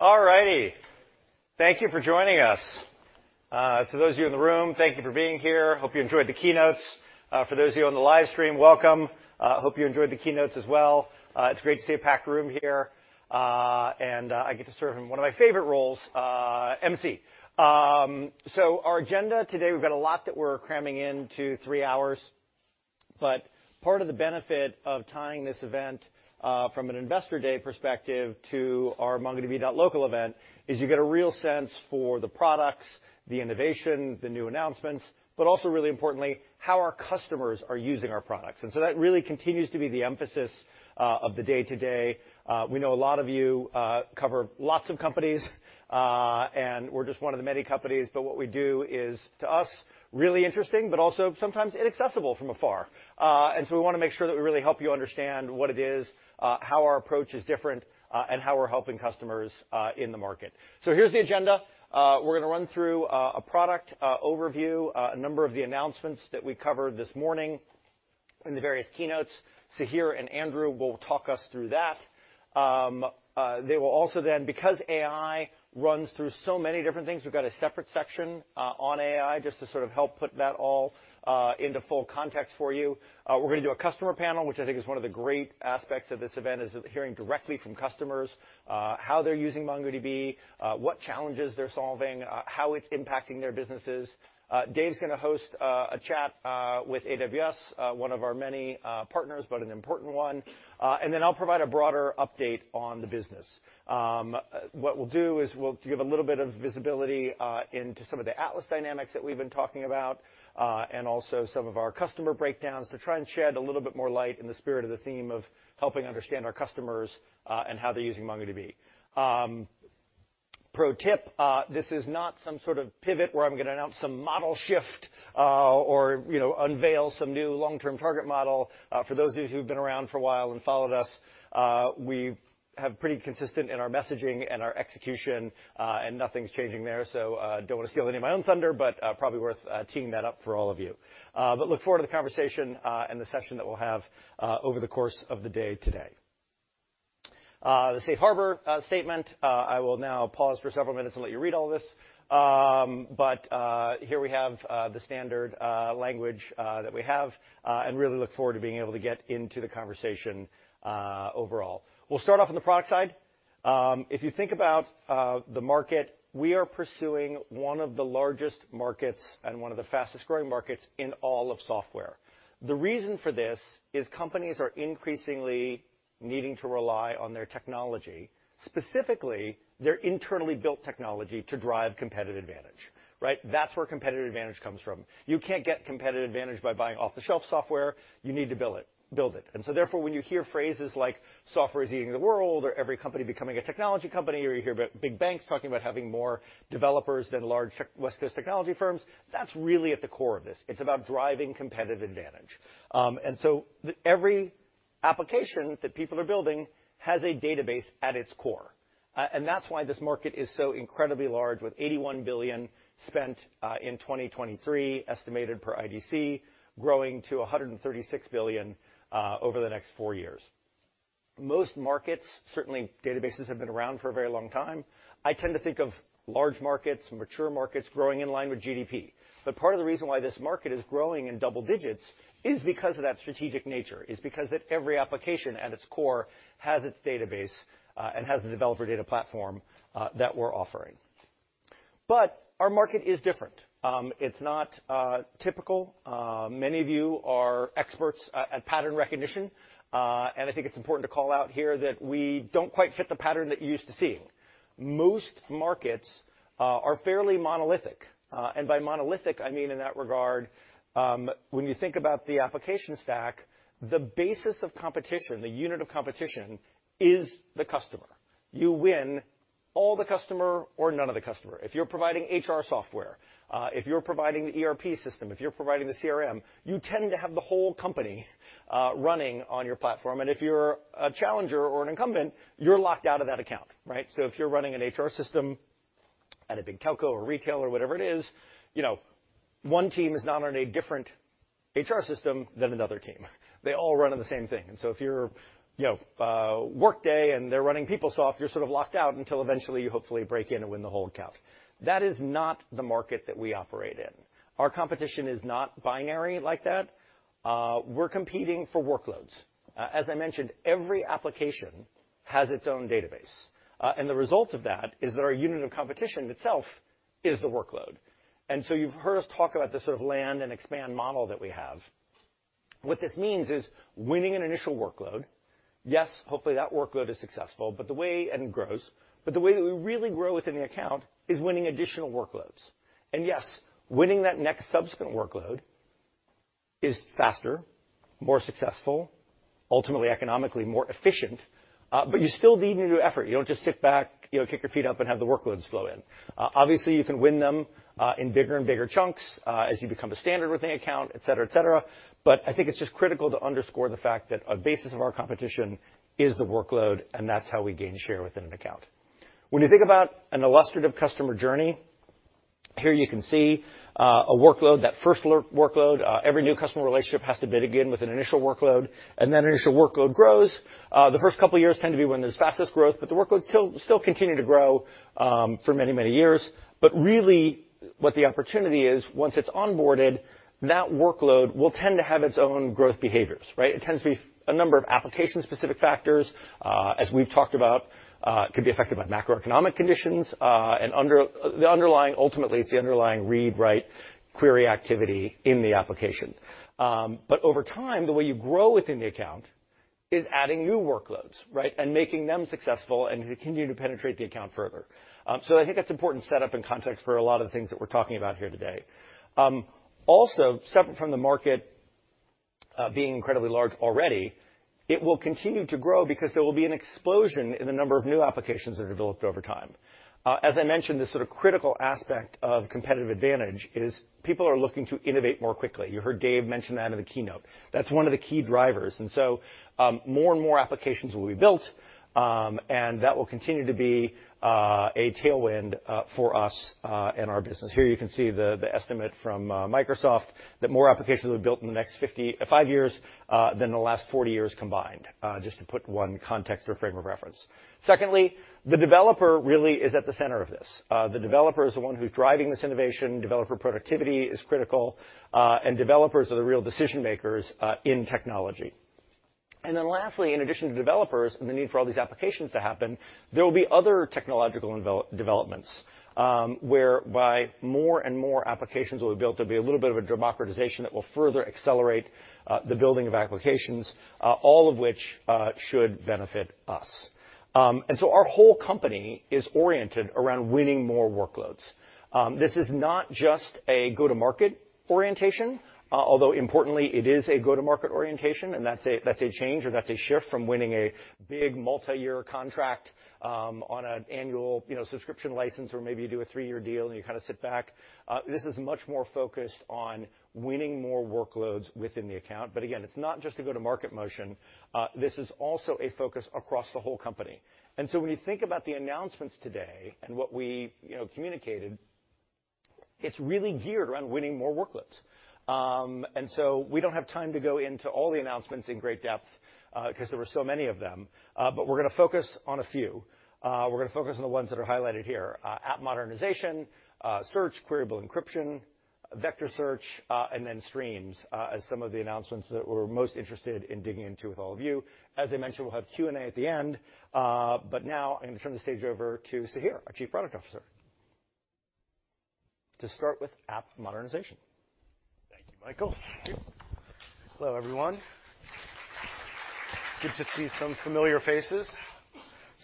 Thank you for joining us. For those of you in the room thank you for being here hope you enjoyed the keynotes. For those of you on the live stream welcome hope you enjoyed the keynotes as well it's great to see a packed room here and i get to serve one of my favorite roles mc so our agenda today we've got a lot that we're cramming into three hours but the new announcements but also really importantly how our customers are using our products. We know a lot of you cover lots of companies, and we're just one of the many companies, but what we do is, to us, really interesting, but also sometimes inaccessible from afar. We wanna make sure that we really help you understand what it is, how our approach is different, and how we're helping customers in the market. Here's the agenda. We're gonna run through a product overview, a number of the announcements that we covered this morning in the various keynotes. Sahir and Andrew will talk us through that. They will also then, because AI runs through so many different things, we've got a separate section on AI, just to sort of help put that all into full context for you. We're gonna do a customer panel, which I think is one of the great aspects of this event, is hearing directly from customers, how they're using MongoDB, what challenges they're solving, how it's impacting their businesses. Dave's gonna host a chat with AWS, one of our many partners, but an important one, and then I'll provide a broader update on the business. What we'll do is we'll give a little bit of visibility into some of the Atlas dynamics that we've been talking about, and also some of our customer breakdowns to try and shed a little bit more light in the spirit of the theme of helping understand our customers, and how they're using MongoDB. Pro tip, this is not some sort of pivot where I'm gonna announce some model shift, or, you know, unveil some new long-term target model. For those of you who've been around for a while and followed us, we have pretty consistent in our messaging and our execution, and nothing's changing there, so, don't wanna steal any of my own thunder, but, probably worth teeing that up for all of you. Look forward to the conversation and the session that we'll have over the course of the day today. The safe harbor statement, I will now pause for several minutes and let you read all this. Here we have the standard language that we have and really look forward to being able to get into the conversation overall. We'll start off on the product side. If you think about the market, we are pursuing one of the largest markets and one of the fastest-growing markets in all of software. The reason for this is companies are increasingly needing to rely on their technology, specifically their internally built technology, to drive competitive advantage, right? That's where competitive advantage comes from. You can't get competitive advantage by buying off-the-shelf software. You need to build it. Therefore, when you hear phrases like, "Software is eating the world," or every company becoming a technology company, or you hear about big banks talking about having more developers than large West Coast technology firms, that's really at the core of this. It's about driving competitive advantage. Every application that people are building has a database at its core. That's why this market is so incredibly large, with $81 billion spent in 2023, estimated per IDC, growing to $136 billion over the next four years. Most markets, certainly, databases have been around for a very long time. I tend to think of large markets, mature markets, growing in line with GDP. Part of the reason why this market is growing in double digits is because of that strategic nature, is because that every application at its core has its database and has a developer data platform that we're offering. Our market is different. It's not typical. Many of you are experts at pattern recognition, and I think it's important to call out here that we don't quite fit the pattern that you're used to seeing. Most markets are fairly monolithic, and by monolithic, I mean in that regard, when you think about the application stack, the basis of competition, the unit of competition, is the customer. You win all the customer or none of the customer. If you're providing HR software, if you're providing the ERP system, if you're providing the CRM, you tend to have the whole company running on your platform. If you're a challenger or an incumbent, you're locked out of that account, right? If you're running an HR system at a big telco or retail or whatever it is, you know, one team is not on a different HR system than another team. They all run on the same thing. If you're, you know, Workday and they're running PeopleSoft, you're sort of locked out until eventually you hopefully break in and win the whole account. That is not the market that we operate in. Our competition is not binary like that. We're competing for workloads. As I mentioned, every application has its own database, and the result of that is that our unit of competition itself is the workload. You've heard us talk about this sort of land and expand model that we have. What this means is winning an initial workload, yes, hopefully, that workload is successful, but the way that we really grow within the account is winning additional workloads. Yes, winning that next subsequent workload is faster, more successful, ultimately economically more efficient, but you still need a new effort. You don't just sit back, you know, kick your feet up and have the workloads flow in. Obviously, you can win them, in bigger and bigger chunks, as you become the standard within the account, et cetera, et cetera. I think it's just critical to underscore the fact that a basis of our competition is the workload, and that's how we gain share within an account. When you think about an illustrative customer journey. Here you can see a workload, that first alert workload. Every new customer relationship has to bid again with an initial workload, and that initial workload grows. The first couple of years tend to be when there's fastest growth, but the workload still continue to grow for many, many years. Really, what the opportunity is, once it's onboarded, that workload will tend to have its own growth behaviors, right? It tends to be a number of application-specific factors, as we've talked about, could be affected by macroeconomic conditions, and ultimately, it's the underlying read, write, query activity in the application. Over time, the way you grow within the account is adding new workloads, right, and making them successful and continue to penetrate the account further. I think that's important setup and context for a lot of the things that we're talking about here today. Separate from the market, being incredibly large already, it will continue to grow because there will be an explosion in the number of new applications that are developed over time. As I mentioned, this sort of critical aspect of competitive advantage is people are looking to innovate more quickly. You heard Dave mention that in the keynote. That's one of the key drivers. More and more applications will be built, and that will continue to be a tailwind for us and our business. Here, you can see the estimate from Microsoft, that more applications will be built in the next 55 years than the last 40 years combined, just to put one context or frame of reference. Secondly, the developer really is at the center of this. The developer is the one who's driving this innovation, developer productivity is critical, and developers are the real decision-makers in technology. Lastly, in addition to developers and the need for all these applications to happen, there will be other technological developments, whereby more and more applications will be built. There'll be a little bit of a democratization that will further accelerate the building of applications, all of which should benefit us. Our whole company is oriented around winning more workloads. This is not just a go-to-market orientation, although importantly, it is a go-to-market orientation, and that's a change or that's a shift from winning a big multi-year contract on an annual, you know, subscription license, or maybe you do a three-year deal, and you kinda sit back. This is much more focused on winning more workloads within the account. Again, it's not just a go-to-market motion, this is also a focus across the whole company. When you think about the announcements today and what we, you know, communicated, it's really geared around winning more workloads. We don't have time to go into all the announcements in great depth, 'cause there were so many of them, but we're gonna focus on a few. We're gonna focus on the ones that are highlighted here, app modernization, search, Queryable Encryption, Vector Search, and then streams, as some of the announcements that we're most interested in digging into with all of you. As I mentioned, we'll have Q&A at the end. Now I'm gonna turn the stage over to Sahir, our Chief Product Officer, to start with app modernization. Thank you, Michael. Hello, everyone. Good to see some familiar faces.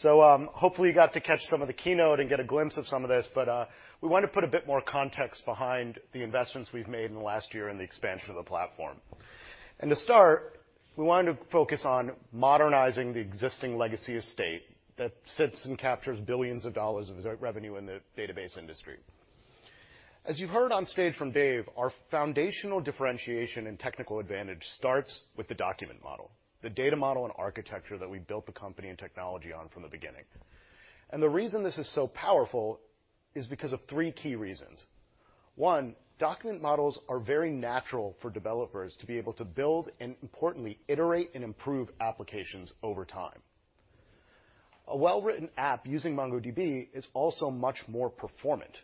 Hopefully, you got to catch some of the keynote and get a glimpse of some of this, but we want to put a bit more context behind the investments we've made in the last year and the expansion of the platform. To start, we wanted to focus on modernizing the existing legacy estate that sits and captures billions of dollars of re-revenue in the database industry. As you've heard on stage from Dave, our foundational differentiation and technical advantage starts with the document model, the data model and architecture that we built the company and technology on from the beginning. The reason this is so powerful is because of three key reasons. One, document models are very natural for developers to be able to build and importantly, iterate and improve applications over time. A well-written app using MongoDB is also much more performant.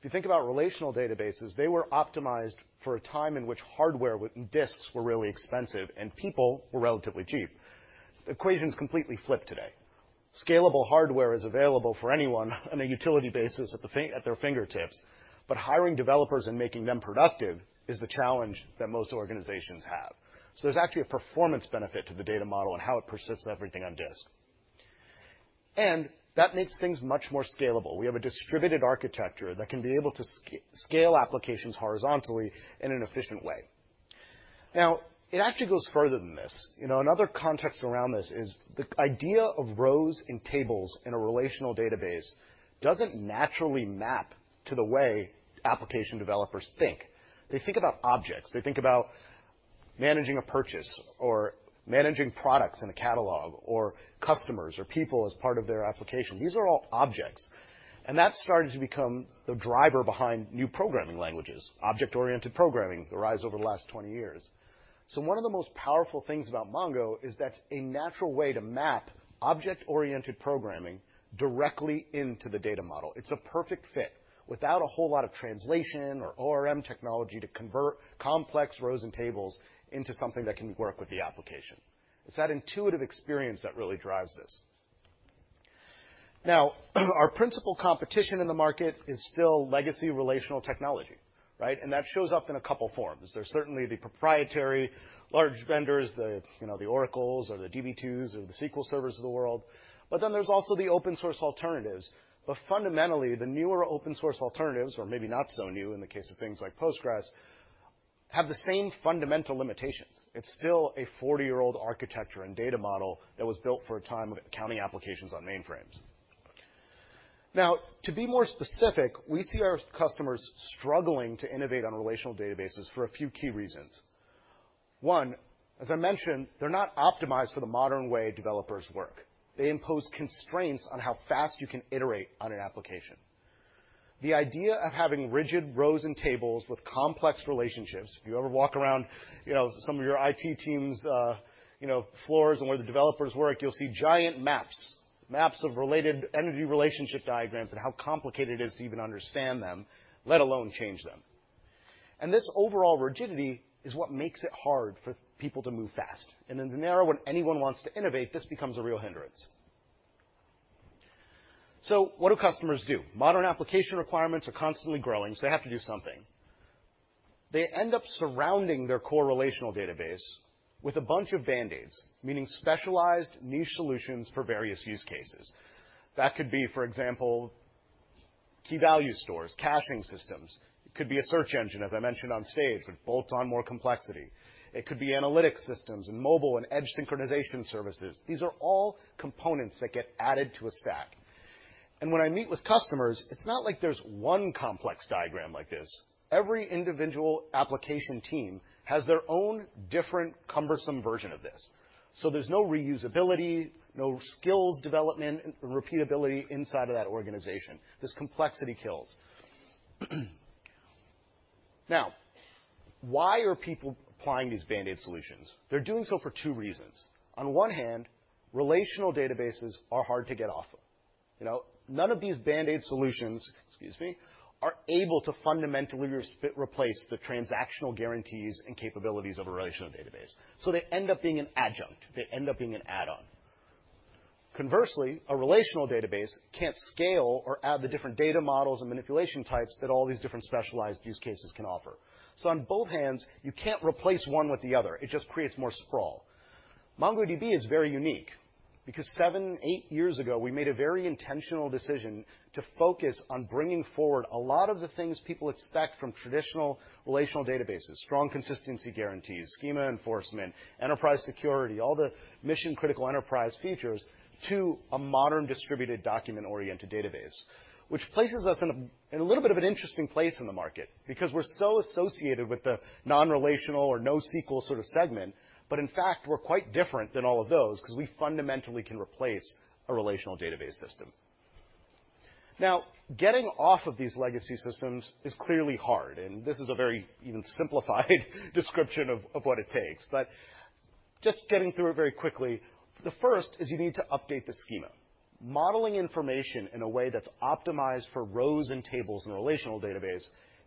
If you think about relational databases, they were optimized for a time in which hardware with disks were really expensive and people were relatively cheap. Equation's completely flipped today. Scalable hardware is available for anyone on a utility basis at their fingertips, but hiring developers and making them productive is the challenge that most organizations have. There's actually a performance benefit to the data model and how it persists everything on disk. That makes things much more scalable. We have a distributed architecture that can be able to scale applications horizontally in an efficient way. It actually goes further than this. You know, another context around this is the idea of rows and tables in a relational database doesn't naturally map to the way application developers think. They think about objects. They think about managing a purchase or managing products in a catalog, or customers, or people as part of their application. These are all objects. That's started to become the driver behind new programming languages. Object-oriented programming arose over the last 20 years. One of the most powerful things about MongoDB is that's a natural way to map object-oriented programming directly into the data model. It's a perfect fit without a whole lot of translation or ORM technology to convert complex rows and tables into something that can work with the application. It's that intuitive experience that really drives this. Our principal competition in the market is still legacy relational technology, right? That shows up in a couple forms. There's certainly the proprietary large vendors, the, you know, the Oracle or the Db2s or the SQL Server of the world, but then there's also the open-source alternatives. Fundamentally, the newer open-source alternatives, or maybe not so new in the case of things like Postgres, have the same fundamental limitations. It's still a 40-year-old architecture and data model that was built for a time of counting applications on mainframes. Now, to be more specific, we see our customers struggling to innovate on relational databases for a few key reasons. One, as I mentioned, they're not optimized for the modern way developers work. They impose constraints on how fast you can iterate on an application. The idea of having rigid rows and tables with complex relationships, if you ever walk around, you know, some of your IT teams, you know, floors and where the developers work, you'll see giant maps of related entity relationship diagrams and how complicated it is to even understand them, let alone change them. This overall rigidity is what makes it hard for people to move fast, and in the narrow when anyone wants to innovate, this becomes a real hindrance. What do customers do? Modern application requirements are constantly growing, so they have to do something. They end up surrounding their correlational database with a bunch of band-aids, meaning specialized niche solutions for various use cases. That could be, for example, key value stores, caching systems, it could be a search engine, as I mentioned on stage, but bolts on more complexity. It could be analytic systems and mobile and edge synchronization services. These are all components that get added to a stack. When I meet with customers, it's not like there's one complex diagram like this. Every individual application team has their own different, cumbersome version of this. There's no reusability, no skills development, and repeatability inside of that organization. This complexity kills. Why are people applying these band-aid solutions? They're doing so for two reasons. On one hand, relational databases are hard to get off of. You know, none of these band-aid solutions, excuse me, are able to fundamentally re-fit replace the transactional guarantees and capabilities of a relational database, so they end up being an adjunct, they end up being an add-on. Conversely, a relational database can't scale or add the different data models and manipulation types that all these different specialized use cases can offer. On both hands, you can't replace one with the other. It just creates more sprawl. MongoDB is very unique because seven, eight years ago, we made a very intentional decision to focus on bringing forward a lot of the things people expect from traditional relational databases, strong consistency guarantees, schema enforcement, enterprise security, all the mission-critical enterprise features to a modern distributed document-oriented database, which places us in a little bit of an interesting place in the market because we're so associated with the non-relational or NoSQL sort of segment, but in fact, we're quite different than all of those because we fundamentally can replace a relational database system. Getting off of these legacy systems is clearly hard, and this is a very even simplified description of what it takes, but just getting through it very quickly. The first is you need to update the schema. Modeling information in a way that's optimized for rows and tables in a relational database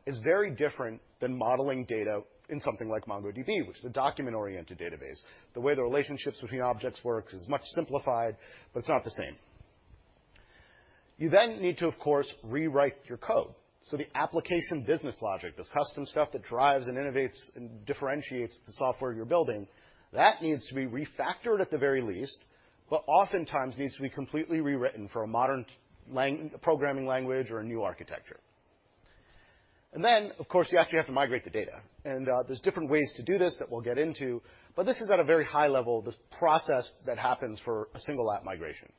is very different than modeling data in something like MongoDB, which is a document-oriented database. The way the relationships between objects works is much simplified, but it's not the same. You need to, of course, rewrite your code. The application business logic, this custom stuff that drives and innovates and differentiates the software you're building, that needs to be refactored at the very least, but oftentimes needs to be completely rewritten for a modern programming language or a new architecture. Of course, you actually have to migrate the data, and there's different ways to do this that we'll get into, but this is at a very high level, this process that happens for a single app migration.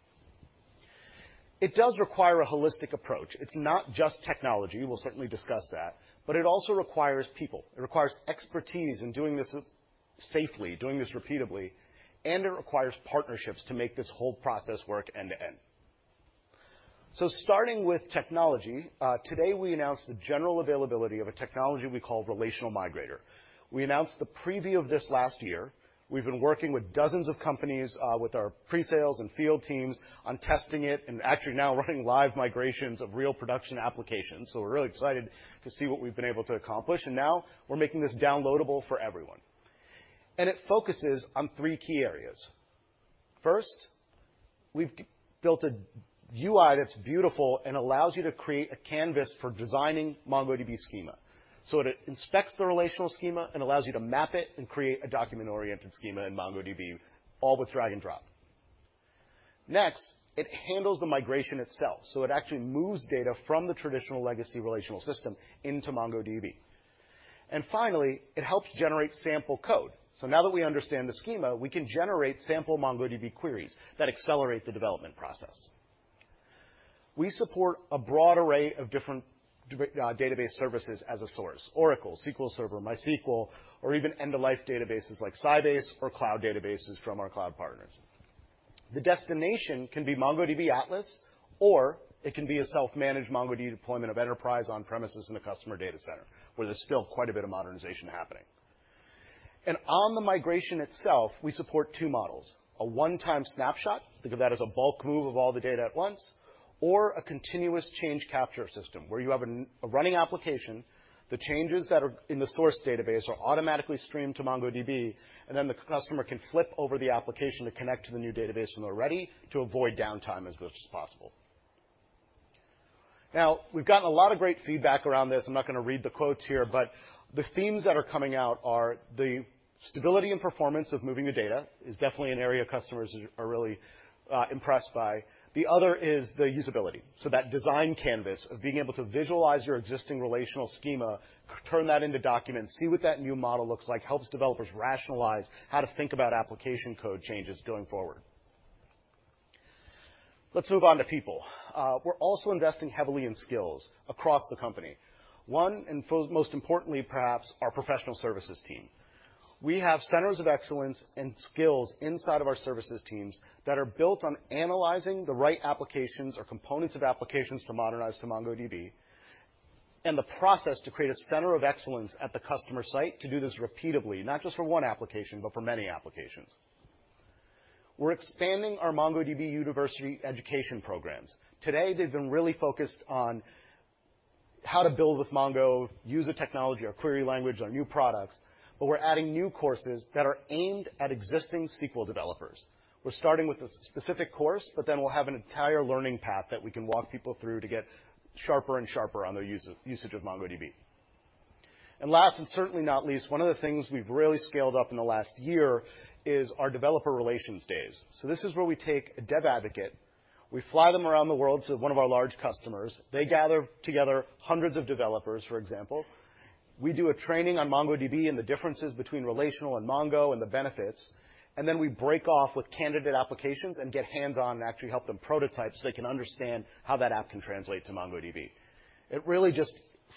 It does require a holistic approach. It's not just technology. We'll certainly discuss that, but it also requires people. It requires expertise in doing this safely, doing this repeatedly, and it requires partnerships to make this whole process work end to end. Starting with technology, today, we announced the general availability of a technology we call Relational Migrator. We announced the preview of this last year. We've been working with dozens of companies, with our pre-sales and field teams on testing it and actually now running live migrations of real production applications, so we're really excited to see what we've been able to accomplish, and now we're making this downloadable for everyone. It focuses on three key areas. First, we've built a UI that's beautiful and allows you to create a canvas for designing MongoDB schema. It inspects the relational schema and allows you to map it and create a document-oriented schema in MongoDB, all with drag and drop. Next, it handles the migration itself, so it actually moves data from the traditional legacy relational system into MongoDB. Finally, it helps generate sample code. Now that we understand the schema, we can generate sample MongoDB queries that accelerate the development process. We support a broad array of different db, database services as a source, Oracle, SQL Server, MySQL, or even end-of-life databases like Sybase or cloud databases from our cloud partners. The destination can be MongoDB Atlas, or it can be a self-managed MongoDB deployment of enterprise on-premises in a customer data center, where there's still quite a bit of modernization happening. On the migration itself, we support two models, a one-time snapshot, think of that as a bulk move of all the data at once, or a continuous change capture system, where you have a running application, the changes that are in the source database are automatically streamed to MongoDB, and then the customer can flip over the application to connect to the new database when they're ready to avoid downtime as much as possible. We've gotten a lot of great feedback around this. I'm not gonna read the quotes here, but the themes that are coming out are the stability and performance of moving the data is definitely an area customers are really impressed by. The other is the usability, so that design canvas of being able to visualize your existing relational schema, turn that into documents, see what that new model looks like, helps developers rationalize how to think about application code changes going forward. Let's move on to people. We're also investing heavily in skills across the company. One, and most importantly, perhaps, our professional services team. We have centers of excellence and skills inside of our services teams that are built on analyzing the right applications or components of applications to modernize to MongoDB, and the process to create a center of excellence at the customer site to do this repeatedly, not just for one application, but for many applications. We're expanding our MongoDB University education programs. Today, they've been really focused on how to build with Mongo, use a technology or query language or new products, but we're adding new courses that are aimed at existing SQL developers. We're starting with a specific course, but then we'll have an entire learning path that we can walk people through to get sharper and sharper on their usage of MongoDB. Last, and certainly not least, one of the things we've really scaled up in the last year is our developer relations days. This is where we take a dev advocate, we fly them around the world to one of our large customers. They gather together hundreds of developers, for example. We do a training on MongoDB and the differences between relational and Mongo and the benefits. Then we break off with candidate applications and get hands-on and actually help them prototype so they can understand how that app can translate to MongoDB. It really just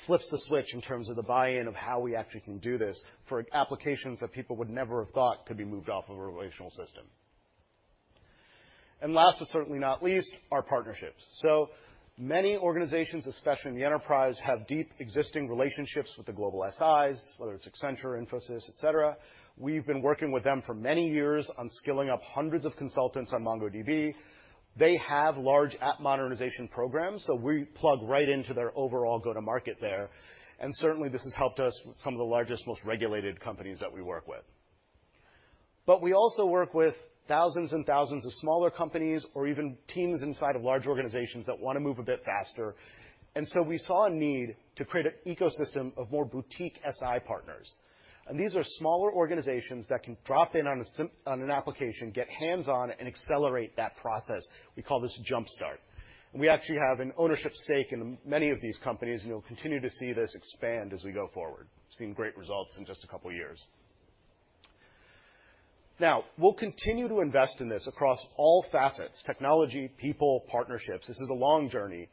flips the switch in terms of the buy-in of how we actually can do this for applications that people would never have thought could be moved off of a relational system. Last, but certainly not least, our partnerships. Many organizations, especially in the enterprise, have deep existing relationships with the global SIs, whether it's Accenture, Infosys, et cetera. We've been working with them for many years on skilling up hundreds of consultants on MongoDB. They have large app modernization programs, so we plug right into their overall go-to-market there, and certainly, this has helped us with some of the largest, most regulated companies that we work with. We also work with thousands and thousands of smaller companies or even teams inside of large organizations that wanna move a bit faster. We saw a need to create an ecosystem of more boutique SI partners. These are smaller organizations that can drop in on an application, get hands-on, and accelerate that process. We call this Jumpstart. We actually have an ownership stake in many of these companies, and you'll continue to see this expand as we go forward. We've seen great results in just a couple of years. Now, we'll continue to invest in this across all facets, technology, people, partnerships. This is a long journey.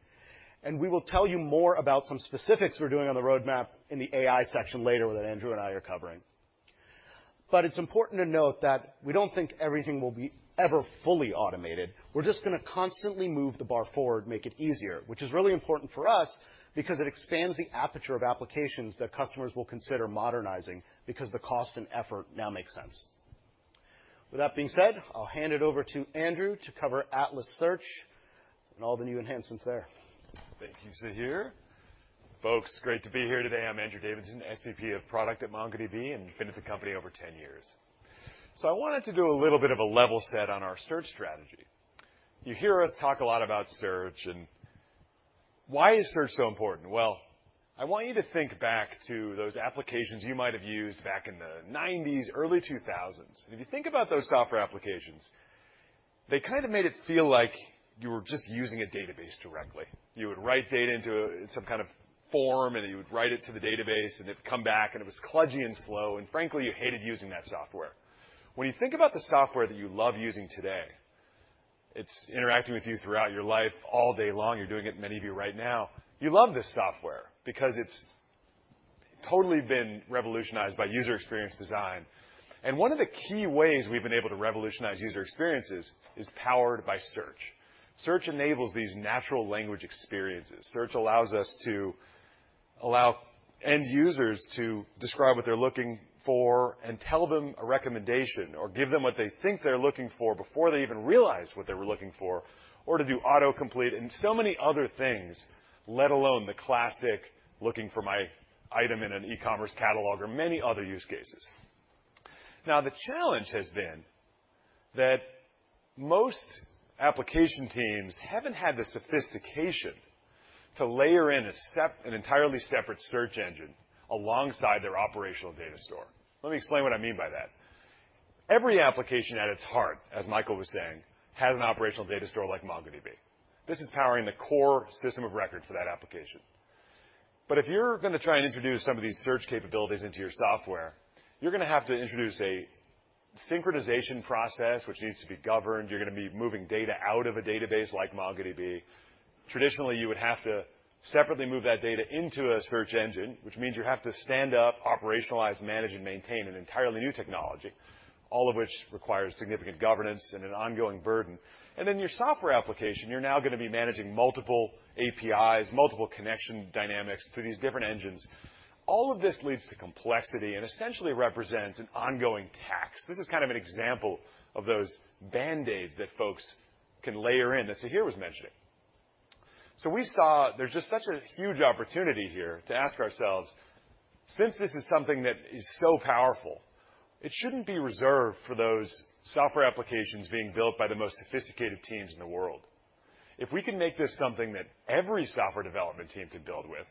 We will tell you more about some specifics we're doing on the roadmap in the AI section later that Andrew and I are covering. It's important to note that we don't think everything will be ever fully automated. We're just gonna constantly move the bar forward, make it easier, which is really important for us because it expands the aperture of applications that customers will consider modernizing because the cost and effort now makes sense. With that being said, I'll hand it over to Andrew to cover Atlas Search and all the new enhancements there. Thank you, Sahir. Folks, great to be here today. I'm Andrew Davidson, SVP of product at MongoDB, and been with the company over 10 years. I wanted to do a little bit of a level set on our search strategy. You hear us talk a lot about search, and why is search so important? Well, I want you to think back to those applications you might have used back in the nineties, early two thousands. If you think about those software applications, they kinda made it feel like you were just using a database directly. You would write data into some kind of form, and you would write it to the database, and it'd come back, and it was kludgy and slow, and frankly, you hated using that software. When you think about the software that you love using today, it's interacting with you throughout your life, all day long. You're doing it, many of you, right now. You love this software because it's totally been revolutionized by user experience design, and one of the key ways we've been able to revolutionize user experiences is powered by search. Search enables these natural language experiences. Search allows us to allow end users to describe what they're looking for and tell them a recommendation, or give them what they think they're looking for before they even realize what they were looking for, or to do autocomplete, and so many other things, let alone the classic, looking for my item in an e-commerce catalog or many other use cases. The challenge has been that most application teams haven't had the sophistication to layer in an entirely separate search engine alongside their operational data store. Let me explain what I mean by that. Every application at its heart, as Michael was saying, has an operational data store like MongoDB. This is powering the core system of record for that application. If you're gonna try and introduce some of these search capabilities into your software, you're gonna have to introduce a synchronization process, which needs to be governed. You're gonna be moving data out of a database like MongoDB. Traditionally, you would have to separately move that data into a search engine, which means you have to stand up, operationalize, manage, and maintain an entirely new technology, all of which requires significant governance and an ongoing burden. Your software application, you're now going to be managing multiple APIs, multiple connection dynamics to these different engines. All of this leads to complexity and essentially represents an ongoing tax. This is kind of an example of those band-aids that folks can layer in, as Sahir was mentioning. We saw there's just such a huge opportunity here to ask ourselves, since this is something that is so powerful, it shouldn't be reserved for those software applications being built by the most sophisticated teams in the world. If we can make this something that every software development team can build with,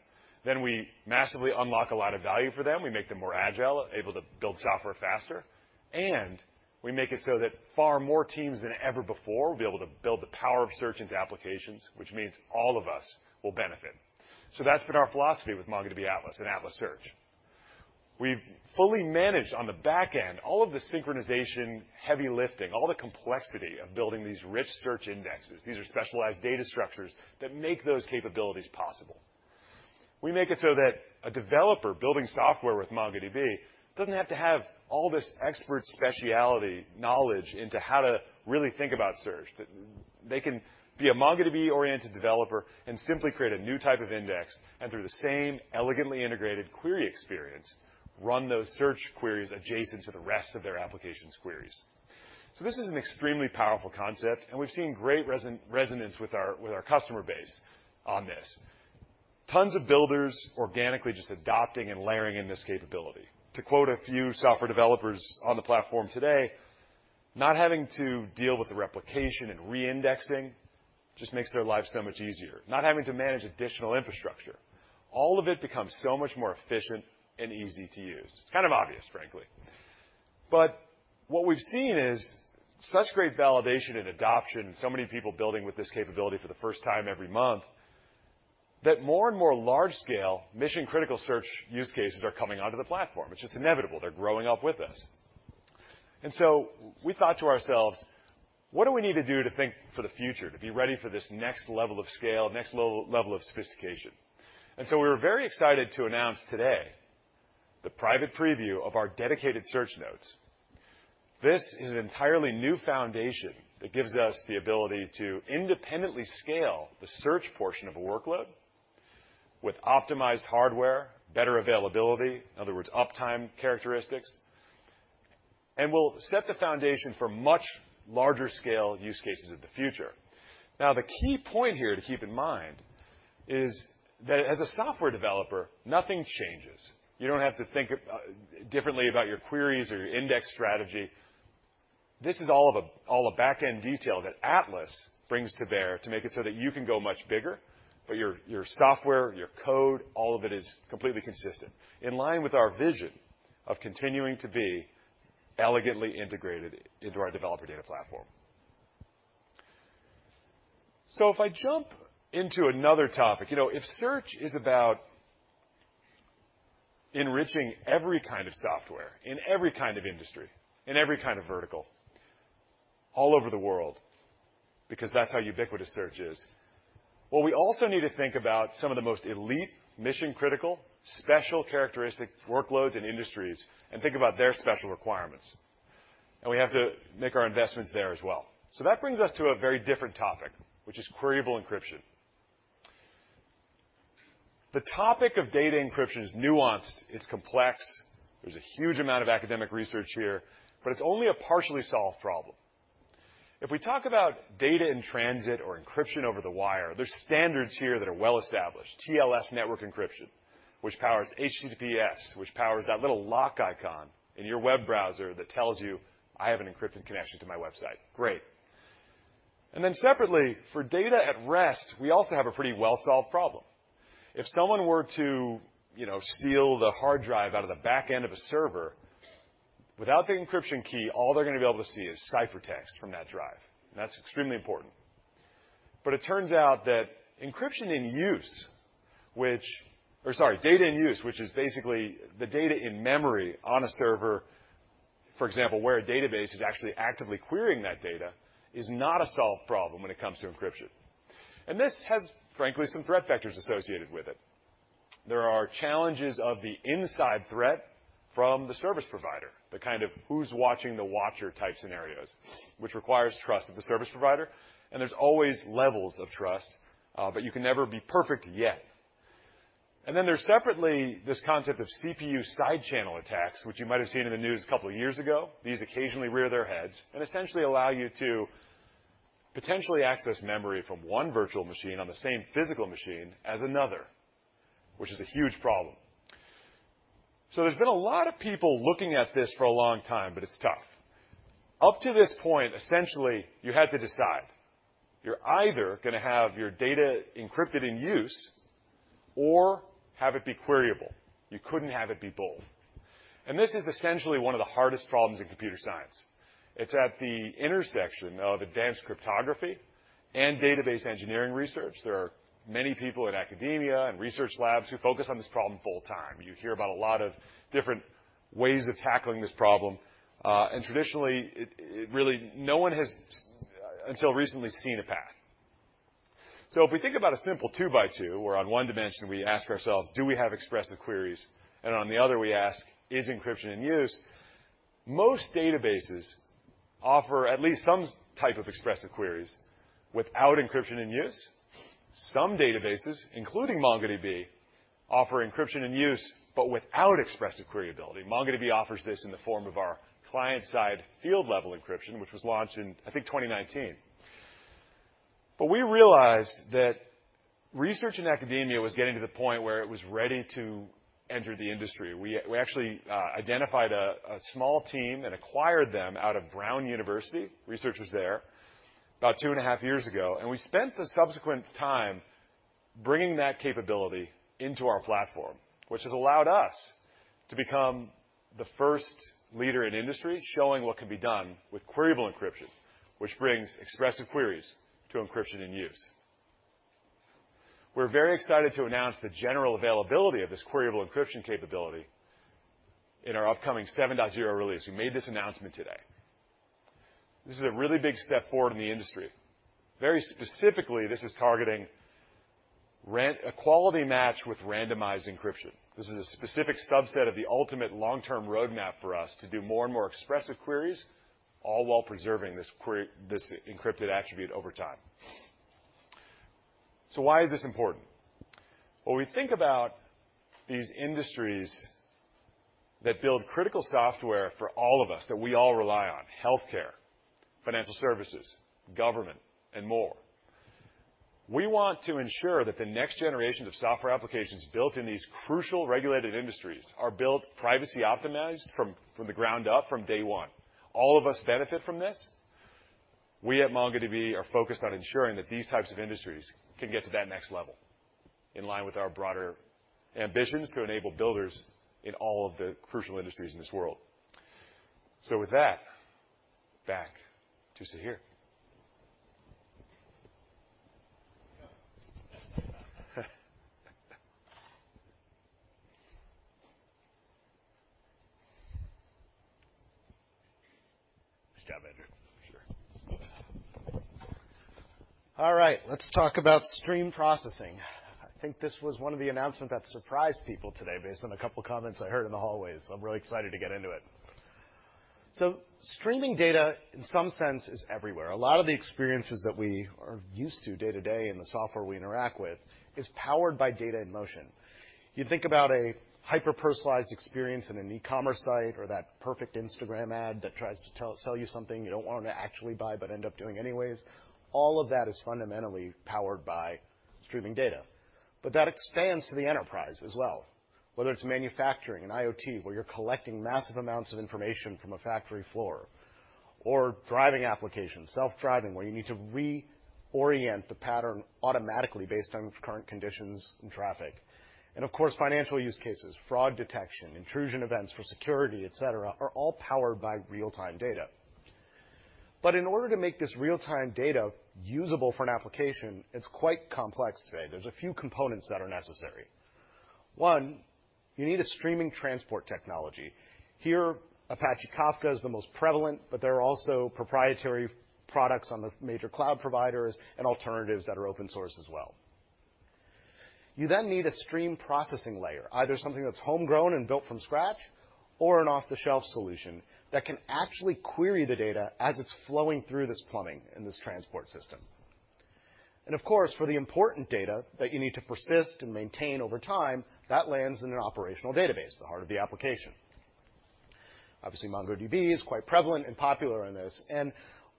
then we massively unlock a lot of value for them. We make them more agile, able to build software faster, and we make it so that far more teams than ever before will be able to build the power of search into applications, which means all of us will benefit. That's been our philosophy with MongoDB Atlas and Atlas Search. We've fully managed on the back end all of the synchronization, heavy lifting, all the complexity of building these rich search indexes. These are specialized data structures that make those capabilities possible. We make it so that a developer building software with MongoDB doesn't have to have all this expert specialty knowledge into how to really think about search. They can be a MongoDB-oriented developer and simply create a new type of index, and through the same elegantly integrated query experience, run those search queries adjacent to the rest of their applications queries. This is an extremely powerful concept, and we've seen great resonance with our customer base on this. Tons of builders organically just adopting and layering in this capability. To quote a few software developers on the platform today, not having to deal with the replication and re-indexing just makes their lives so much easier, not having to manage additional infrastructure. All of it becomes so much more efficient and easy to use. It's kind of obvious, frankly. What we've seen is such great validation and adoption, so many people building with this capability for the first time every month, that more and more large-scale, mission-critical search use cases are coming onto the platform. It's just inevitable. They're growing up with us. We thought to ourselves, "What do we need to do to think for the future, to be ready for this next level of scale, next level of sophistication?" We're very excited to announce today the private preview of our dedicated Search Nodes. This is an entirely new foundation that gives us the ability to independently scale the search portion of a workload with optimized hardware, better availability, in other words, uptime characteristics, and will set the foundation for much larger scale use cases of the future. The key point here to keep in mind is that as a software developer, nothing changes. You don't have to think differently about your queries or your index strategy. This is all a back-end detail that Atlas brings to bear to make it so that you can go much bigger, but your software, your code, all of it is completely consistent, in line with our vision of continuing to be elegantly integrated into our developer data platform. If I jump into another topic, you know, if search is about enriching every kind of software in every kind of industry, in every kind of vertical, all over the world, because that's how ubiquitous search is, well, we also need to think about some of the most elite, mission-critical, special characteristic workloads and industries, and think about their special requirements. We have to make our investments there as well. That brings us to a very different topic, which is Queryable Encryption. The topic of data encryption is nuanced, it's complex, there's a huge amount of academic research here, but it's only a partially solved problem. If we talk about data in transit or encryption over the wire, there's standards here that are well established. TLS network encryption, which powers HTTPS, which powers that little lock icon in your web browser that tells you, "I have an encrypted connection to my website." Great. Separately, for data at rest, we also have a pretty well-solved problem. If someone were to, you know, steal the hard drive out of the back end of a server, without the encryption key, all they're gonna be able to see is ciphertext from that drive, and that's extremely important. It turns out that encryption in use, which... Sorry, data in use, which is basically the data in memory on a server, for example, where a database is actually actively querying that data, is not a solved problem when it comes to encryption. This has, frankly, some threat vectors associated with it. There are challenges of the inside threat from the service provider, the kind of who's watching the watcher type scenarios, which requires trust of the service provider, and there's always levels of trust, but you can never be perfect yet. Then there's separately this concept of CPU side-channel attacks, which you might have seen in the news a couple of years ago. These occasionally rear their heads and essentially allow you to potentially access memory from one virtual machine on the same physical machine as another, which is a huge problem. There's been a lot of people looking at this for a long time, but it's tough. Up to this point, essentially, you had to decide. You're either gonna have your data encrypted in use or have it be queryable. You couldn't have it be both. This is essentially one of the hardest problems in computer science. It's at the intersection of advanced cryptography and database engineering research. There are many people in academia and research labs who focus on this problem full-time. You hear about a lot of different ways of tackling this problem, and traditionally, it really, no one has until recently seen a path. If we think about a simple two-by-two, where on one dimension, we ask ourselves, "Do we have expressive queries?" On the other, we ask, "Is encryption in use?" Most databases offer at least some type of expressive queries without encryption in use. Some databases, including MongoDB, offer encryption in use, but without expressive query ability. MongoDB offers this in the form of our Client-Side Field Level Encryption, which was launched in, I think, 2019. We realized that research in academia was getting to the point where it was ready to enter the industry. We actually identified a small team and acquired them out of Brown University, researchers there, about 2.5 years ago, and we spent the subsequent time bringing that capability into our platform, which has allowed us to become the first leader in industry, showing what can be done with Queryable Encryption, which brings expressive queries to encryption in use. We're very excited to announce the general availability of this Queryable Encryption capability in our upcoming 7.0 release. We made this announcement today. This is a really big step forward in the industry. Very specifically, this is targeting equality match with randomized encryption. This is a specific subset of the ultimate long-term roadmap for us to do more and more expressive queries, all while preserving this encrypted attribute over time. Why is this important? When we think about these industries that build critical software for all of us, that we all rely on, healthcare, financial services, government, and more, we want to ensure that the next generation of software applications built in these crucial regulated industries are built privacy optimized from the ground up, from day one. All of us benefit from this. We at MongoDB are focused on ensuring that these types of industries can get to that next level, in line with our broader ambitions to enable builders in all of the crucial industries in this world. With that, back to Sahir. Nice job, Andrew, for sure. All right, let's talk about stream processing. I think this was one of the announcements that surprised people today, based on a couple of comments I heard in the hallways. I'm really excited to get into it. Streaming data, in some sense, is everywhere. A lot of the experiences that we are used to day-to-day in the software we interact with is powered by data in motion. You think about a hyper-personalized experience in an e-commerce site or that perfect Instagram ad that tries to sell you something you don't want to actually buy, but end up doing anyways. All of that is fundamentally powered by streaming data. That expands to the enterprise as well, whether it's manufacturing, and IoT, where you're collecting massive amounts of information from a factory floor, or driving applications, self-driving, where you need to reorient the pattern automatically based on current conditions and traffic. Of course, financial use cases, fraud detection, intrusion events for security, etc., are all powered by real-time data. In order to make this real-time data usable for an application, it's quite complex today. There's a few components that are necessary. One, you need a streaming transport technology. Here, Apache Kafka is the most prevalent, but there are also proprietary products on the major cloud providers and alternatives that are open source as well. You need a stream processing layer, either something that's homegrown and built from scratch or an off-the-shelf solution that can actually query the data as it's flowing through this plumbing in this transport system. Of course, for the important data that you need to persist and maintain over time, that lands in an operational database, the heart of the application. Obviously, MongoDB is quite prevalent and popular in this, and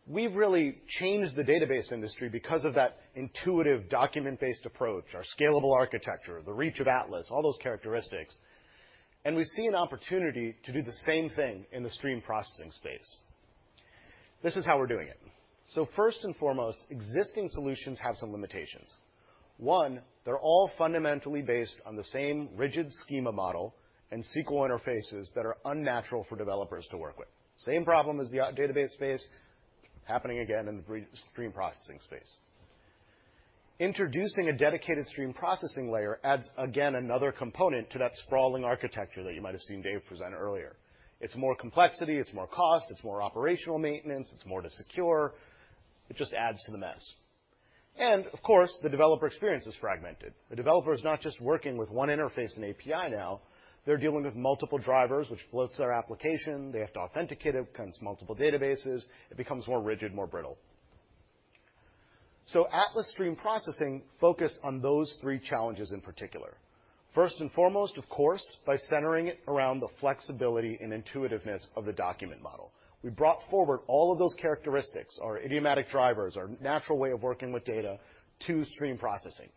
we've really changed the database industry because of that intuitive document-based approach, our scalable architecture, the reach of Atlas, all those characteristics. We see an opportunity to do the same thing in the stream processing space. This is how we're doing it. First and foremost, existing solutions have some limitations. One, they're all fundamentally based on the same rigid schema model and SQL interfaces that are unnatural for developers to work with. Same problem as the database space, happening again in the stream processing space. Introducing a dedicated stream processing layer adds, again, another component to that sprawling architecture that you might have seen Dave present earlier. It's more complexity, it's more cost, it's more operational maintenance, it's more to secure. It just adds to the mess. Of course, the developer experience is fragmented. A developer is not just working with one interface and API now, they're dealing with multiple drivers, which bloats their application. They have to authenticate it, comes multiple databases. It becomes more rigid, more brittle. Atlas Stream Processing focused on those three challenges in particular. First and foremost, of course, by centering it around the flexibility and intuitiveness of the document model. We brought forward all of those characteristics, our idiomatic drivers, our natural way of working with data to stream processing.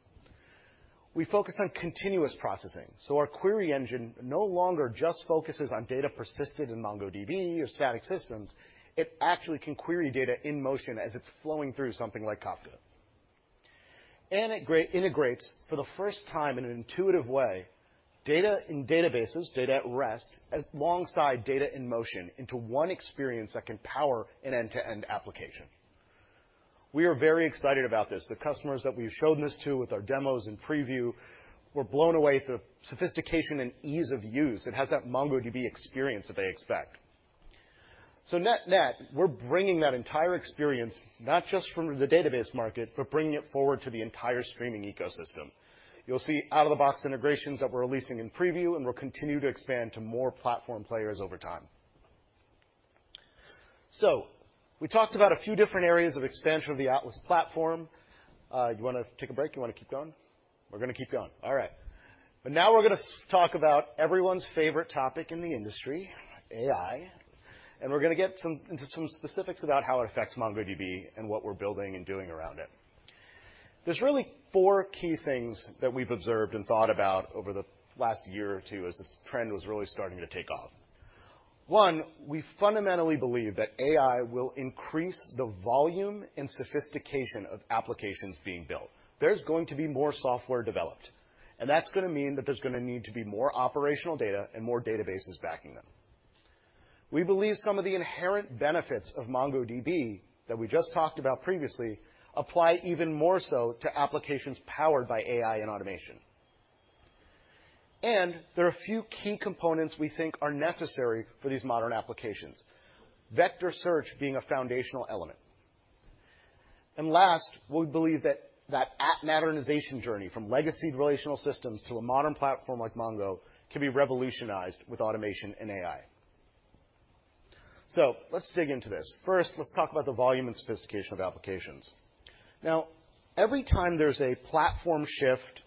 We focused on continuous processing. Our query engine no longer just focuses on data persisted in MongoDB or static systems. It actually can query data in motion as it's flowing through something like Kafka. It integrates for the first time in an intuitive way, data in databases, data at rest, alongside data in motion, into one experience that can power an end-to-end application. We are very excited about this. The customers that we've shown this to with our demos and preview were blown away at the sophistication and ease of use. It has that MongoDB experience that they expect. Net net, we're bringing that entire experience, not just from the database market, but bringing it forward to the entire streaming ecosystem. You'll see out-of-the-box integrations that we're releasing in preview, and we'll continue to expand to more platform players over time. We talked about a few different areas of expansion of the Atlas platform. You wanna take a break? You wanna keep going? We're gonna keep going. All right. Now we're gonna talk about everyone's favorite topic in the industry, AI, and we're gonna get into some specifics about how it affects MongoDB and what we're building and doing around it. There's really four key things that we've observed and thought about over the last year or two as this trend was really starting to take off. One, we fundamentally believe that AI will increase the volume and sophistication of applications being built. There's going to be more software developed, and that's gonna mean that there's gonna need to be more operational data and more databases backing them.... We believe some of the inherent benefits of MongoDB that we just talked about previously, apply even more so to applications powered by AI and automation. There are a few key components we think are necessary for these modern applications, vector search being a foundational element. Last, we believe that app modernization journey from legacy relational systems to a modern platform like Mongo can be revolutionized with automation and AI. Let's dig into this. First, let's talk about the volume and sophistication of applications. Now, every time there's a platform shift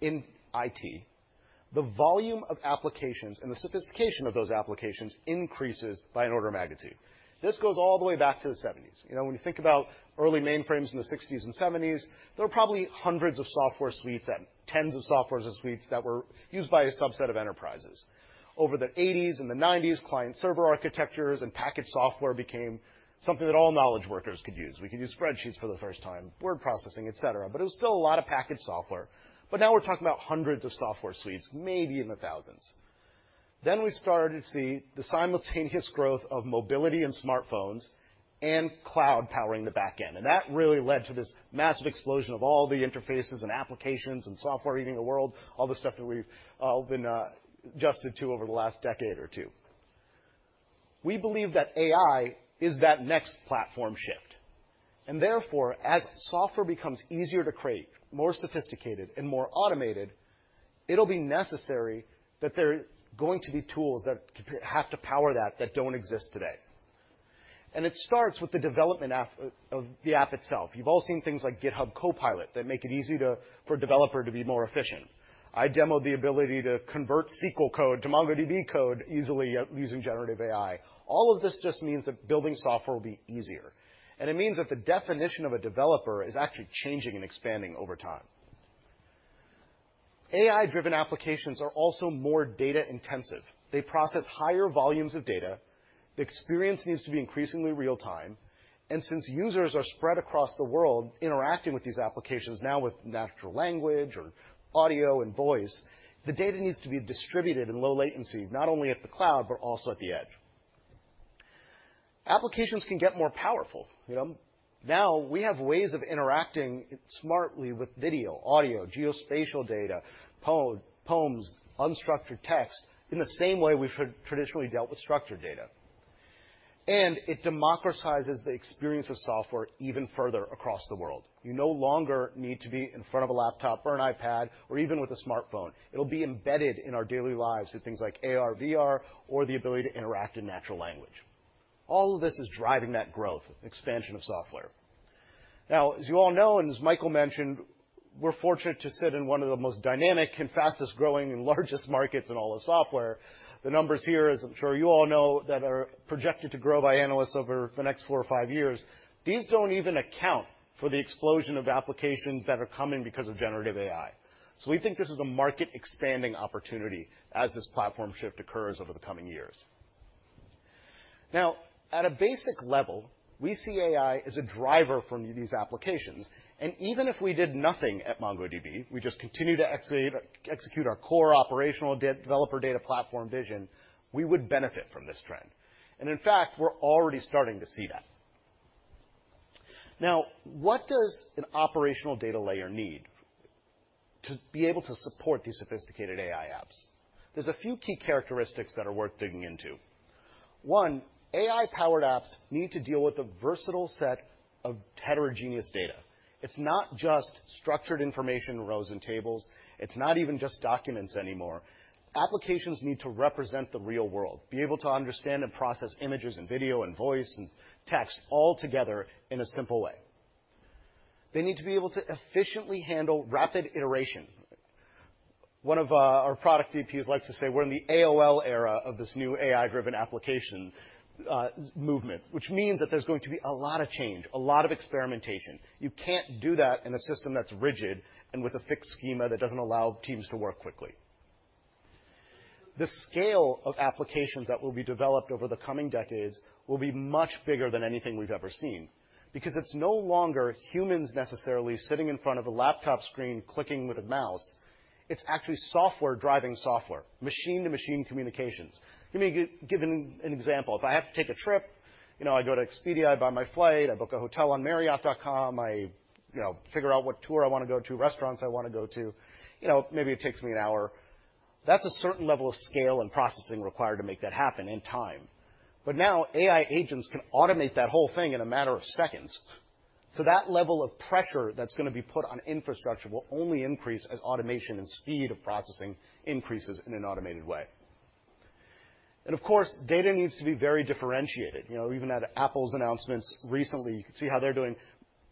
in IT, the volume of applications and the sophistication of those applications increases by an order of magnitude. This goes all the way back to the 1970s. You know, when you think about early mainframes in the 1960s and 1970s, there were probably hundreds of software suites and tens of softwares and suites that were used by a subset of enterprises. Over the 1980s and the 1990s, client-server architectures and packaged software became something that all knowledge workers could use. We could use spreadsheets for the first time, word processing, etc., but it was still a lot of packaged software. Now we're talking about hundreds of software suites, maybe in the thousands. We started to see the simultaneous growth of mobility and smartphones and cloud powering the back end, and that really led to this massive explosion of all the interfaces and applications and software eating the world, all the stuff that we've been adjusted to over the last decade or two. We believe that AI is that next platform shift, and therefore, as software becomes easier to create, more sophisticated, and more automated, it'll be necessary that there are going to be tools that have to power that don't exist today. It starts with the development app of the app itself. You've all seen things like GitHub Copilot that make it easy for a developer to be more efficient. I demoed the ability to convert SQL code to MongoDB code easily using generative AI. All of this just means that building software will be easier, and it means that the definition of a developer is actually changing and expanding over time. AI-driven applications are also more data-intensive. They process higher volumes of data. The experience needs to be increasingly real time, and since users are spread across the world interacting with these applications now with natural language or audio and voice, the data needs to be distributed in low latency, not only at the cloud but also at the edge. Applications can get more powerful, you know. Now we have ways of interacting smartly with video, audio, geospatial data, poems, unstructured text, in the same way we've traditionally dealt with structured data. It democratizes the experience of software even further across the world. You no longer need to be in front of a laptop or an iPad or even with a smartphone. It'll be embedded in our daily lives through things like AR/VR or the ability to interact in natural language. All of this is driving that growth, expansion of software. As you all know, as Michael mentioned, we're fortunate to sit in one of the most dynamic and fastest-growing and largest markets in all of software. The numbers here, as I'm sure you all know, that are projected to grow by analysts over the next four or five years, these don't even account for the explosion of applications that are coming because of generative AI. We think this is a market-expanding opportunity as this platform shift occurs over the coming years. At a basic level, we see AI as a driver for these applications, and even if we did nothing at MongoDB, we just continue to execute our core operational developer data platform vision, we would benefit from this trend. In fact, we're already starting to see that. What does an operational data layer need to be able to support these sophisticated AI apps? There's a few key characteristics that are worth digging into. One, AI-powered apps need to deal with a versatile set of heterogeneous data. It's not just structured information, rows, and tables. It's not even just documents anymore. Applications need to represent the real world, be able to understand and process images and video and voice and text all together in a simple way. They need to be able to efficiently handle rapid iteration. One of our product VPs likes to say, "We're in the AOL era of this new AI-driven application movement," which means that there's going to be a lot of change, a lot of experimentation. You can't do that in a system that's rigid and with a fixed schema that doesn't allow teams to work quickly. The scale of applications that will be developed over the coming decades will be much bigger than anything we've ever seen because it's no longer humans necessarily sitting in front of a laptop screen, clicking with a mouse. It's actually software driving software, machine-to-machine communications. Let me give an example. If I have to take a trip, you know, I go to Expedia, I buy my flight, I book a hotel on marriott.com, I, you know, figure out what tour I want to go to, restaurants I want to go to. You know, maybe it takes me an hour. That's a certain level of scale and processing required to make that happen in time. Now, AI agents can automate that whole thing in a matter of seconds. That level of pressure that's gonna be put on infrastructure will only increase as automation and speed of processing increases in an automated way. Of course, data needs to be very differentiated. You know, even at Apple's announcements recently, you can see how they're doing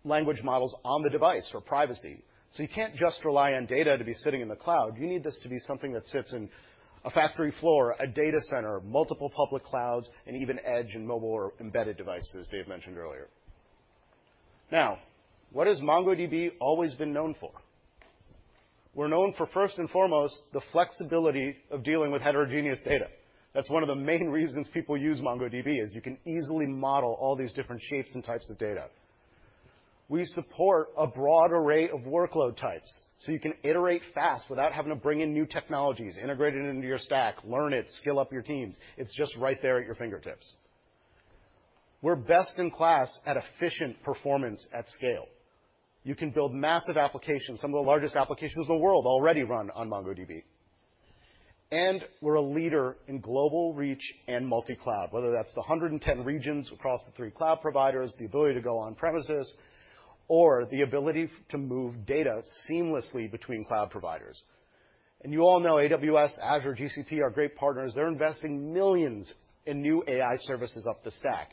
language models on the device for privacy. You can't just rely on data to be sitting in the cloud. You need this to be something that sits in a factory floor, a data center, multiple public clouds, and even edge and mobile or embedded devices, Dave mentioned earlier. What has MongoDB always been known for? We're known for, first and foremost, the flexibility of dealing with heterogeneous data. That's one of the main reasons people use MongoDB, is you can easily model all these different shapes and types of data.... We support a broad array of workload types, so you can iterate fast without having to bring in new technologies, integrate it into your stack, learn it, skill up your teams. It's just right there at your fingertips. We're best in class at efficient performance at scale. You can build massive applications. Some of the largest applications in the world already run on MongoDB. We're a leader in global reach and multi-cloud, whether that's the 110 regions across the three cloud providers, the ability to go on-premises, or the ability to move data seamlessly between cloud providers. You all know AWS, Azure, GCP, are great partners. They're investing millions in new AI services up the stack.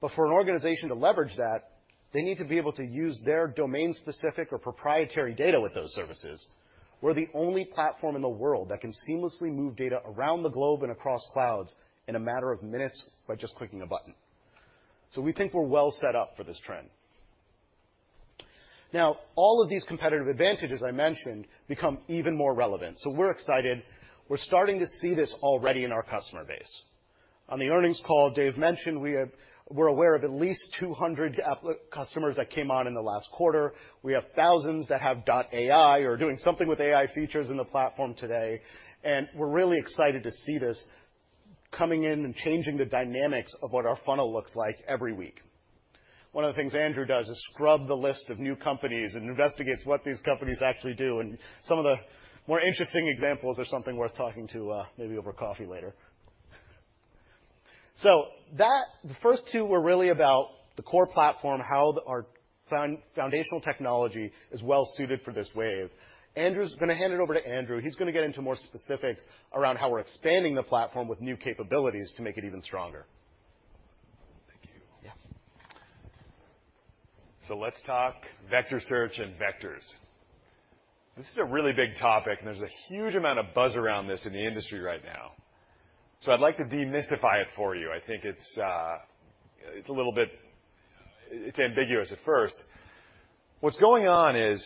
For an organization to leverage that, they need to be able to use their domain-specific or proprietary data with those services. We're the only platform in the world that can seamlessly move data around the globe and across clouds in a matter of minutes by just clicking a button. We think we're well set up for this trend. All of these competitive advantages I mentioned become even more relevant, so we're excited. We're starting to see this already in our customer base. On the earnings call, Dave mentioned we're aware of at least 200 app customers that came on in the last quarter. We have thousands that have .ai or doing something with AI features in the platform today, we're really excited to see this coming in and changing the dynamics of what our funnel looks like every week. One of the things Andrew does is scrub the list of new companies and investigates what these companies actually do, and some of the more interesting examples are something worth talking to, maybe over coffee later. The first two were really about the core platform, how our foundational technology is well suited for this wave. I'm gonna hand it over to Andrew. He's gonna get into more specifics around how we're expanding the platform with new capabilities to make it even stronger. Thank you. Yeah. Let's talk vector search and vectors. This is a really big topic, and there's a huge amount of buzz around this in the industry right now. I'd like to demystify it for you. I think it's a little bit, it's ambiguous at first. What's going on is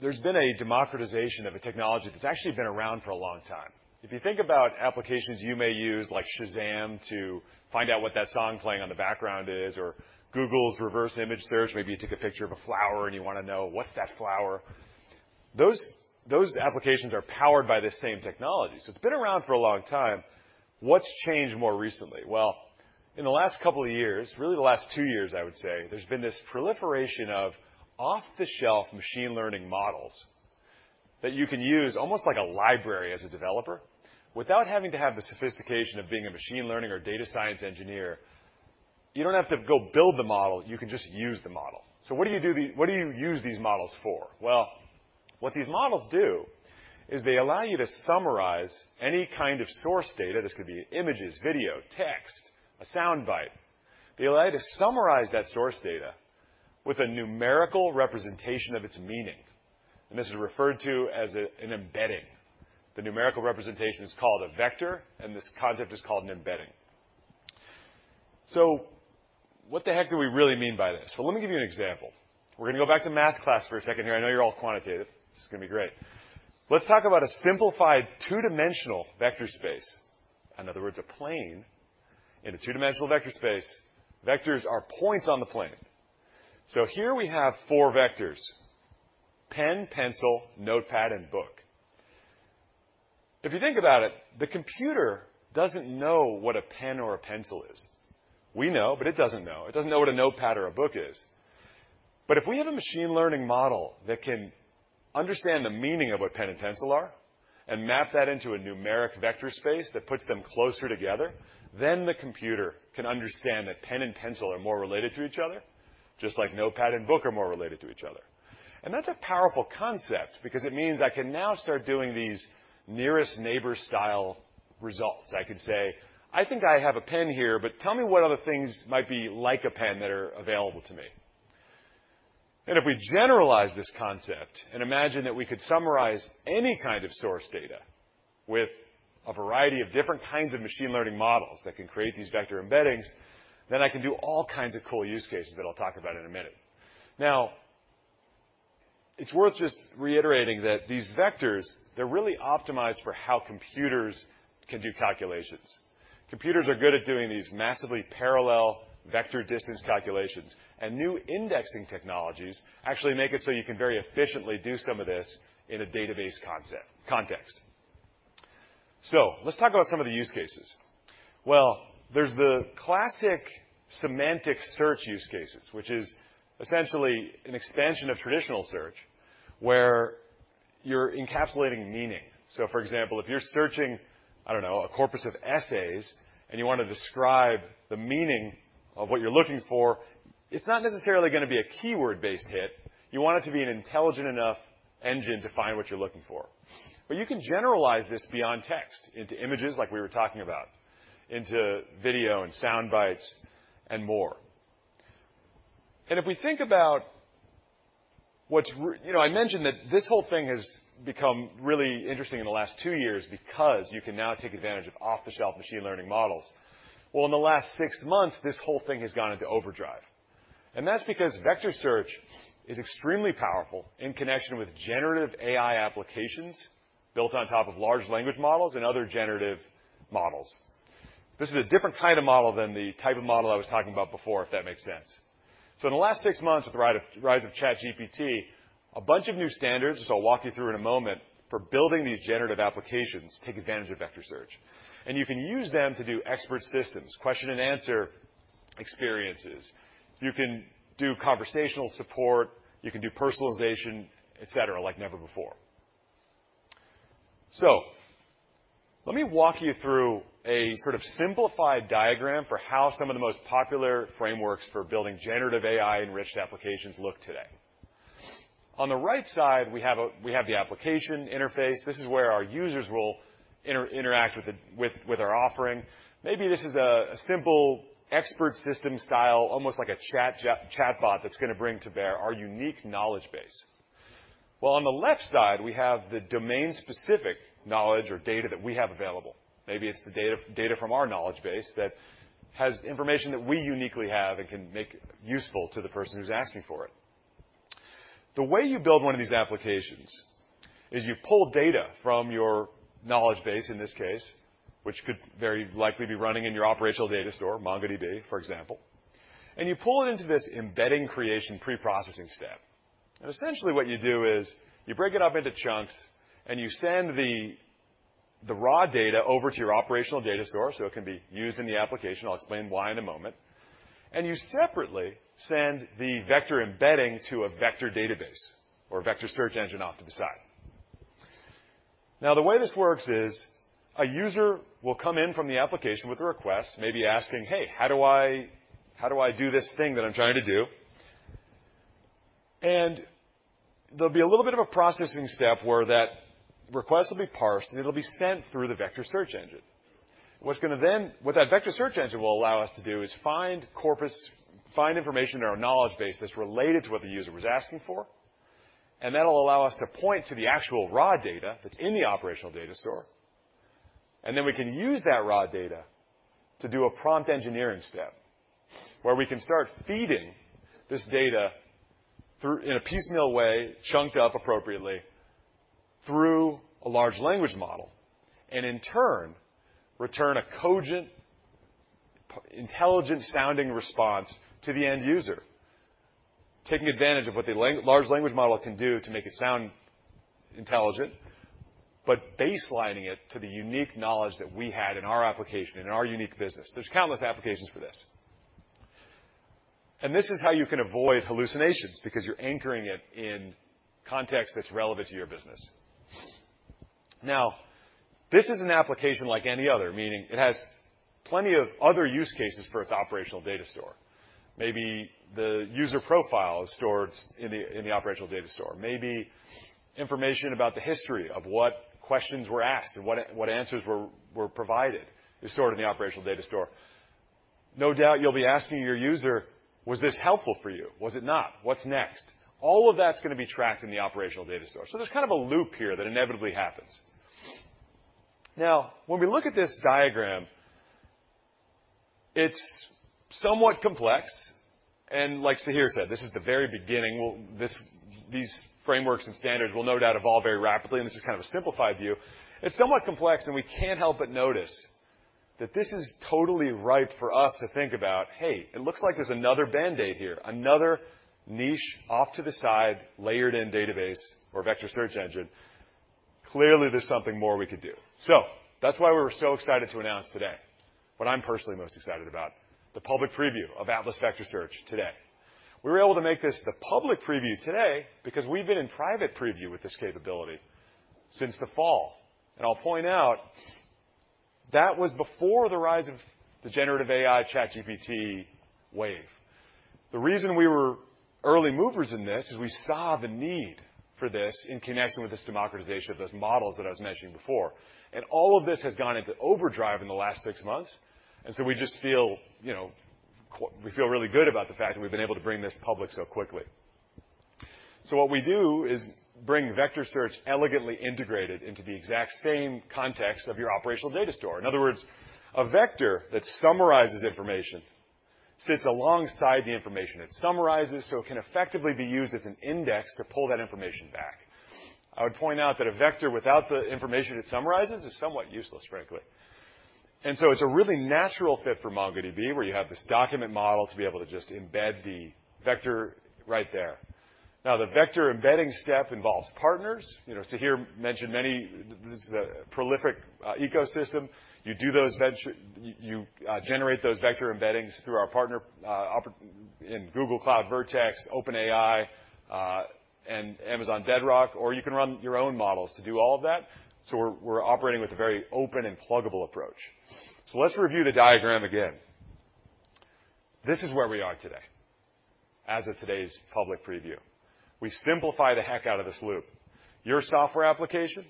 there's been a democratization of a technology that's actually been around for a long time. If you think about applications you may use, like Shazam, to find out what that song playing on the background is, or Google's reverse image search, maybe you took a picture of a flower and you wanna know what's that flower. Those applications are powered by the same technology, so it's been around for a long time. What's changed more recently? In the last couple of years, really the last two years, I would say, there's been this proliferation of off-the-shelf machine learning models that you can use almost like a library as a developer, without having to have the sophistication of being a machine learning or data science engineer. You don't have to go build the model, you can just use the model. What do you use these models for? What these models do is they allow you to summarize any kind of source data. This could be images, video, text, a sound bite. They allow you to summarize that source data with a numerical representation of its meaning, and this is referred to as an embedding. The numerical representation is called a vector, and this concept is called an embedding. What the heck do we really mean by this? Well, let me give you an example. We're gonna go back to math class for a second here. I know you're all quantitative. This is gonna be great. Let's talk about a simplified two-dimensional vector space. In other words, a plane in a two-dimensional vector space. Vectors are points on the plane. Here we have four vectors: pen, pencil, notepad, and book. If you think about it, the computer doesn't know what a pen or a pencil is. We know, but it doesn't know. It doesn't know what a notepad or a book is. If we have a machine learning model that can understand the meaning of what pen and pencil are and map that into a numeric vector space that puts them closer together, then the computer can understand that pen and pencil are more related to each other, just like notepad and book are more related to each other. That's a powerful concept because it means I can now start doing these nearest neighbor style results. I could say, "I think I have a pen here, but tell me what other things might be like a pen that are available to me?" If we generalize this concept and imagine that we could summarize any kind of source data with a variety of different kinds of machine learning models that can create these vector embeddings, then I can do all kinds of cool use cases that I'll talk about in a minute. Now, it's worth just reiterating that these vectors, they're really optimized for how computers can do calculations. Computers are good at doing these massively parallel vector distance calculations, New indexing technologies actually make it so you can very efficiently do some of this in a database context. Let's talk about some of the use cases. There's the classic semantic search use cases, which is essentially an expansion of traditional search, where you're encapsulating meaning. For example, if you're searching, I don't know, a corpus of essays, and you want to describe the meaning of what you're looking for, it's not necessarily gonna be a keyword-based hit. You want it to be an intelligent enough engine to find what you're looking for. You can generalize this beyond text into images like we were talking about, into video and sound bites and more. If we think about what's You know, I mentioned that this whole thing has become really interesting in the last two years because you can now take advantage of off-the-shelf machine learning models. Well, in the last 6 months, this whole thing has gone into overdrive, and that's because vector search is extremely powerful in connection with generative AI applications built on top of large language models and other generative models. This is a different kind of model than the type of model I was talking about before, if that makes sense. In the last 6 months, with the rise of ChatGPT, a bunch of new standards, which I'll walk you through in a moment, for building these generative applications take advantage of vector search, and you can use them to do expert systems, question and answer experiences. You can do conversational support, you can do personalization, et cetera, like never before. Let me walk you through a sort of simplified diagram for how some of the most popular frameworks for building generative AI-enriched applications look today. On the right side, we have the application interface. This is where our users will interact with our offering. Maybe this is a simple expert system style, almost like a chatbot that's gonna bring to bear our unique knowledge base. While on the left side, we have the domain-specific knowledge or data that we have available. Maybe it's the data from our knowledge base that has information that we uniquely have and can make useful to the person who's asking for it. The way you build one of these applications is you pull data from your knowledge base, in this case, which could very likely be running in your operational data store, MongoDB, for example, and you pull it into this embedding creation preprocessing step. Essentially, what you do is you break it up into chunks, and you send the raw data over to your operational data store, so it can be used in the application. I'll explain why in a moment. You separately send the vector embedding to a vector database or vector search engine off to the side. The way this works is a user will come in from the application with a request, maybe asking: "Hey, how do I do this thing that I'm trying to do?" There'll be a little bit of a processing step where that request will be parsed, and it'll be sent through the vector search engine. What's gonna then... What that vector search engine will allow us to do is find corpus, find information in our knowledge base that's related to what the user was asking for, and that'll allow us to point to the actual raw data that's in the operational data store. Then we can use that raw data to do a prompt engineering step, where we can start feeding this data through, in a piecemeal way, chunked up appropriately, through a large language model, and in turn, return a cogent, intelligent-sounding response to the end user. Taking advantage of what the large language model can do to make it sound intelligent, but baselining it to the unique knowledge that we had in our application, in our unique business. There's countless applications for this. This is how you can avoid hallucinations because you're anchoring it in context that's relevant to your business. This is an application like any other, meaning it has plenty of other use cases for its operational data store. Maybe the user profile is stored in the, in the operational data store. Maybe information about the history of what questions were asked and what answers were provided is stored in the operational data store. No doubt, you'll be asking your user: "Was this helpful for you? Was it not? What's next?" All of that's gonna be tracked in the operational data store. There's kind of a loop here that inevitably happens. When we look at this diagram, it's somewhat complex, and like Sahir said, this is the very beginning. These frameworks and standards will no doubt evolve very rapidly, and this is kind of a simplified view. It's somewhat complex. We can't help but notice that this is totally ripe for us to think about, "Hey, it looks like there's another Band-Aid here, another niche off to the side, layered-in database or vector search engine. Clearly, there's something more we could do." That's why we were so excited to announce today, what I'm personally most excited about, the public preview of Atlas Vector Search today. We were able to make this the public preview today because we've been in private preview with this capability since the fall. I'll point out, that was before the rise of the generative AI ChatGPT wave. The reason we were early movers in this is we saw the need for this in connection with this democratization of those models that I was mentioning before. All of this has gone into overdrive in the last six months, so we just feel, you know, we feel really good about the fact that we've been able to bring this public so quickly. What we do is bring vector search elegantly integrated into the exact same context of your operational data store. In other words, a vector that summarizes information sits alongside the information. It summarizes, so it can effectively be used as an index to pull that information back. I would point out that a vector without the information it summarizes is somewhat useless, frankly. It's a really natural fit for MongoDB, where you have this document model to be able to just embed the vector right there. The vector embedding step involves partners. You know, Sahir mentioned many... This is a prolific ecosystem. You generate those vector embeddings through our partner in Google Cloud, Vertex, OpenAI, and Amazon Bedrock, or you can run your own models to do all of that. We're operating with a very open and pluggable approach. Let's review the diagram again. This is where we are today, as of today's public preview. We simplify the heck out of this loop. Your software application,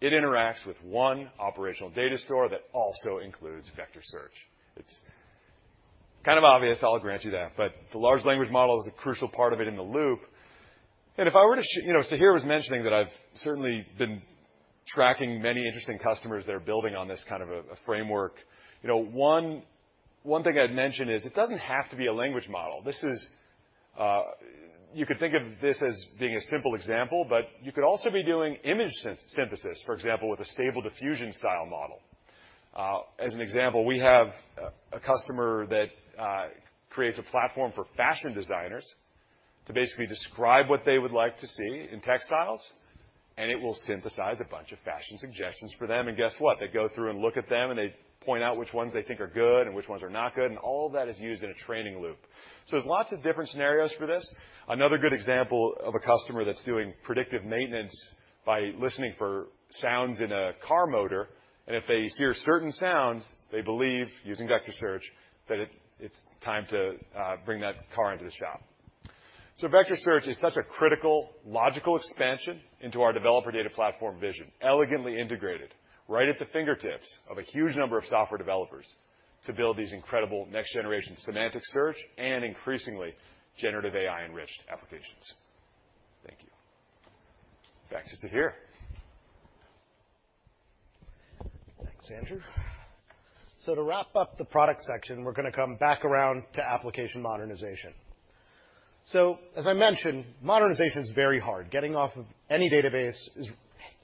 it interacts with one operational data store that also includes vector search. It's kind of obvious, I'll grant you that, but the large language model is a crucial part of it in the loop. If I were to You know, Sahir was mentioning that I've certainly been tracking many interesting customers that are building on this kind of a framework. You know, One thing I'd mention is it doesn't have to be a language model. This is, you could think of this as being a simple example, but you could also be doing image synthesis, for example, with a Stable Diffusion style model. As an example, we have a customer that creates a platform for fashion designers to basically describe what they would like to see in textiles, and it will synthesize a bunch of fashion suggestions for them. Guess what? They go through and look at them, and they point out which ones they think are good and which ones are not good, and all of that is used in a training loop. There's lots of different scenarios for this. Another good example of a customer that's doing predictive maintenance by listening for sounds in a car motor. If they hear certain sounds, they believe, using vector search, that it's time to bring that car into the shop. Vector search is such a critical, logical expansion into our developer data platform vision, elegantly integrated right at the fingertips of a huge number of software developers to build these incredible next-generation semantic search and increasingly generative AI-enriched applications. Thank you. Back to Sahir. Thanks, Andrew. To wrap up the product section, we're gonna come back around to application modernization. As I mentioned, modernization is very hard. Getting off of any database is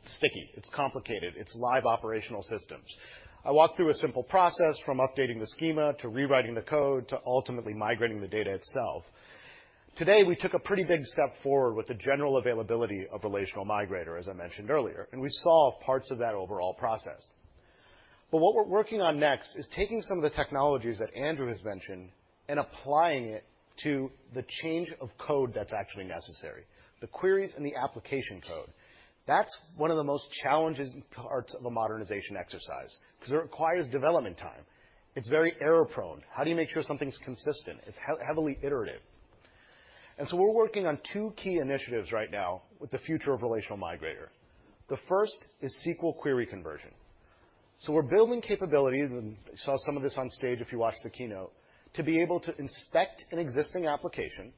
sticky, it's complicated, it's live operational systems. I walked through a simple process from updating the schema, to rewriting the code, to ultimately migrating the data itself. Today, we took a pretty big step forward with the general availability of Relational Migrator, as I mentioned earlier, and we saw parts of that overall process. What we're working on next is taking some of the technologies that Andrew has mentioned and applying it to the change of code that's actually necessary, the queries and the application code. That's one of the most challenging parts of a modernization exercise 'cause it requires development time. It's very error-prone. How do you make sure something's consistent? It's heavily iterative. We're working on two key initiatives right now with the future of Relational Migrator. The first is SQL query conversion. We're building capabilities, and you saw some of this on stage if you watched the keynote, to be able to inspect an existing application,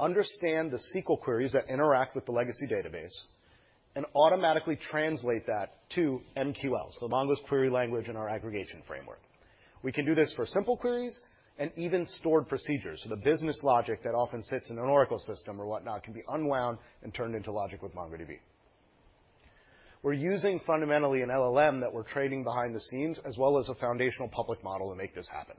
understand the SQL queries that interact with the legacy database, and automatically translate that to MQL, so MongoDB's query language and our Aggregation Framework. We can do this for simple queries and even stored procedures, so the business logic that often sits in an Oracle system or whatnot can be unwound and turned into logic with MongoDB. We're using fundamentally an LLM that we're training behind the scenes, as well as a foundational public model to make this happen.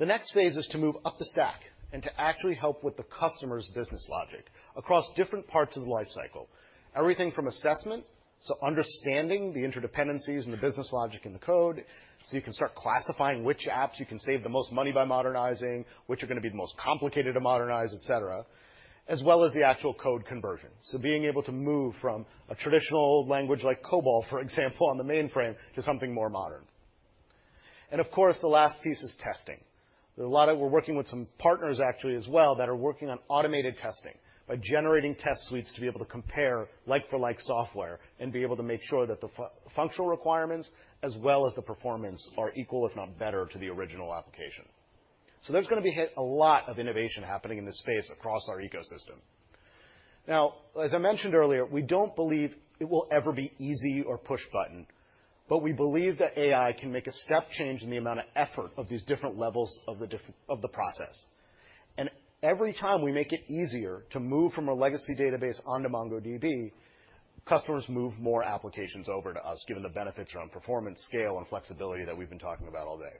The next phase is to move up the stack and to actually help with the customer's business logic across different parts of the life cycle, everything from assessment, so understanding the interdependencies and the business logic in the code, so you can start classifying which apps you can save the most money by modernizing, which are gonna be the most complicated to modernize, et cetera, as well as the actual code conversion. Being able to move from a traditional language like COBOL, for example, on the mainframe, to something more modern. Of course, the last piece is testing. A lot of... We're working with some partners actually as well, that are working on automated testing, by generating test suites to be able to compare like for like software, and be able to make sure that the functional requirements as well as the performance are equal, if not better, to the original application. There's gonna be hit a lot of innovation happening in this space across our ecosystem. As I mentioned earlier, we don't believe it will ever be easy or push-button, but we believe that AI can make a step change in the amount of effort of these different levels of the process. Every time we make it easier to move from a legacy database onto MongoDB, customers move more applications over to us, given the benefits around performance, scale, and flexibility that we've been talking about all day.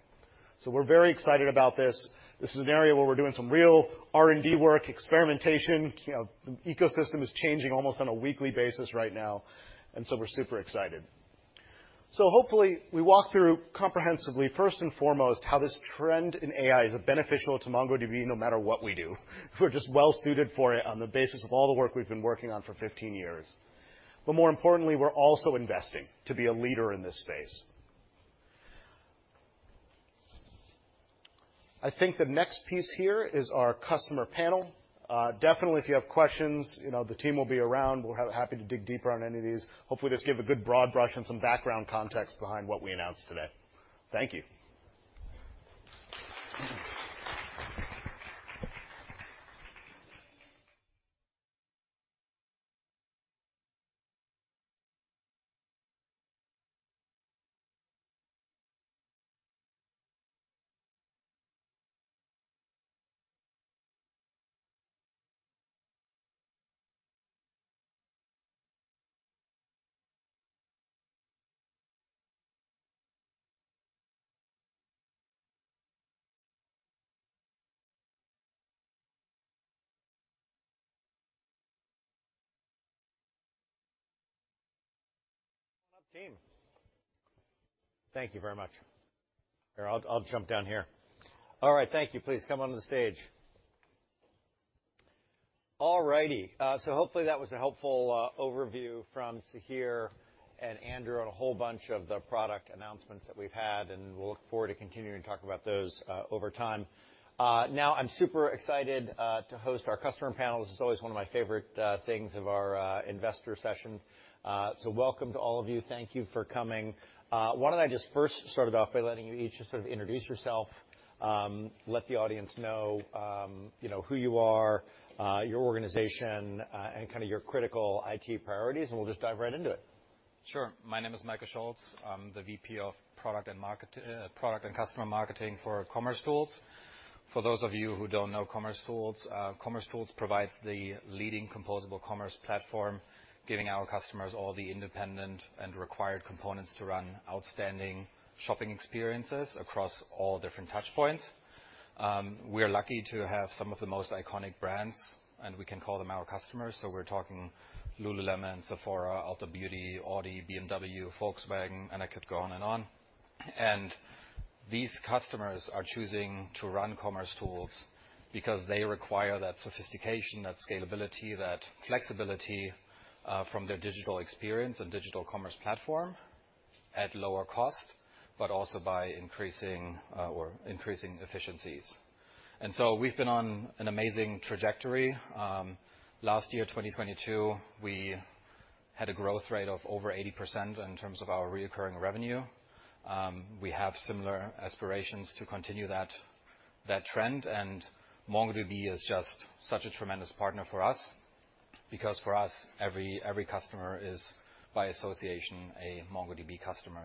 We're very excited about this. This is an area where we're doing some real R&D work, experimentation. You know, the ecosystem is changing almost on a weekly basis right now, and so we're super excited. Hopefully, we walk through comprehensively, first and foremost, how this trend in AI is beneficial to MongoDB, no matter what we do. We're just well suited for it on the basis of all the work we've been working on for 15 years. More importantly, we're also investing to be a leader in this space. I think the next piece here is our customer panel. Definitely, if you have questions, you know, the team will be around. We're happy to dig deeper on any of these. Hopefully, just give a good broad brush and some background context behind what we announced today. Thank you. Come on up, team. Thank you very much. Here, I'll jump down here. All right, thank you. Please come onto the stage. All righty. Hopefully that was a helpful overview from Sahir and Andrew on a whole bunch of the product announcements that we've had, and we'll look forward to continuing to talk about those over time. I'm super excited to host our customer panel. This is always one of my favorite things of our investor session. Welcome to all of you. Thank you for coming. Why don't I just first start it off by letting you each just sort of introduce yourself?... let the audience know, you know, who you are, your organization, and kind of your critical IT priorities. We'll just dive right into it. Sure. My name is Michael Scholz. I'm the VP of Product and Product and Customer Marketing for commercetools. For those of you who don't know commercetools provides the leading composable commerce platform, giving our customers all the independent and required components to run outstanding shopping experiences across all different touchpoints. We are lucky to have some of the most iconic brands, we can call them our customers. We're talking lululemon, Sephora, Ulta Beauty, Audi, BMW, Volkswagen, and I could go on and on. These customers are choosing to run commercetools because they require that sophistication, that scalability, that flexibility, from their digital experience and digital commerce platform at lower cost, but also by increasing, or increasing efficiencies. We've been on an amazing trajectory. Last year, 2022, we had a growth rate of over 80% in terms of our recurring revenue. We have similar aspirations to continue that trend. MongoDB is just such a tremendous partner for us because for us, every customer is, by association, a MongoDB customer.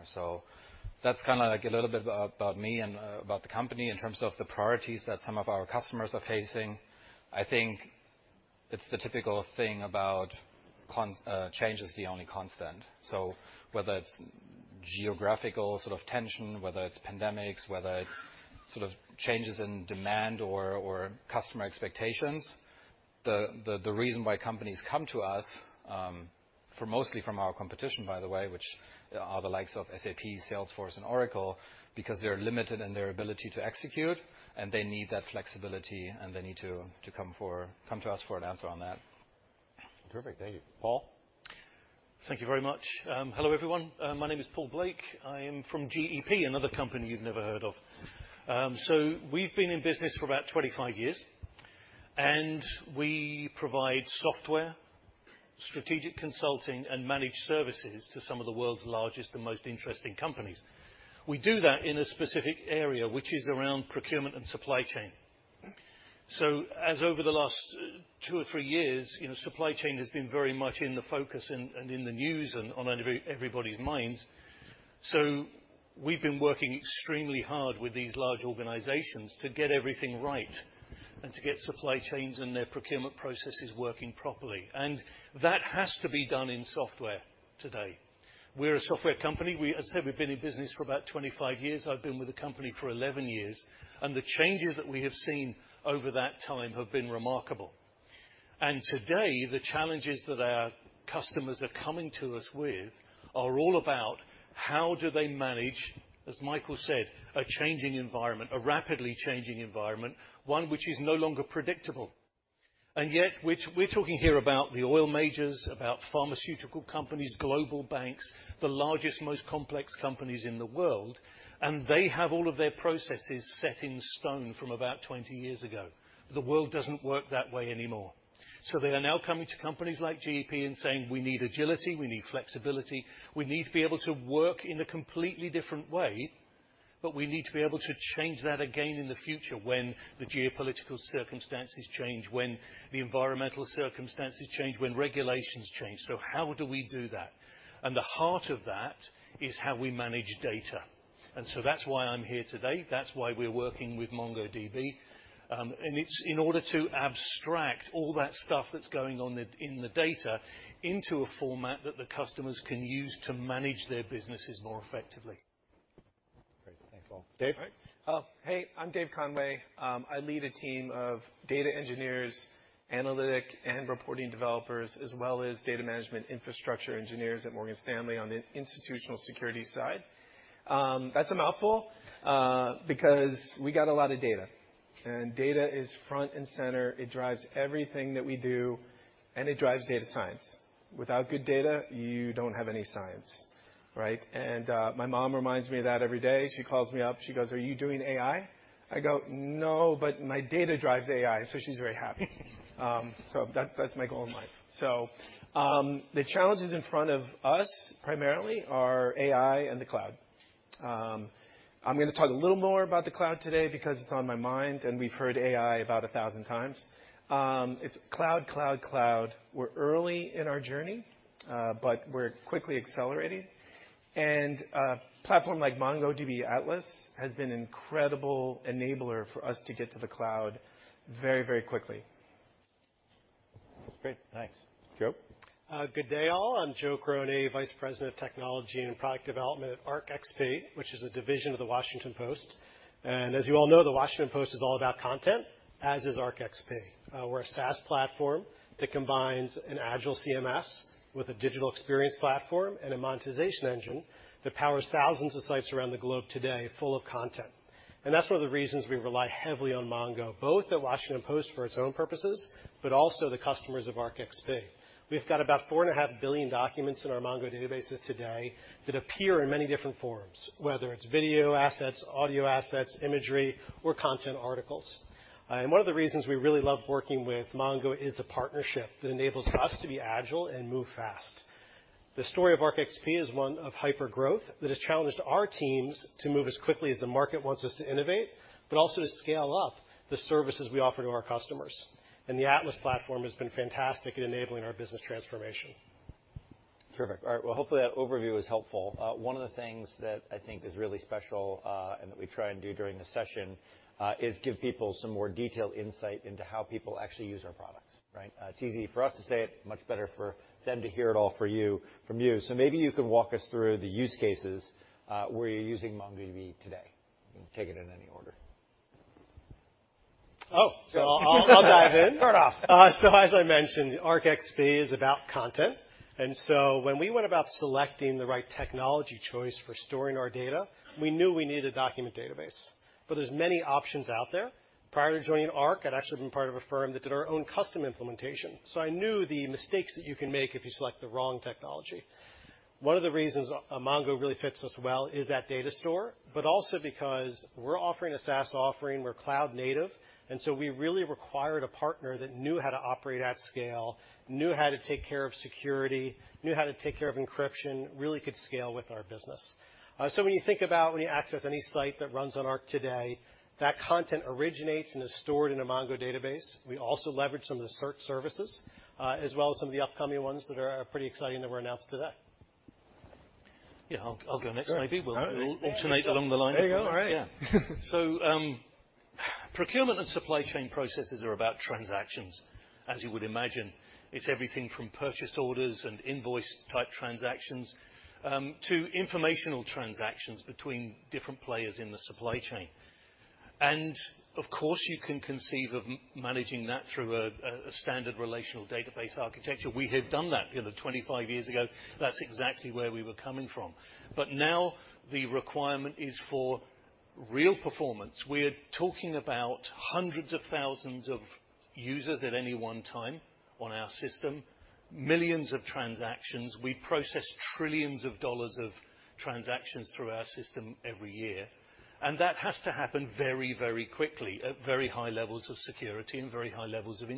That's kinda like a little bit about me and about the company. In terms of the priorities that some of our customers are facing, I think it's the typical thing about change is the only constant. Whether it's geographical sort of tension, whether it's pandemics, whether it's sort of changes in demand or customer expectations, the, the reason why companies come to us, for mostly from our competition, by the way, which are the likes of SAP, Salesforce, and Oracle, because they're limited in their ability to execute, and they need that flexibility, and they need to come to us for an answer on that. Perfect. Thank you. Paul? Thank you very much. Hello, everyone. My name is Paul Blake. I am from GEP, another company you've never heard of. We've been in business for about 25 years, and we provide software, strategic consulting, and managed services to some of the world's largest and most interesting companies. We do that in a specific area, which is around procurement and supply chain. As over the last two or three years, you know, supply chain has been very much in the focus and in the news and on everybody's minds. We've been working extremely hard with these large organizations to get everything right and to get supply chains and their procurement processes working properly. That has to be done in software today. We're a software company. I said we've been in business for about 25 years. I've been with the company for 11 years, the changes that we have seen over that time have been remarkable. Today, the challenges that our customers are coming to us with are all about how do they manage, as Michael said, a changing environment, a rapidly changing environment, one which is no longer predictable. Yet, which we're talking here about the oil majors, about pharmaceutical companies, global banks, the largest, most complex companies in the world, they have all of their processes set in stone from about 20 years ago. The world doesn't work that way anymore. They are now coming to companies like GEP and saying, "We need agility, we need flexibility. We need to be able to work in a completely different way, but we need to be able to change that again in the future when the geopolitical circumstances change, when the environmental circumstances change, when regulations change. How do we do that? The heart of that is how we manage data. That's why I'm here today. That's why we're working with MongoDB. It's in order to abstract all that stuff that's going on in the data into a format that the customers can use to manage their businesses more effectively. Great. Thanks, Paul. Dave? Oh, hey, I'm Dave Conway. I lead a team of data engineers, analytic and reporting developers, as well as data management infrastructure engineers at Morgan Stanley on the institutional securities side. That's a mouthful, because we got a lot of data, and data is front and center. It drives everything that we do, and it drives data science. Without good data, you don't have any science, right? My mom reminds me of that every day. She calls me up, she goes, "Are you doing AI?" I go, "No, but my data drives AI." She's very happy. That, that's my goal in life. The challenges in front of us, primarily, are AI and the cloud. I'm gonna talk a little more about the cloud today because it's on my mind, and we've heard AI about 1,000 times. It's cloud, cloud. We're early in our journey, but we're quickly accelerating. A platform like MongoDB Atlas has been an incredible enabler for us to get to the cloud very, very quickly. That's great. Thanks. Joe? Good day, all. I'm Joe Croney, Vice President of Technology and Product Development at Arc XP, which is a division of The Washington Post. As you all know, The Washington Post is all about content, as is Arc XP. We're a SaaS platform that combines an agile CMS with a digital experience platform and a monetization engine that powers thousands of sites around the globe today, full of content. That's one of the reasons we rely heavily on Mongo, both The Washington Post for its own purposes, but also the customers of Arc XP. We've got about 4.5 billion documents in our Mongo databases today that appear in many different forms, whether it's video assets, audio assets, imagery, or content articles. One of the reasons we really love working with Mongo is the partnership that enables us to be agile and move fast. ...The story of Arc XP is one of hypergrowth that has challenged our teams to move as quickly as the market wants us to innovate, but also to scale up the services we offer to our customers. The Atlas platform has been fantastic in enabling our business transformation. Terrific. All right, well, hopefully that overview was helpful. One of the things that I think is really special, and that we try and do during this session, is give people some more detailed insight into how people actually use our products, right? It's easy for us to say it, much better for them to hear it all from you. Maybe you can walk us through the use cases, where you're using MongoDB today. You can take it in any order. Oh, I'll dive in. Sure enough. As I mentioned, Arc XP is about content. When we went about selecting the right technology choice for storing our data, we knew we needed a document database. There's many options out there. Prior to joining Arc, I'd actually been part of a firm that did our own custom implementation. I knew the mistakes that you can make if you select the wrong technology. One of the reasons MongoDB really fits us well is that data store. Also because we're offering a SaaS offering, we're cloud native. We really required a partner that knew how to operate at scale, knew how to take care of security, knew how to take care of encryption, really could scale with our business. When you think about when you access any site that runs on Arc today, that content originates and is stored in a Mongo database. We also leverage some of the cert services, as well as some of the upcoming ones that are pretty exciting that were announced today. Yeah, I'll go next. Maybe we'll alternate along the line. There you go. All right. Procurement and supply chain processes are about transactions, as you would imagine. It's everything from purchase orders and invoice-type transactions, to informational transactions between different players in the supply chain. Of course, you can conceive of managing that through a standard relational database architecture. We had done that, you know, 25 years ago. That's exactly where we were coming from. Now the requirement is for real performance. We're talking about hundreds of thousands of users at any one time on our system, millions of transactions. We process trillions of dollars of transactions through our system every year, and that has to happen very, very quickly, at very high levels of security and very high levels of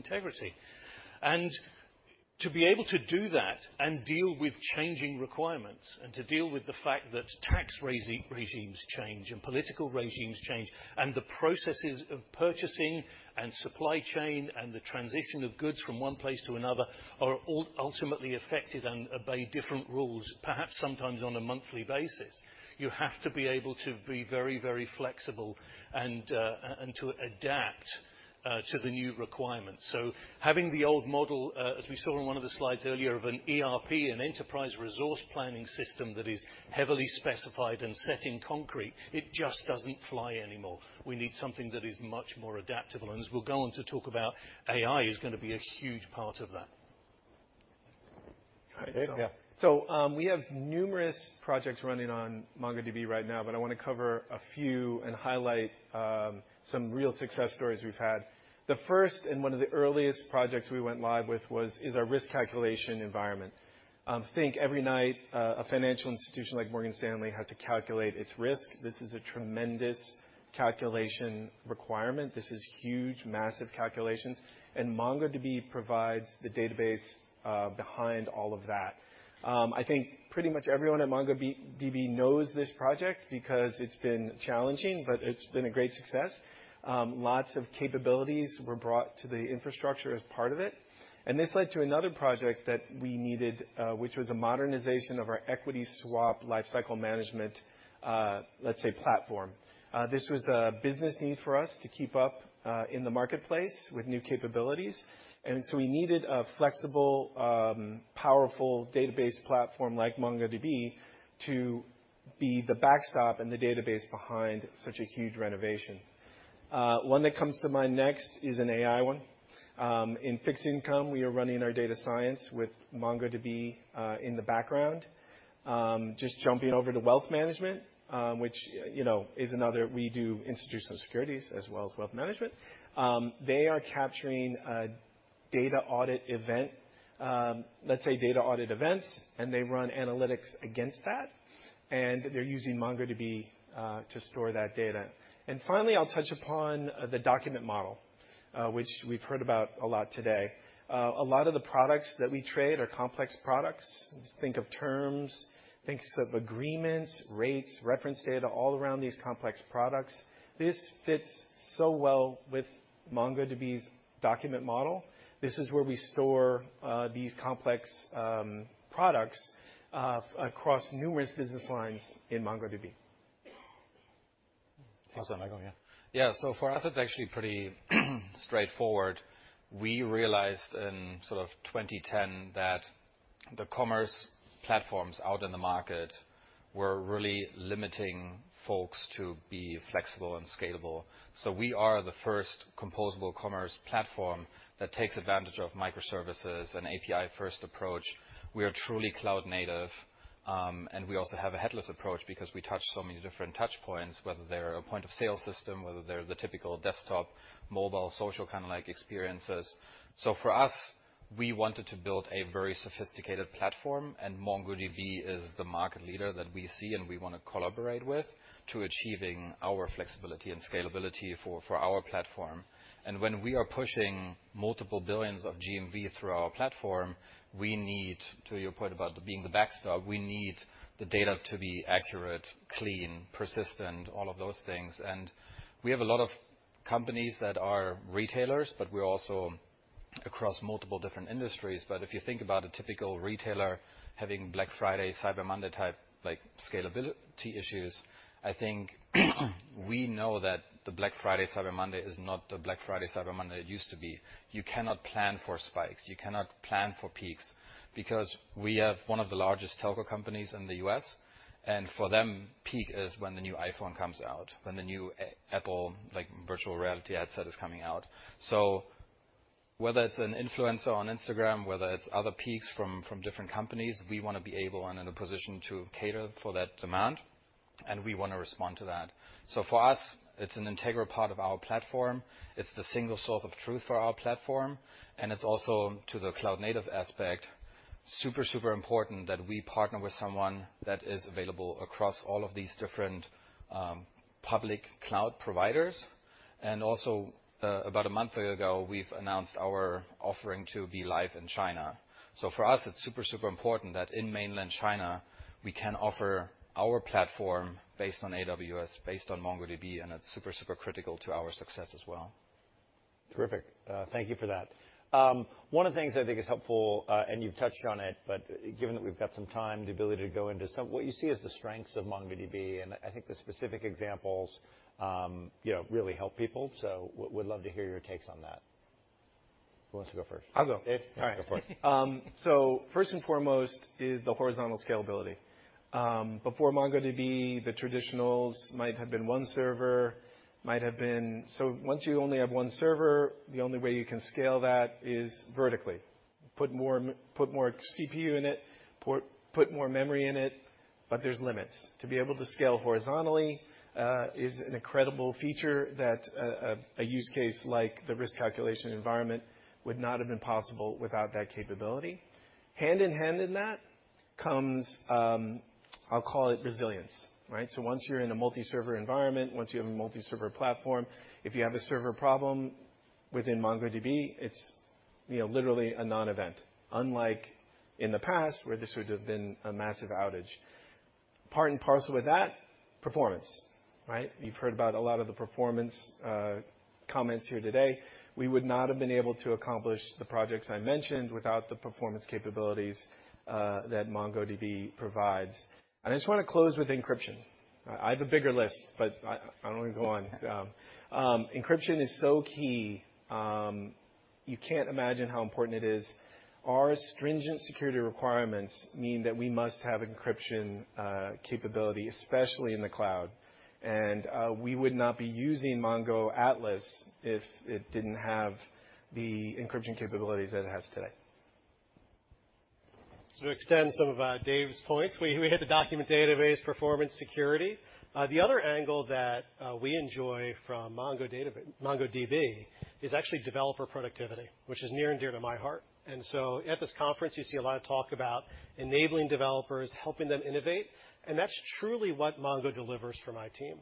integrity. To be able to do that and deal with changing requirements and to deal with the fact that tax regimes change and political regimes change, and the processes of purchasing and supply chain and the transition of goods from one place to another are ultimately affected and obey different rules, perhaps sometimes on a monthly basis. You have to be able to be very, very flexible and to adapt to the new requirements. Having the old model, as we saw in one of the slides earlier, of an ERP, an Enterprise Resource Planning system that is heavily specified and set in concrete, it just doesn't fly anymore. We need something that is much more adaptable, and as we'll go on to talk about, AI is gonna be a huge part of that. Great. Yeah. We have numerous projects running on MongoDB right now, but I wanna cover a few and highlight some real success stories we've had. The first and one of the earliest projects we went live with is our risk calculation environment. Think every night, a financial institution like Morgan Stanley had to calculate its risk. This is a tremendous calculation requirement. This is huge, massive calculations, and MongoDB provides the database behind all of that. I think pretty much everyone at MongoDB knows this project because it's been challenging, but it's been a great success. Lots of capabilities were brought to the infrastructure as part of it, and this led to another project that we needed, which was a modernization of our equity swap lifecycle management, let's say, platform. This was a business need for us to keep up in the marketplace with new capabilities, we needed a flexible, powerful database platform like MongoDB to be the backstop and the database behind such a huge renovation. One that comes to mind next is an AI one. In fixed income, we are running our data science with MongoDB in the background. Just jumping over to wealth management, which, you know, we do institutional securities as well as wealth management. They are capturing a data audit event, let's say, data audit events, they run analytics against that, they're using MongoDB to store that data. Finally, I'll touch upon the document model, which we've heard about a lot today. A lot of the products that we trade are complex products. Just think of terms, thinks of agreements, rates, reference data, all around these complex products. This fits so well with MongoDB's document model. This is where we store these complex products across numerous business lines in MongoDB. Awesome. Michael, yeah. Yeah. For us, it's actually pretty straightforward. We realized in sort of 2010 that the commerce platforms out in the market were really limiting folks to be flexible and scalable. We are the first composable commerce platform that takes advantage of microservices and API-first approach. We are truly cloud native, and we also have a headless approach because we touch so many different touchpoints, whether they're a point-of-sale system, whether they're the typical desktop, mobile, social, kinda like experiences. We wanted to build a very sophisticated platform, and MongoDB is the market leader that we see and we wanna collaborate with to achieving our flexibility and scalability for our platform. When we are pushing multiple billions of GMV through our platform, we need, to your point about being the backstop, we need the data to be accurate, clean, persistent, all of those things. We have a lot of companies that are retailers, but we're also across multiple different industries. If you think about a typical retailer having Black Friday, Cyber Monday type, like, scalability issues, I think, we know that the Black Friday, Cyber Monday is not the Black Friday, Cyber Monday it used to be. You cannot plan for spikes. You cannot plan for peaks, because we have one of the largest telco companies in the U.S., and for them, peak is when the new iPhone comes out, when the new Apple, like, virtual reality headset is coming out. Whether it's an influencer on Instagram, whether it's other peaks from different companies, we wanna be able and in a position to cater for that demand, and we wanna respond to that. For us, it's an integral part of our platform. It's the single source of truth for our platform, and it's also, to the cloud-native aspect, super important that we partner with someone that is available across all of these different public cloud providers. Also, about one month ago, we've announced our offering to be live in China. For us, it's super important that in mainland China, we can offer our platform based on AWS, based on MongoDB, and it's super critical to our success as well. Terrific. Thank you for that. One of the things I think is helpful, and you've touched on it, but given that we've got some time, the ability to go into what you see as the strengths of MongoDB, and I think the specific examples, you know, really help people. We'd love to hear your takes on that. Who wants to go first? I'll go. Dave? All right. Go for it. First and foremost is the horizontal scalability. Before MongoDB, the traditionals might have been one server, might have been. Once you only have one server, the only way you can scale that is vertically. Put more CPU in it, put more memory in it, but there's limits. To be able to scale horizontally is an incredible feature that a use case like the risk calculation environment would not have been possible without that capability. Hand in hand in that comes, I'll call it resilience, right? Once you're in a multi-server environment, once you have a multi-server platform, if you have a server problem within MongoDB, it's, you know, literally a non-event, unlike in the past, where this would have been a massive outage. Part and parcel with that, performance, right? You've heard about a lot of the performance, comments here today. We would not have been able to accomplish the projects I mentioned without the performance capabilities, that MongoDB provides. I just wanna close with encryption. I have a bigger list, but I don't wanna go on. encryption is so key. you can't imagine how important it is. Our stringent security requirements mean that we must have encryption, capability, especially in the cloud. We would not be using Mongo Atlas if it didn't have the encryption capabilities that it has today. To extend some of Dave's points, we hit the document database, performance, security. The other angle that we enjoy from MongoDB is actually developer productivity, which is near and dear to my heart. At this conference, you see a lot of talk about enabling developers, helping them innovate, and that's truly what Mongo delivers for my team.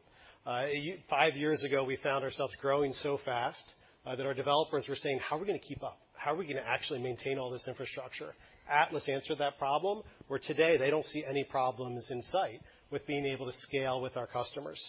Five years ago, we found ourselves growing so fast, that our developers were saying: "How are we gonna keep up? How are we gonna actually maintain all this infrastructure?" Atlas answered that problem, where today they don't see any problems in sight with being able to scale with our customers.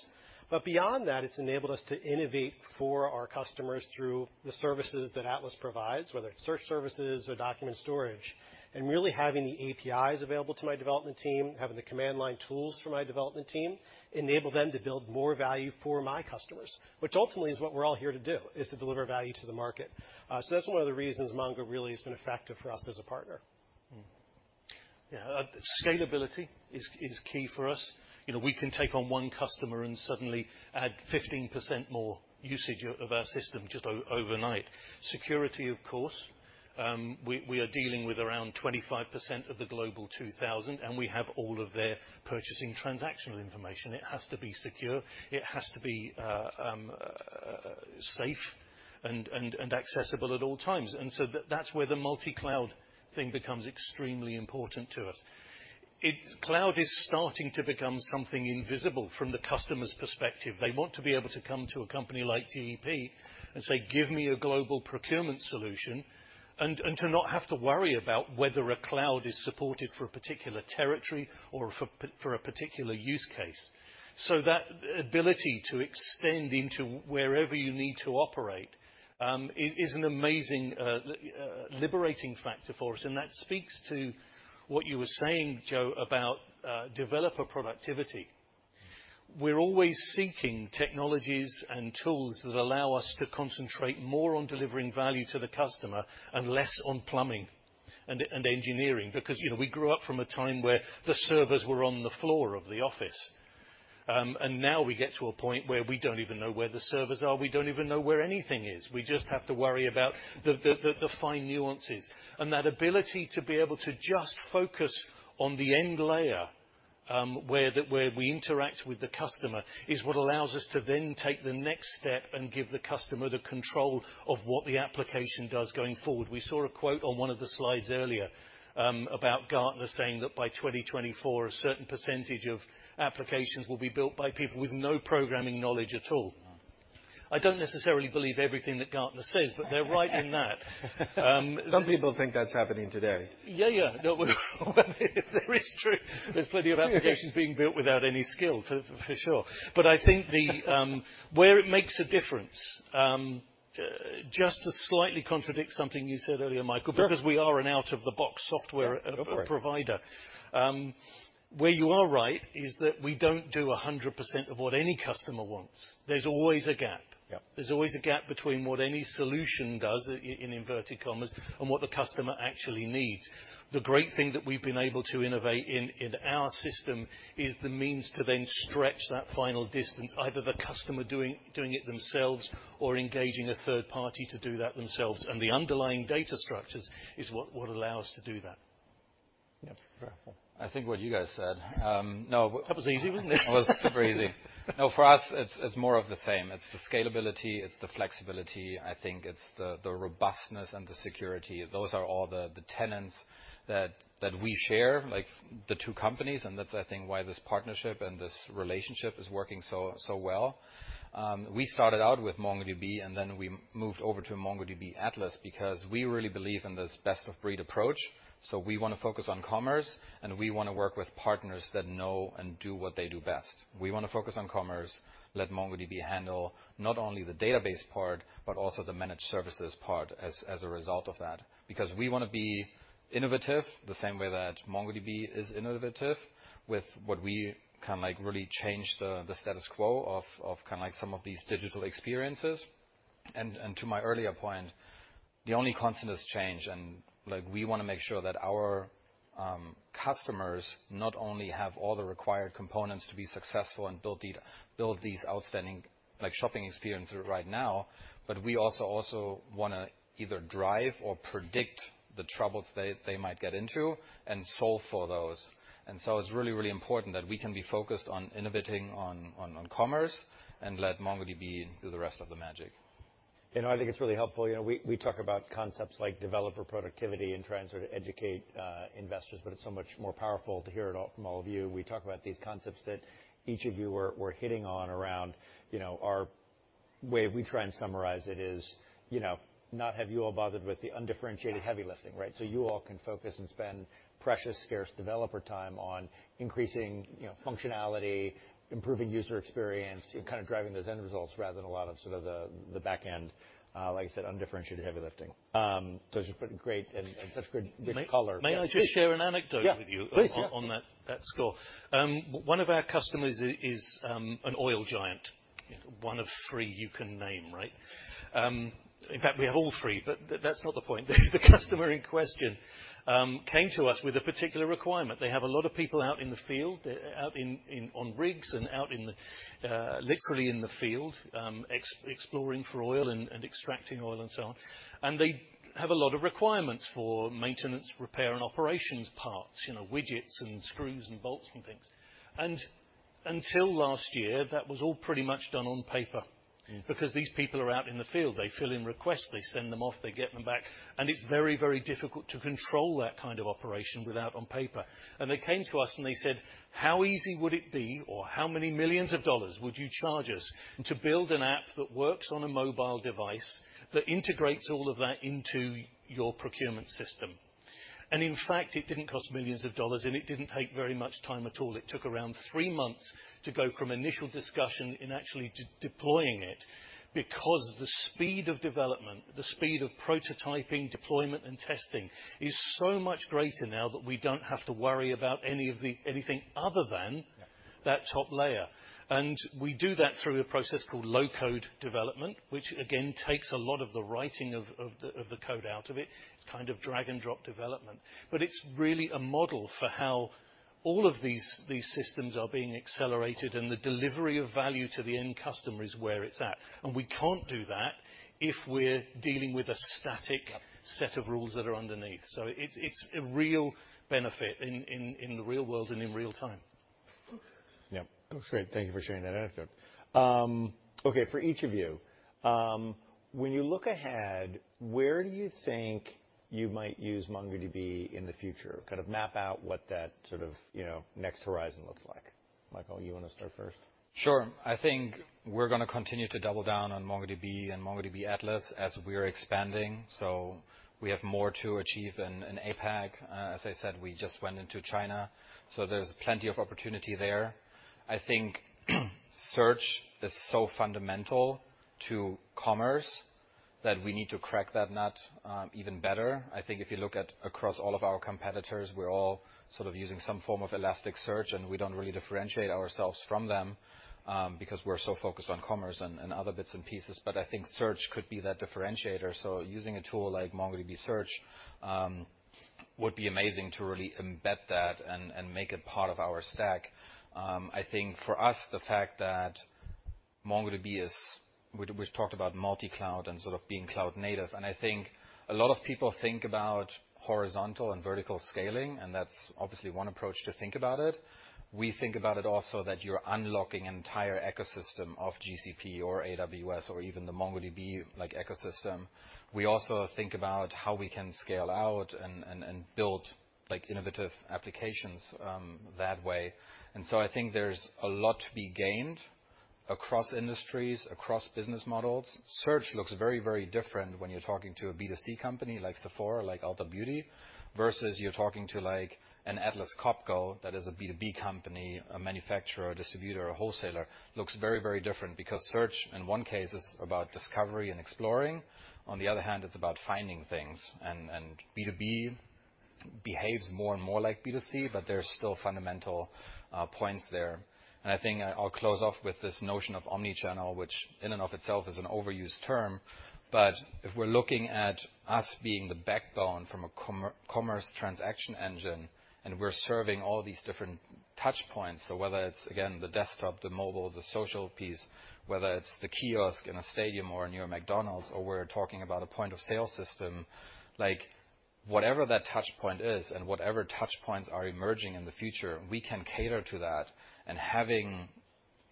Beyond that, it's enabled us to innovate for our customers through the services that Atlas provides, whether it's search services or document storage. Really having the APIs available to my development team, having the command line tools for my development team, enable them to build more value for my customers, which ultimately is what we're all here to do, is to deliver value to the market. That's one of the reasons Mongo really has been effective for us as a partner. Mm-hmm. Scalability is key for us. You know, we can take on one customer and suddenly add 15% more usage of our system just overnight. Security, of course. We are dealing with around 25% of the Forbes Global 2000, and we have all of their purchasing transactional information. It has to be secure, it has to be safe and accessible at all times. That's where the multi-cloud thing becomes extremely important to us. Cloud is starting to become something invisible from the customer's perspective. They want to be able to come to a company like GEP and say, "Give me a global procurement solution," and to not have to worry about whether a cloud is supported for a particular territory or for a particular use case. That ability to extend into wherever you need to operate, is an amazing, liberating factor for us, and that speaks to what you were saying, Joe, about developer productivity. We're always seeking technologies and tools that allow us to concentrate more on delivering value to the customer and less on plumbing and engineering, because, you know, we grew up from a time where the servers were on the floor of the office. Now we get to a point where we don't even know where the servers are, we don't even know where anything is. We just have to worry about the fine nuances. That ability to be able to just focus on the end layer-... where the, where we interact with the customer is what allows us to then take the next step and give the customer the control of what the application does going forward. We saw a quote on one of the slides earlier, about Gartner saying that by 2024, a certain % of applications will be built by people with no programming knowledge at all. I don't necessarily believe everything that Gartner says, but they're right in that. Some people think that's happening today. Yeah, yeah. No, it is true, there's plenty of applications being built without any skill, for sure. I think the, where it makes a difference, just to slightly contradict something you said earlier, Michael. Sure. We are an out-of-the-box software. Yeah, go for it.... provider. Where you are right, is that we don't do a hundred percent of what any customer wants. There's always a gap. Yeah. There's always a gap between what any solution does, in inverted commas, and what the customer actually needs. The great thing that we've been able to innovate in our system is the means to then stretch that final distance, either the customer doing it themselves, or engaging a third party to do that themselves. The underlying data structures is what allow us to do that. Yeah, very well. I think what you guys said. That was easy, wasn't it? It was super easy. For us, it's more of the same. It's the scalability, it's the flexibility. I think it's the robustness and the security. Those are all the tenants that we share, like, the two companies, and that's, I think, why this partnership and this relationship is working so well. We started out with MongoDB, and then we moved over to MongoDB Atlas because we really believe in this best-of-breed approach. We wanna focus on commerce, and we wanna work with partners that know and do what they do best. We wanna focus on commerce, let MongoDB handle not only the database part, but also the managed services part as a result of that. Because we wanna be innovative, the same way that MongoDB is innovative, with what we can, like, really change the status quo of kind of like some of these digital experiences. To my earlier point, the only constant is change, and, like, we wanna make sure that our customers not only have all the required components to be successful and build these outstanding, like, shopping experiences right now, but we also wanna either drive or predict the troubles they might get into and solve for those. It's really, really important that we can be focused on innovating on commerce and let MongoDB do the rest of the magic. You know, I think it's really helpful. You know, we talk about concepts like developer productivity and trying to educate investors, but it's so much more powerful to hear it all from all of you. We talk about these concepts that each of you were hitting on around, you know, our way we try and summarize it is, you know, not have you all bothered with the undifferentiated heavy lifting, right? You all can focus and spend precious, scarce developer time on increasing, you know, functionality, improving user experience, and kind of driving those end results rather than a lot of sort of the back end, like I said, undifferentiated heavy lifting. Just put great and such good rich color. May I just share an anecdote with you? Yeah, please, yeah.... on that score? One of our customers is an oil giant, one of thre you can name, right? In fact, we have all three, but that's not the point. The customer in question came to us with a particular requirement. They have a lot of people out in the field, out in on rigs and out in the literally in the field, exploring for oil and extracting oil and so on. They have a lot of requirements for maintenance, repair, and operations parts, you know, widgets and screws and bolts and things. Until last year, that was all pretty much done on paper- Mm... because these people are out in the field, they fill in requests, they send them off, they get them back, and it's very, very difficult to control that kind of operation without on paper. They came to us, and they said: How easy would it be, or how many millions of dollars would you charge us to build an app that works on a mobile device, that integrates all of that into your procurement system? In fact, it didn't cost millions of dollars, and it didn't take very much time at all. It took around three months to go from initial discussion in actually deploying it, because the speed of development, the speed of prototyping, deployment, and testing is so much greater now that we don't have to worry about anything other than- Yeah We do that through a process called low-code development, which again, takes a lot of the writing of the code out of it. It's kind of drag and drop development. It's really a model for how all of these systems are being accelerated, and the delivery of value to the end customer is where it's at. We can't do that if we're dealing with a static- Yeah... set of rules that are underneath. It's a real benefit in the real world and in real time. Yep. Great, thank you for sharing that anecdote. Okay, for each of you, when you look ahead, where do you think you might use MongoDB in the future? Kind of map out what that sort of, you know, next horizon looks like. Michael, you want to start first? Sure. I think we're gonna continue to double down on MongoDB and MongoDB Atlas as we are expanding. We have more to achieve in APAC. As I said, we just went into China, so there's plenty of opportunity there. I think, search is so fundamental to commerce that we need to crack that nut even better. I think if you look at across all of our competitors, we're all sort of using some form of Elasticsearch, and we don't really differentiate ourselves from them because we're so focused on commerce and other bits and pieces. I think search could be that differentiator, so using a tool like MongoDB Search would be amazing to really embed that and make it part of our stack. I think for us, the fact that we... MongoDB is, we've talked about multi-cloud and sort of being cloud native, and I think a lot of people think about horizontal and vertical scaling, and that's obviously one approach to think about it. We think about it also that you're unlocking an entire ecosystem of GCP or AWS or even the MongoDB, like, ecosystem. We also think about how we can scale out and build, like, innovative applications that way. I think there's a lot to be gained across industries, across business models. Search looks very, very different when you're talking to a B2C company like Sephora or like Ulta Beauty, versus you're talking to like an Atlas Copco, that is a B2B company, a manufacturer or distributor or wholesaler, looks very, very different because search, in one case, is about discovery and exploring. On the other hand, it's about finding things, and B2B behaves more and more like B2C, but there are still fundamental points there. I think I'll close off with this notion of omni-channel, which in and of itself is an overused term. If we're looking at us being the backbone from a commerce transaction engine, and we're serving all these different touchpoints, so whether it's, again, the desktop, the mobile, the social piece, whether it's the kiosk in a stadium or in your McDonald's, or we're talking about a point-of-sale system, like whatever that touchpoint is and whatever touchpoints are emerging in the future, we can cater to that. Having,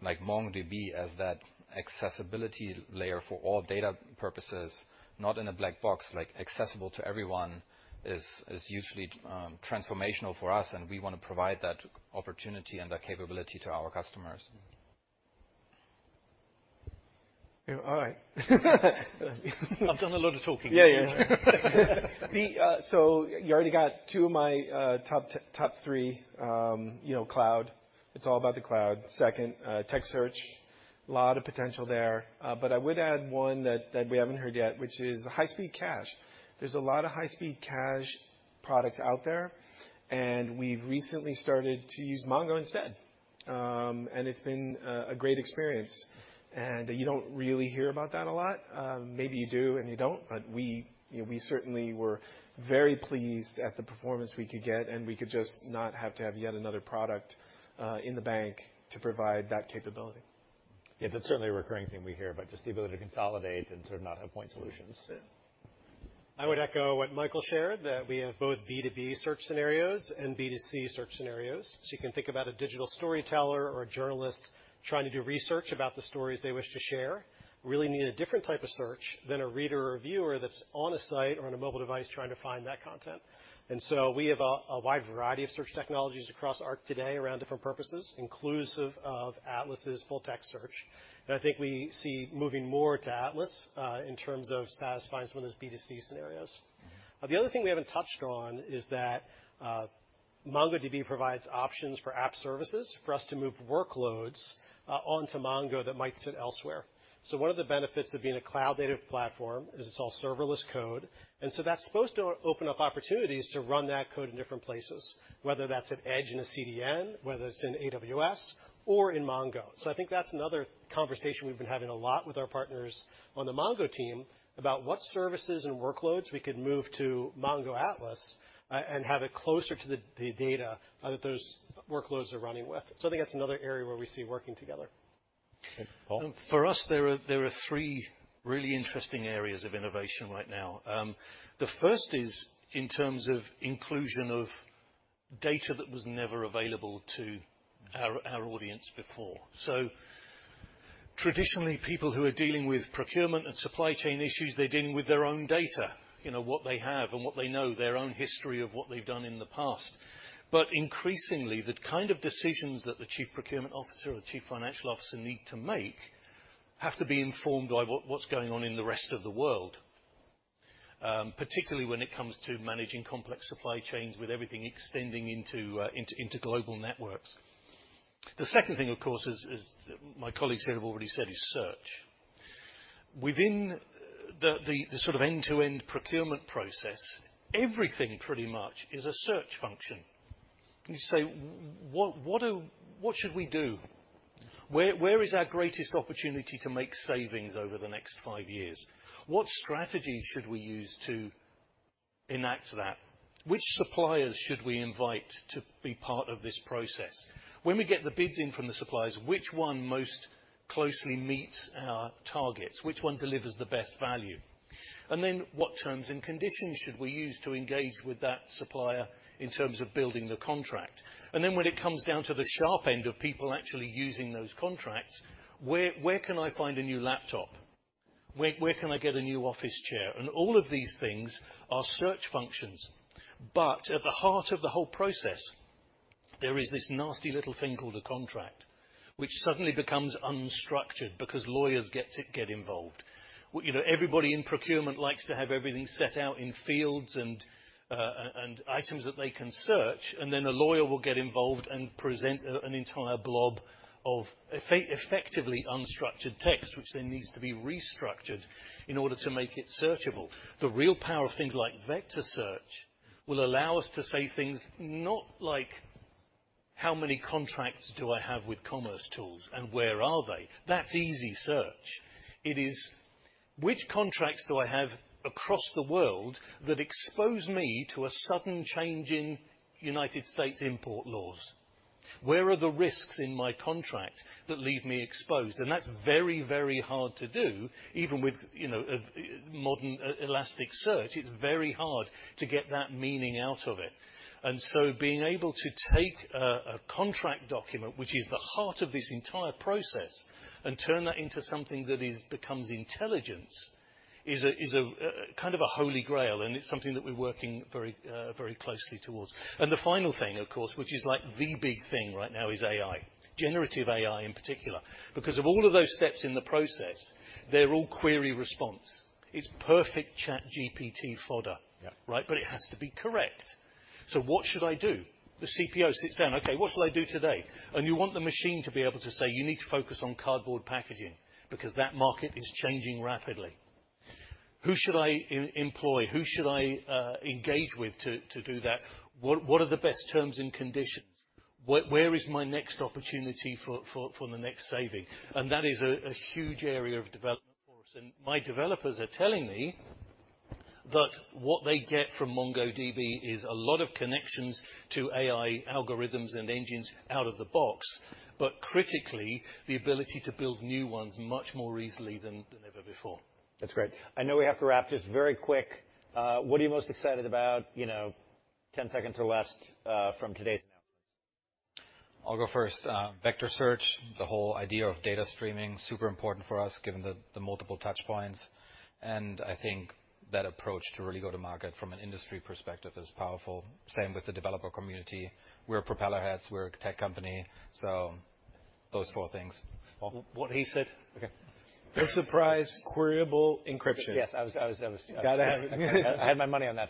like, MongoDB as that accessibility layer for all data purposes, not in a black box, like accessible to everyone, is usually transformational for us, and we want to provide that opportunity and that capability to our customers. All right. I've done a lot of talking. Yeah, yeah. The, so you already got two of my top three, you know, cloud. It's all about the cloud. Second, tech search. A lot of potential there, but I would add one that we haven't heard yet, which is the high-speed cache. There's a lot of high-speed cache products out there, and we've recently started to use Mongo instead. It's been a great experience, and you don't really hear about that a lot. Maybe you do and you don't, but we, you know, we certainly were very pleased at the performance we could get, and we could just not have to have yet another product in the bank to provide that capability. Yeah, that's certainly a recurring thing we hear about, just the ability to consolidate and sort of not have point solutions. Yeah. I would echo what Michael shared, that we have both B2B search scenarios and B2C search scenarios. You can think about a digital storyteller or a journalist trying to do research about the stories they wish to share, really need a different type of search than a reader or viewer that's on a site or on a mobile device trying to find that content. We have a wide variety of search technologies across Arc today around different purposes, inclusive of Atlas's full text search. I think we see moving more to Atlas in terms of satisfying some of those B2C scenarios. The other thing we haven't touched on is that MongoDB provides options for app services, for us to move workloads onto Mongo that might sit elsewhere. One of the benefits of being a cloud-native platform is it's all serverless code, that's supposed to open up opportunities to run that code in different places, whether that's at edge in a CDN, whether it's in AWS or in Mongo. I think that's another conversation we've been having a lot with our partners on the Mongo team about what services and workloads we could move to Mongo Atlas, and have it closer to the data that those workloads are running with. I think that's another area where we see working together. Paul? For us, there are three really interesting areas of innovation right now. The first is in terms of inclusion of data that was never available to our audience before. Traditionally, people who are dealing with procurement and supply chain issues, they're dealing with their own data. You know, what they have and what they know, their own history of what they've done in the past. Increasingly, the kind of decisions that the chief procurement officer or chief financial officer need to make have to be informed by what's going on in the rest of the world, particularly when it comes to managing complex supply chains, with everything extending into global networks. The second thing, of course, as my colleagues here have already said, is search. Within the sort of end-to-end procurement process, everything pretty much is a search function. You say, "What should we do? Where is our greatest opportunity to make savings over the next five years? What strategy should we use to enact that? Which suppliers should we invite to be part of this process? When we get the bids in from the suppliers, which one most closely meets our targets? Which one delivers the best value? What terms and conditions should we use to engage with that supplier in terms of building the contract?" When it comes down to the sharp end of people actually using those contracts, "Where can I find a new laptop? Where can I get a new office chair?" All of these things are search functions, but at the heart of the whole process, there is this nasty little thing called a contract, which suddenly becomes unstructured because lawyers get to get involved. Either everybody in procurement likes to have everything set out in fields and items that they can search, and then a lawyer will get involved and present a, an entire blob of effectively unstructured text, which then needs to be restructured in order to make it searchable. The real power of things like vector search will allow us to say things not like: How many contracts do I have with commercetools, and where are they? That's easy search. Which contracts do I have across the world that expose me to a sudden change in United States import laws? Where are the risks in my contract that leave me exposed? That's very, very hard to do, even with, you know, a modern Elasticsearch, it's very hard to get that meaning out of it. So being able to take a contract document, which is the heart of this entire process, and turn that into something that becomes intelligent, is a kind of a holy grail, and it's something that we're working very closely towards. The final thing, of course, which is like the big thing right now, is AI, generative AI in particular. Because of all of those steps in the process, they're all query response. It's perfect ChatGPT fodder. Yeah. Right? It has to be correct. What should I do? The CPO sits down, "Okay, what shall I do today?" You want the machine to be able to say, "You need to focus on cardboard packaging, because that market is changing rapidly." Who should I employ? Who should I engage with to do that? What are the best terms and conditions? Where is my next opportunity for the next saving? That is a huge area of development for us. My developers are telling me that what they get from MongoDB is a lot of connections to AI algorithms and engines out of the box, but critically, the ability to build new ones much more easily than ever before. That's great. I know we have to wrap just very quick. What are you most excited about, you know, 10 seconds or less, from today's announcement? I'll go first. Vector search, the whole idea of data streaming, super important for us, given the multiple touch points. I think that approach to really go to market from an industry perspective is powerful. Same with the developer community. We're propeller heads, we're a tech company, those four things. Well, what he said. Okay. No surprise, Queryable Encryption. Yes, I was. Gotta have it. I had my money on that.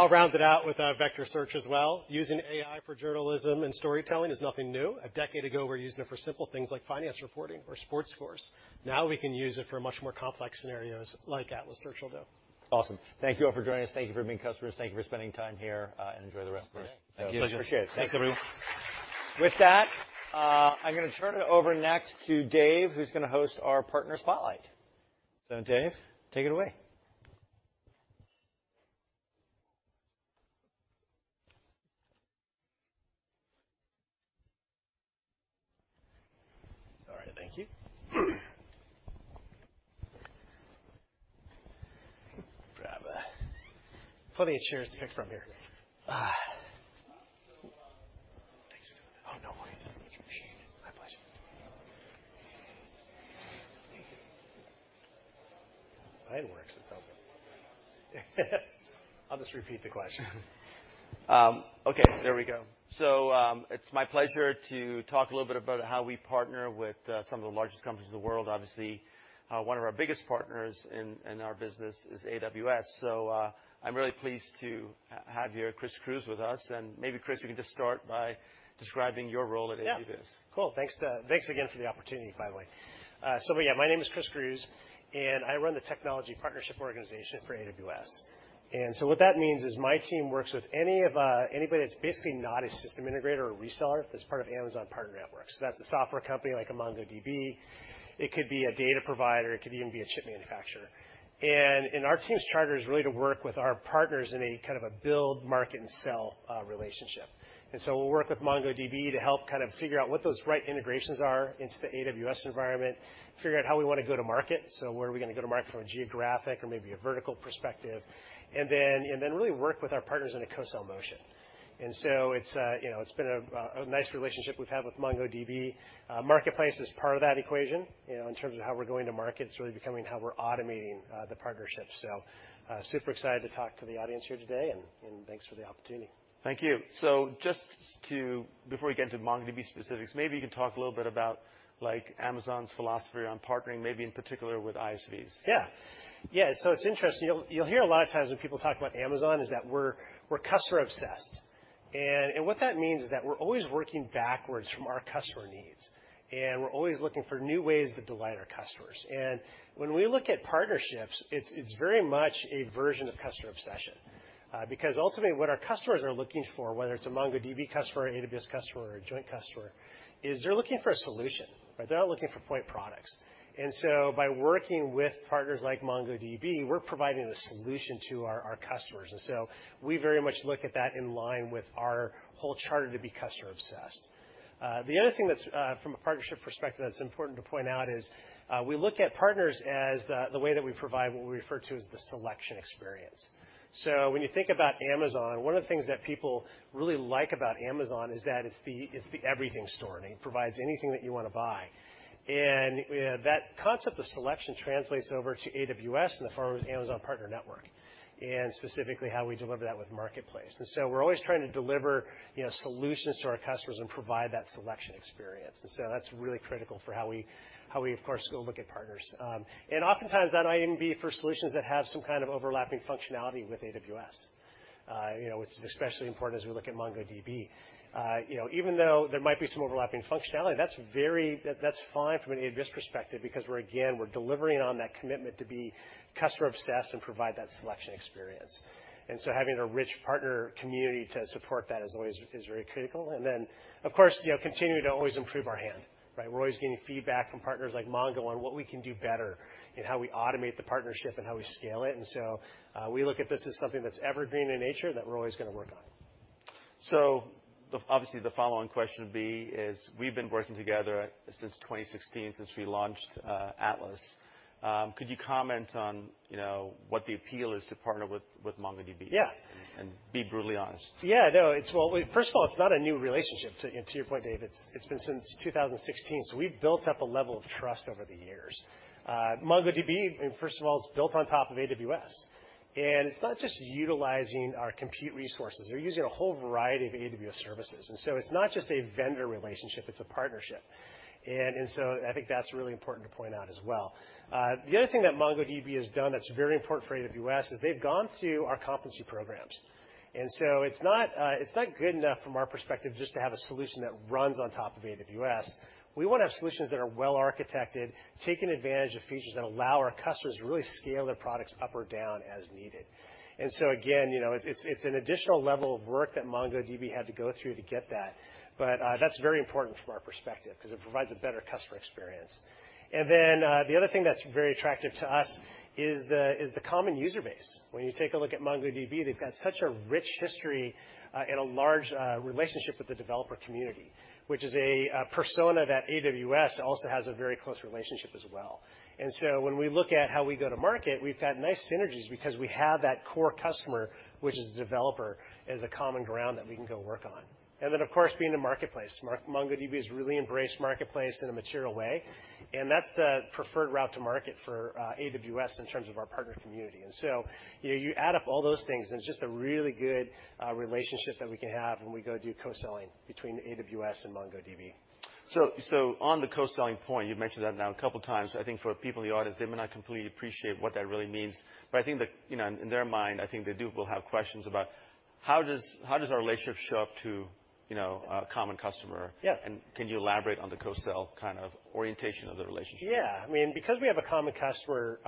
I'll round it out with vector search as well. Using AI for journalism and storytelling is nothing new. A decade ago, we were using it for simple things like finance reporting or sports scores. Now, we can use it for much more complex scenarios like Atlas Search will do. Awesome. Thank you all for joining us. Thank you for being customers. Thank you for spending time here. Enjoy the rest of the day. Thank you. Appreciate it. Thanks, everyone. With that, I'm gonna turn it over next to Dave, who's gonna host our partner spotlight. Dave, take it away.. Okay, there we go. It's my pleasure to talk a little bit about how we partner with some of the largest companies in the world. Obviously, one of our biggest partners in our business is AWS. I'm really pleased to have here Chris Grusz with us. Maybe, Chris, we can just start by describing your role at AWS. Yeah. Cool. Thanks, thanks again for the opportunity, by the way. Yeah, my name is Chris Grusz, and I run the technology partnership organization for AWS. What that means is my team works with any of anybody that's basically not a system integrator or reseller, that's part of AWS Partner Network. That's a software company like a MongoDB. It could be a data provider, it could even be a chip manufacturer. Our team's charter is really to work with our partners in a kind of a build, market, and sell relationship. We'll work with MongoDB to help kind of figure out what those right integrations are into the AWS environment, figure out how we wanna go to market. Where are we gonna go to market from a geographic or maybe a vertical perspective, and then really work with our partners in a co-sell motion. It's, you know, it's been a nice relationship we've had with MongoDB. Marketplace is part of that equation. You know, in terms of how we're going to market, it's really becoming how we're automating the partnership. Super excited to talk to the audience here today and thanks for the opportunity. Thank you. Before we get into MongoDB specifics, maybe you can talk a little bit about, like, Amazon's philosophy on partnering, maybe in particular with ISVs. It's interesting. You'll hear a lot of times when people talk about Amazon, is that we're customer obsessed. What that means is that we're always working backwards from our customer needs, and we're always looking for new ways to delight our customers. When we look at partnerships, it's very much a version of customer obsession. Because ultimately, what our customers are looking for, whether it's a MongoDB customer, or AWS customer, or a joint customer, is they're looking for a solution, right? They're not looking for point products. By working with partners like MongoDB, we're providing a solution to our customers. We very much look at that in line with our whole charter to be customer obsessed. The other thing that's from a partnership perspective, that's important to point out is we look at partners as the way that we provide what we refer to as the selection experience. When you think about Amazon, one of the things that people really like about Amazon is that it's the, it's the everything store, and it provides anything that you wanna buy. That concept of selection translates over to AWS in the form of Amazon Partner Network, and specifically how we deliver that with Marketplace. We're always trying to deliver, you know, solutions to our customers and provide that selection experience. That's really critical for how we, of course, go look at partners. Oftentimes that might even be for solutions that have some kind of overlapping functionality with AWS. You know, it's especially important as we look at MongoDB. You know, even though there might be some overlapping functionality, that's fine from an AWS perspective, because we're, again, we're delivering on that commitment to be customer obsessed and provide that selection experience. Having a rich partner community to support that is always, is very critical. Then, of course, you know, continuing to always improve. Right, we're always getting feedback from partners like Mongo on what we can do better, and how we automate the partnership and how we scale it. So, we look at this as something that's evergreen in nature, that we're always gonna work on. Obviously, the follow-on question would be is we've been working together since 2016, since we launched Atlas. Could you comment on, you know, what the appeal is to partner with MongoDB? Yeah. be brutally honest. No, well, first of all, it's not a new relationship. To your point, Dave, it's been since 2016, so we've built up a level of trust over the years. MongoDB, first of all, is built on top of AWS. It's not just utilizing our compute resources, they're using a whole variety of AWS services. It's not just a vendor relationship, it's a partnership. I think that's really important to point out as well. The other thing that MongoDB has done that's very important for AWS, is they've gone through our competency programs. It's not good enough from our perspective, just to have a solution that runs on top of AWS. We wanna have solutions that are well architected, taking advantage of features that allow our customers to really scale their products up or down as needed. Again, you know, it's an additional level of work that MongoDB had to go through to get that, but that's very important from our perspective because it provides a better customer experience. The other thing that's very attractive to us is the common user base. When you take a look at MongoDB, they've got such a rich history and a large relationship with the developer community, which is a persona that AWS also has a very close relationship as well. When we look at how we go to market, we've got nice synergies because we have that core customer, which is the developer, as a common ground that we can go work on. Of course, being in the Marketplace. MongoDB has really embraced Marketplace in a material way, and that's the preferred route to market for AWS in terms of our partner community. You know, you add up all those things, and it's just a really good relationship that we can have when we go do co-selling between AWS and MongoDB. On the co-selling point, you've mentioned that now a couple of times. I think for people in the audience, they may not completely appreciate what that really means, but I think that, you know, in their mind, I think they will have questions about: How does our relationship show up to, you know, a common customer? Yeah. Can you elaborate on the co-sell kind of orientation of the relationship? Yeah. I mean, because we have a common customer,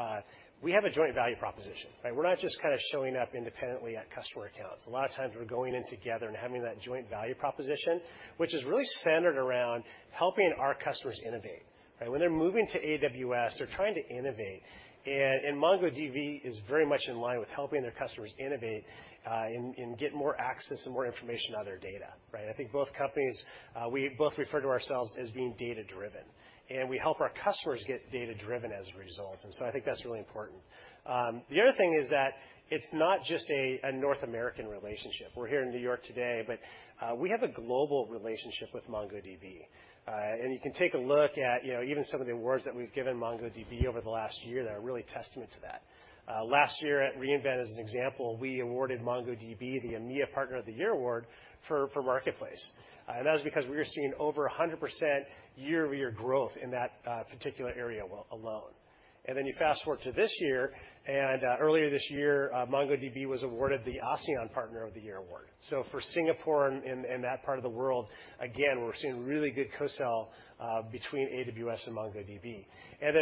we have a joint value proposition, right? We're not just kind of showing up independently at customer accounts. A lot of times, we're going in together and having that joint value proposition, which is really centered around helping our customers innovate, right? When they're moving to AWS, they're trying to innovate, and MongoDB is very much in line with helping their customers innovate, and get more access and more information on their data, right? I think both companies, we both refer to ourselves as being data-driven, and we help our customers get data-driven as a result. I think that's really important. The other thing is that it's not just a North American relationship. We're here in New York today. We have a global relationship with MongoDB. You can take a look at, you know, even some of the awards that we've given MongoDB over the last year that are really a testament to that. Last year at re:Invent, as an example, we awarded MongoDB the EMEA Partner of the Year Award for Marketplace. That was because we were seeing over 100% year-over-year growth in that particular area alone. You fast-forward to this year, earlier this year, MongoDB was awarded the ASEAN Partner of the Year Award. For Singapore and that part of the world, again, we're seeing really good co-sell between AWS and MongoDB.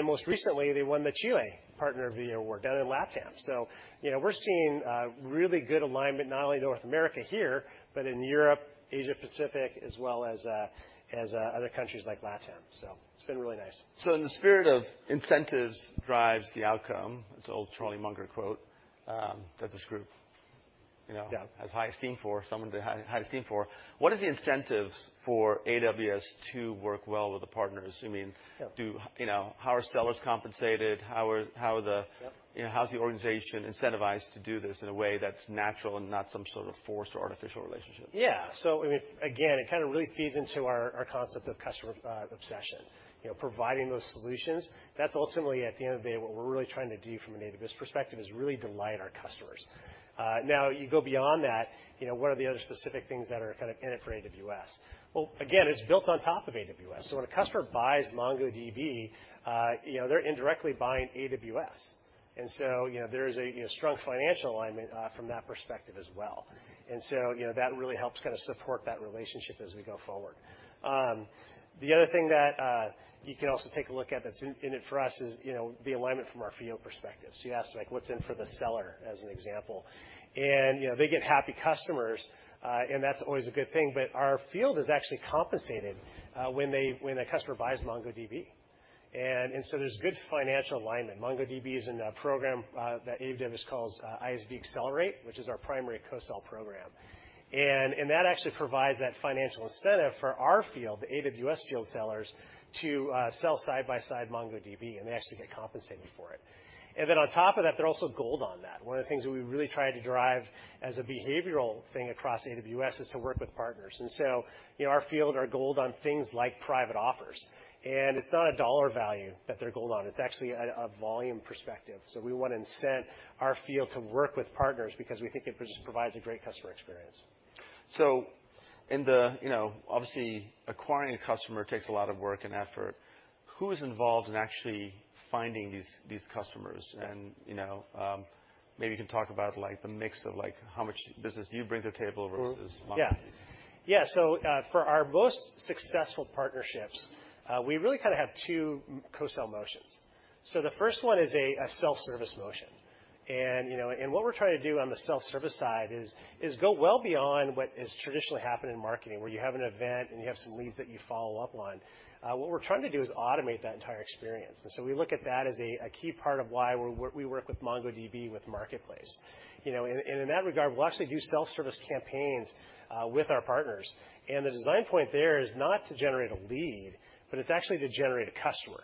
Most recently, they won the Chile Partner of the Year Award down in LATAM. You know, we're seeing really good alignment, not only in North America here, but in Europe, Asia Pacific, as well as other countries like LATAM. It's been really nice. In the spirit of incentives drives the outcome, it's an old Charlie Munger quote that this group. Yeah... has high esteem for, someone they have high esteem for. What are the incentives for AWS to work well with the partners? I mean... Yeah... do you know, how are sellers compensated? Yep you know, how is the organization incentivized to do this in a way that's natural and not some sort of forced or artificial relationships? I mean, again, it kind of really feeds into our concept of customer obsession. You know, providing those solutions, that's ultimately, at the end of the day, what we're really trying to do from an AWS perspective, is really delight our customers. Now, you go beyond that, you know, what are the other specific things that are kind of in it for AWS? Well, again, it's built on top of AWS. When a customer buys MongoDB, you know, they're indirectly buying AWS. There is a strong financial alignment from that perspective as well. That really helps kind of support that relationship as we go forward. The other thing that, you can also take a look at that's in it for us is, you know, the alignment from our field perspective. So you asked, like, what's in it for the seller, as an example. You know, they get happy customers, and that's always a good thing, but our field is actually compensated when the customer buys MongoDB. There's good financial alignment. MongoDB is in a program that AWS calls ISV Accelerate, which is our primary co-sell program. That actually provides that financial incentive for our field, the AWS field sellers, to sell side by side MongoDB, and they actually get compensated for it. On top of that, they're also gold on that. One of the things that we really try to drive as a behavioral thing across AWS is to work with partners. You know, our field are gold on things like private offers, and it's not a dollar value that they're gold on. It's actually a volume perspective. We want to incent our field to work with partners because we think it just provides a great customer experience. You know, obviously, acquiring a customer takes a lot of work and effort. Who is involved in actually finding these customers? You know, maybe you can talk about, like, the mix of, like, how much business you bring to the table versus MongoDB. Yeah. Yeah, for our most successful partnerships, we really kind of have two co-sell motions. The first one is a self-service motion. You know, and what we're trying to do on the self-service side is go well beyond what has traditionally happened in marketing, where you have an event and you have some leads that you follow up on. What we're trying to do is automate that entire experience, and so we look at that as a key part of why we work with MongoDB with Marketplace. You know, and, in that regard, we'll actually do self-service campaigns with our partners, and the design point there is not to generate a lead, but it's actually to generate a customer.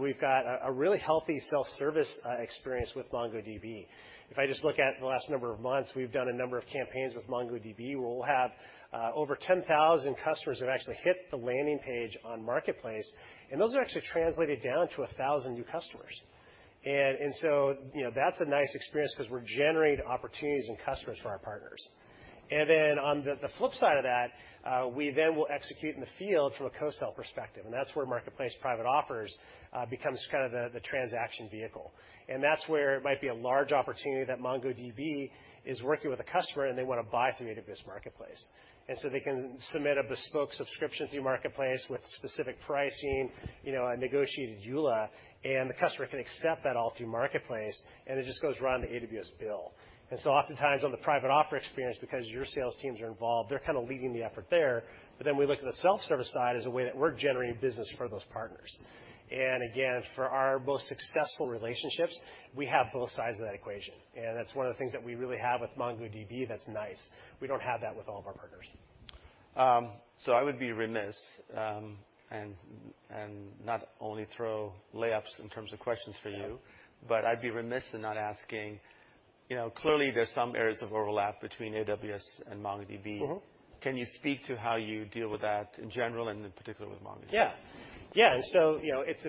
We've got a really healthy self-service experience with MongoDB. If I just look at the last number of months, we've done a number of campaigns with MongoDB, where we'll have over 10,000 customers that actually hit the landing page on Marketplace. Those are actually translated down to 1,000 new customers. You know, that's a nice experience 'cause we're generating opportunities and customers for our partners. On the flip side of that, we then will execute in the field from a co-sell perspective, and that's where Marketplace private offers becomes kind of the transaction vehicle. That's where it might be a large opportunity that MongoDB is working with a customer, and they wanna buy through AWS Marketplace. They can submit a bespoke subscription through Marketplace with specific pricing, you know, a negotiated EULA, and the customer can accept that all through Marketplace, and it just goes right on the AWS bill. Oftentimes on the private offer experience, because your sales teams are involved, they're kind of leading the effort there. We look at the self-service side as a way that we're generating business for those partners. Again, for our most successful relationships, we have both sides of that equation, and that's one of the things that we really have with MongoDB that's nice. We don't have that with all of our partners. I would be remiss, and not only throw layups in terms of questions for you. Yeah. I'd be remiss in not asking, you know, clearly there's some areas of overlap between AWS and MongoDB. Mm-hmm. Can you speak to how you deal with that in general and in particular with MongoDB? Yeah. Yeah, you know, it's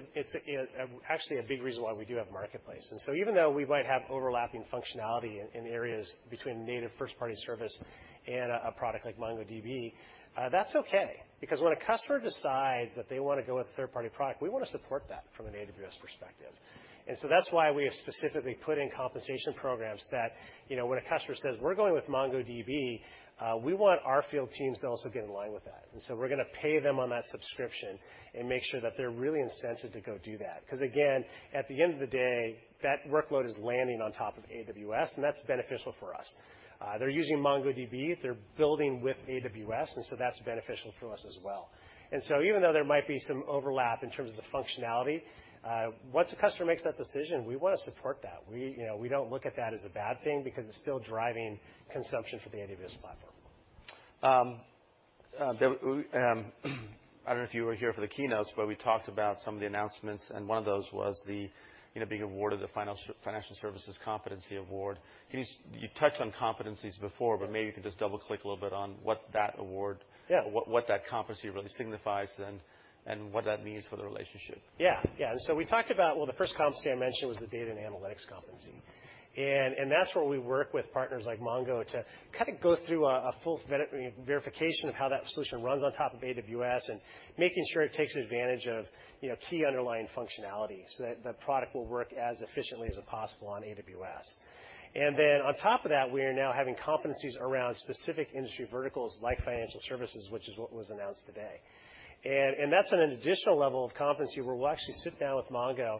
actually a big reason why we do have Marketplace, even though we might have overlapping functionality in areas between native first-party service and a product like MongoDB, that's okay because when a customer decides that they want to go with a third-party product, we want to support that from an AWS perspective. That's why we have specifically put in compensation programs that, you know, when a customer says, "We're going with MongoDB," we want our field teams to also get in line with that. We're gonna pay them on that subscription and make sure that they're really incented to go do that. 'Cause again, at the end of the day, that workload is landing on top of AWS. That's beneficial for us. They're using MongoDB, they're building with AWS, that's beneficial for us as well. Even though there might be some overlap in terms of the functionality, once a customer makes that decision, we wanna support that. We, you know, we don't look at that as a bad thing because it's still driving consumption for the AWS platform. I don't know if you were here for the keynotes, but we talked about some of the announcements, and one of those was the, you know, being awarded the financial services competency award. You touched on competencies before. Yeah. maybe you can just double-click a little bit on what that. Yeah. what that competency really signifies then and what that means for the relationship. Yeah. Yeah. We talked about... Well, the first competency I mentioned was the data and analytics competency. That's where we work with partners like Mongo to kind of go through a verification of how that solution runs on top of AWS and making sure it takes advantage of, you know, key underlying functionality so that the product will work as efficiently as possible on AWS. Then on top of that, we are now having competencies around specific industry verticals like financial services, which is what was announced today. That's on an additional level of competency, where we'll actually sit down with Mongo,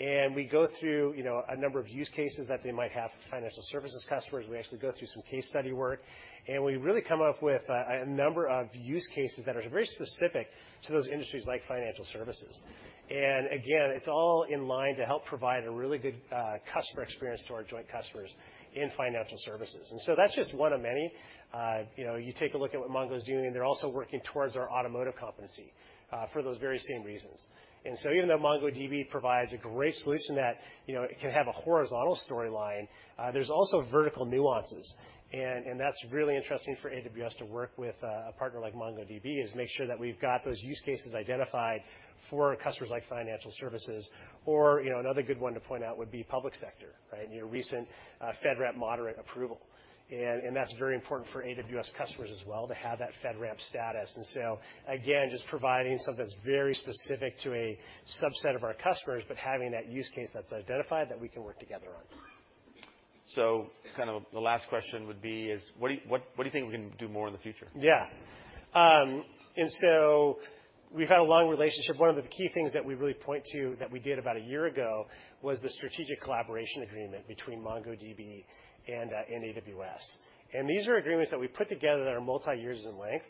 and we go through, you know, a number of use cases that they might have for financial services customers. We actually go through some case study work, we really come up with a number of use cases that are very specific to those industries like financial services. Again, it's all in line to help provide a really good customer experience to our joint customers in financial services. That's just one of many. You know, you take a look at what MongoDB is doing, and they're also working towards our automotive competency for those very same reasons. Even though MongoDB provides a great solution that, you know, it can have a horizontal storyline, there's also vertical nuances, and that's really interesting for AWS to work with a partner like MongoDB, is make sure that we've got those use cases identified for customers like financial services. You know, another good one to point out would be public sector, right? You know, recent FedRAMP moderate approval, and that's very important for AWS customers as well, to have that FedRAMP status. Again, just providing something that's very specific to a subset of our customers, but having that use case that's identified that we can work together on. kind of the last question would be is: what do you think we can do more in the future? Yeah. We've had a long relationship. One of the key things that we really point to that we did about a year ago was the Strategic Collaboration Agreement between MongoDB and AWS. These are agreements that we put together that are multi-years in length.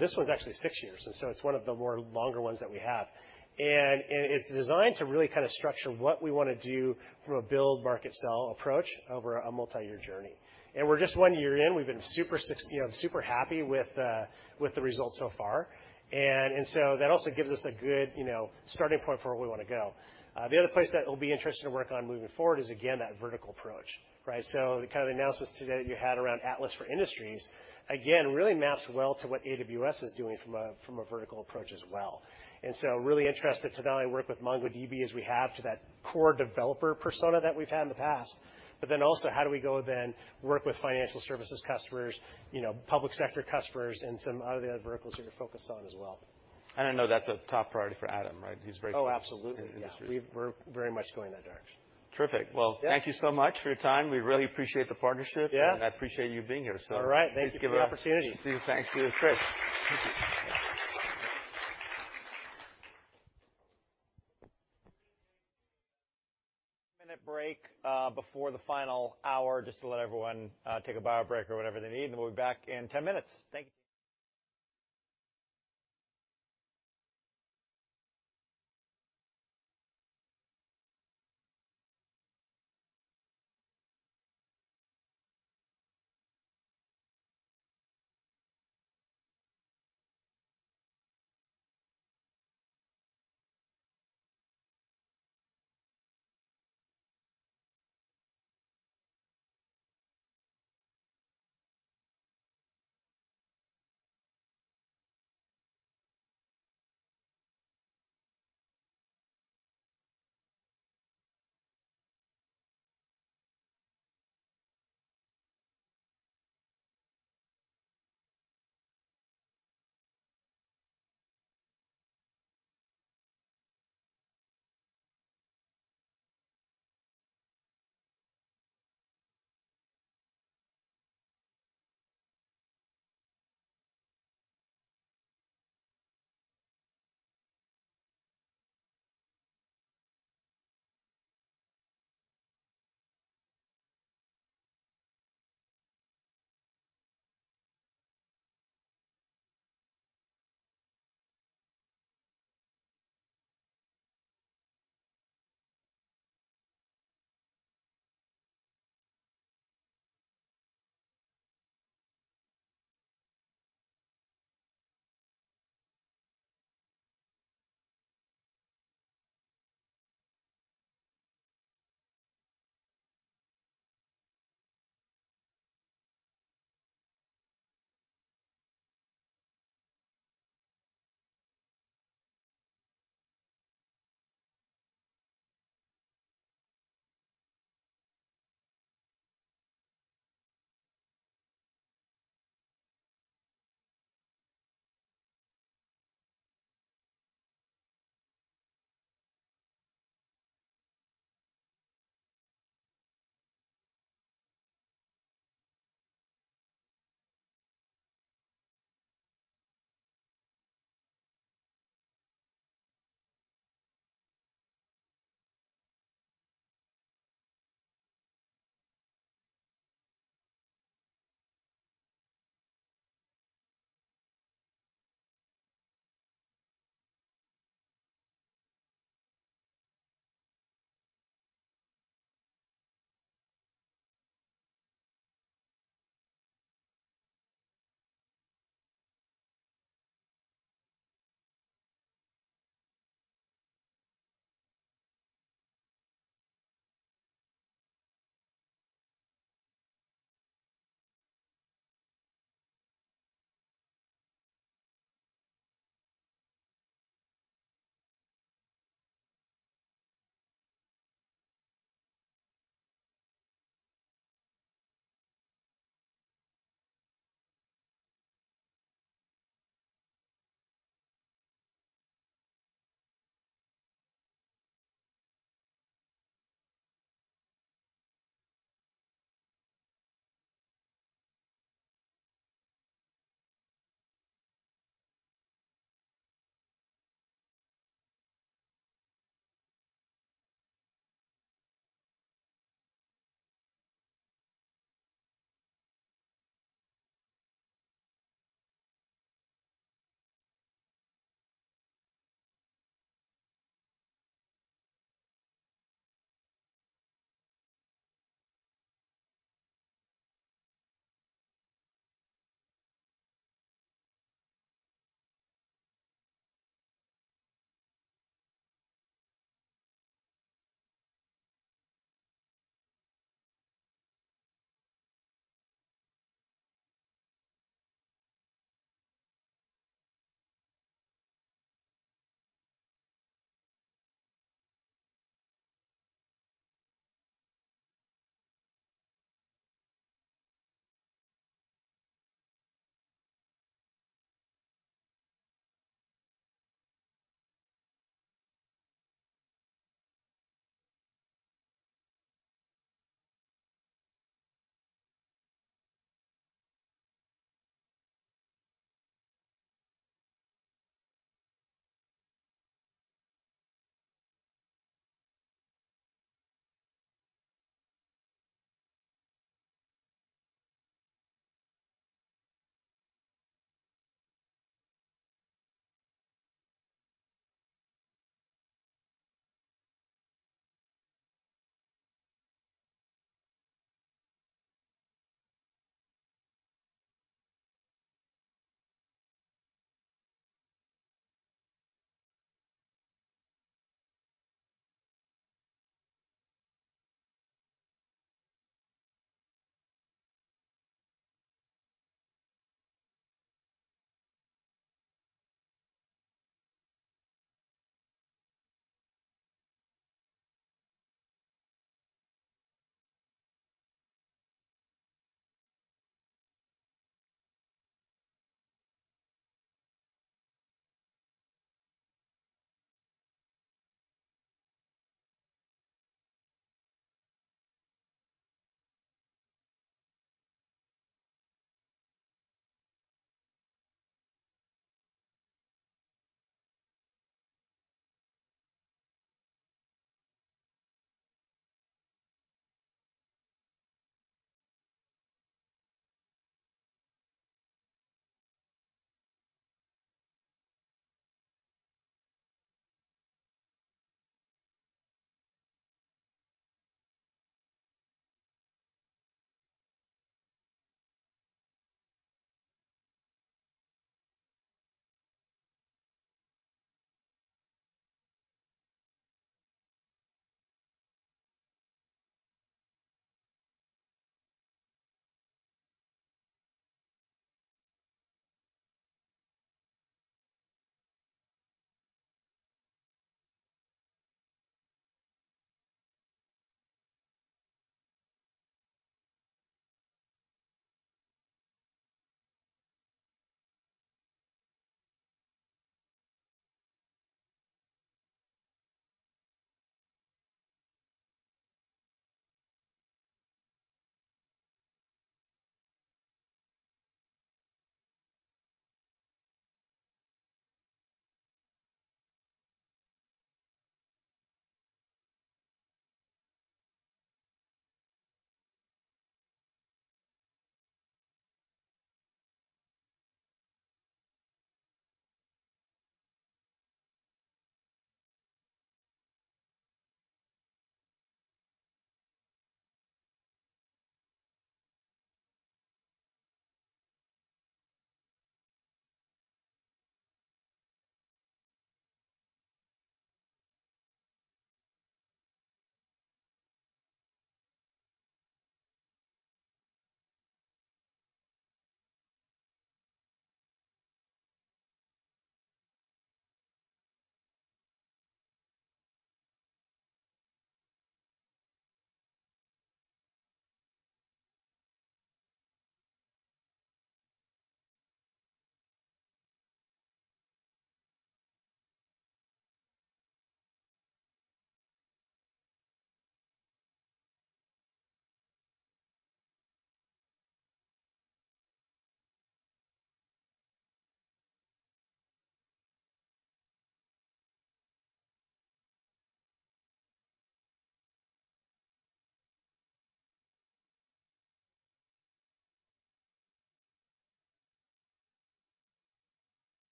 This one's actually six years, it's one of the more longer ones that we have. It's designed to really kind of structure what we want to do from a build, market, sell approach over a multi-year journey. We're just one year in. We've been, you know, super happy with the results so far. That also gives us a good, you know, starting point for where we want to go. The other place that it'll be interesting to work on moving forward is again, that vertical approach, right? The kind of announcements today that you had around Atlas for Industries, again, really maps well to what AWS is doing from a, from a vertical approach as well. Really interested to not only work with MongoDB as we have to that core developer persona that we've had in the past, also, how do we go then work with financial services customers, you know, public sector customers, and some of the other verticals that you're focused on as well? I know that's a top priority for Adam, right? He's Oh, absolutely. -industry. We're very much going in that direction. Terrific. Yeah. Well, thank you so much for your time. We really appreciate the partnership. Yeah. I appreciate you being here, so. All right. Thank you for the opportunity. Please thanks to Chris. ... minute break, before the final hour, just to let everyone, take a bio break or whatever they need, and we'll be back in 10 minutes. Thank you.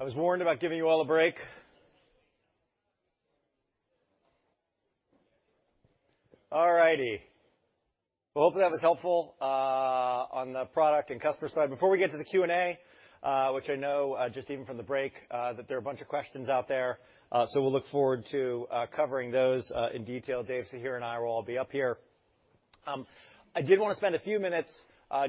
I was warned about giving you all a break. All righty. Well, hopefully, that was helpful on the product and customer side. Before we get to the Q&A, which I know just even from the break, that there are a bunch of questions out there, so we'll look forward to covering those in detail. Dave, Sahir, and I will all be up here. I did want to spend a few minutes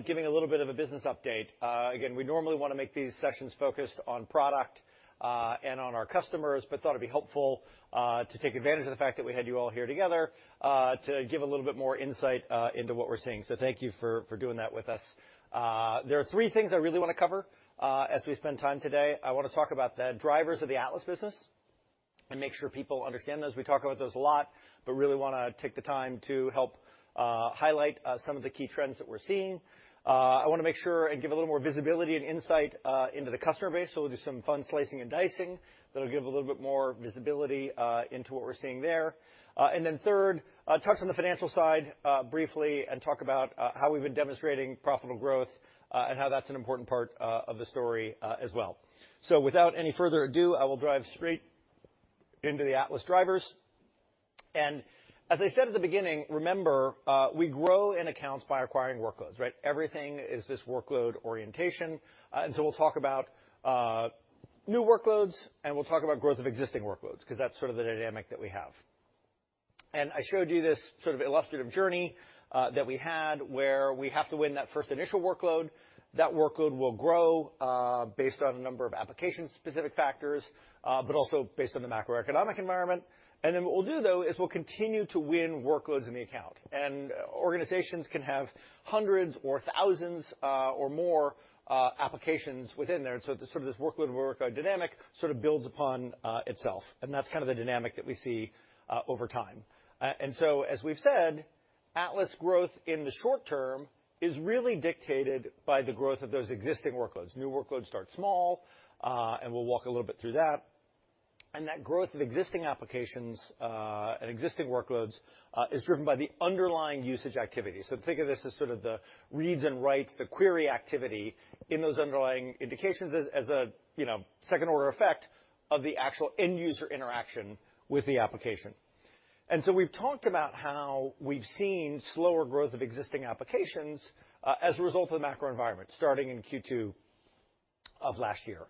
giving a little bit of a business update. Again, we normally want to make these sessions focused on product and on our customers, but thought it'd be helpful to take advantage of the fact that we had you all here together to give a little bit more insight into what we're seeing. Thank you for doing that with us. There are three things I really want to cover as we spend time today. I want to talk about the drivers of the Atlas business and make sure people understand those. We talk about those a lot, but really want to take the time to help highlight some of the key trends that we're seeing. I want to make sure and give a little more visibility and insight into the customer base, so we'll do some fun slicing and dicing. That'll give a little bit more visibility into what we're seeing there. And then third, touch on the financial side briefly and talk about how we've been demonstrating profitable growth and how that's an important part of the story as well. Without any further ado, I will drive straight into the Atlas drivers. As I said at the beginning, remember, we grow in accounts by acquiring workloads, right? Everything is this workload orientation. We'll talk about new workloads, and we'll talk about growth of existing workloads, 'cause that's sort of the dynamic that we have. I showed you this sort of illustrative journey that we had, where we have to win that first initial workload. That workload will grow based on a number of application-specific factors, but also based on the macroeconomic environment. What we'll do, though, is we'll continue to win workloads in the account. Organizations can have hundreds or thousands or more applications within there. Sort of this workload dynamic sort of builds upon itself, and that's kind of the dynamic that we see over time. As we've said, Atlas growth in the short term is really dictated by the growth of those existing workloads. New workloads start small, and we'll walk a little bit through that. That growth of existing applications, and existing workloads, is driven by the underlying usage activity. Think of this as sort of the reads and writes, the query activity in those underlying indications as a, you know, second-order effect of the actual end-user interaction with the application. We've talked about how we've seen slower growth of existing applications, as a result of the macro environment starting in Q2 of last year.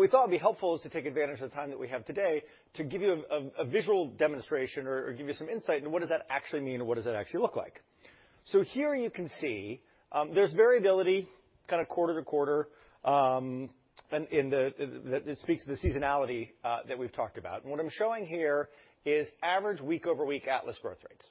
We thought it'd be helpful is to take advantage of the time that we have today to give you a visual demonstration or give you some insight into what does that actually mean, or what does that actually look like? Here you can see, there's variability kind of quarter to quarter, and that speaks to the seasonality that we've talked about. What I'm showing here is average week-over-week Atlas growth rates.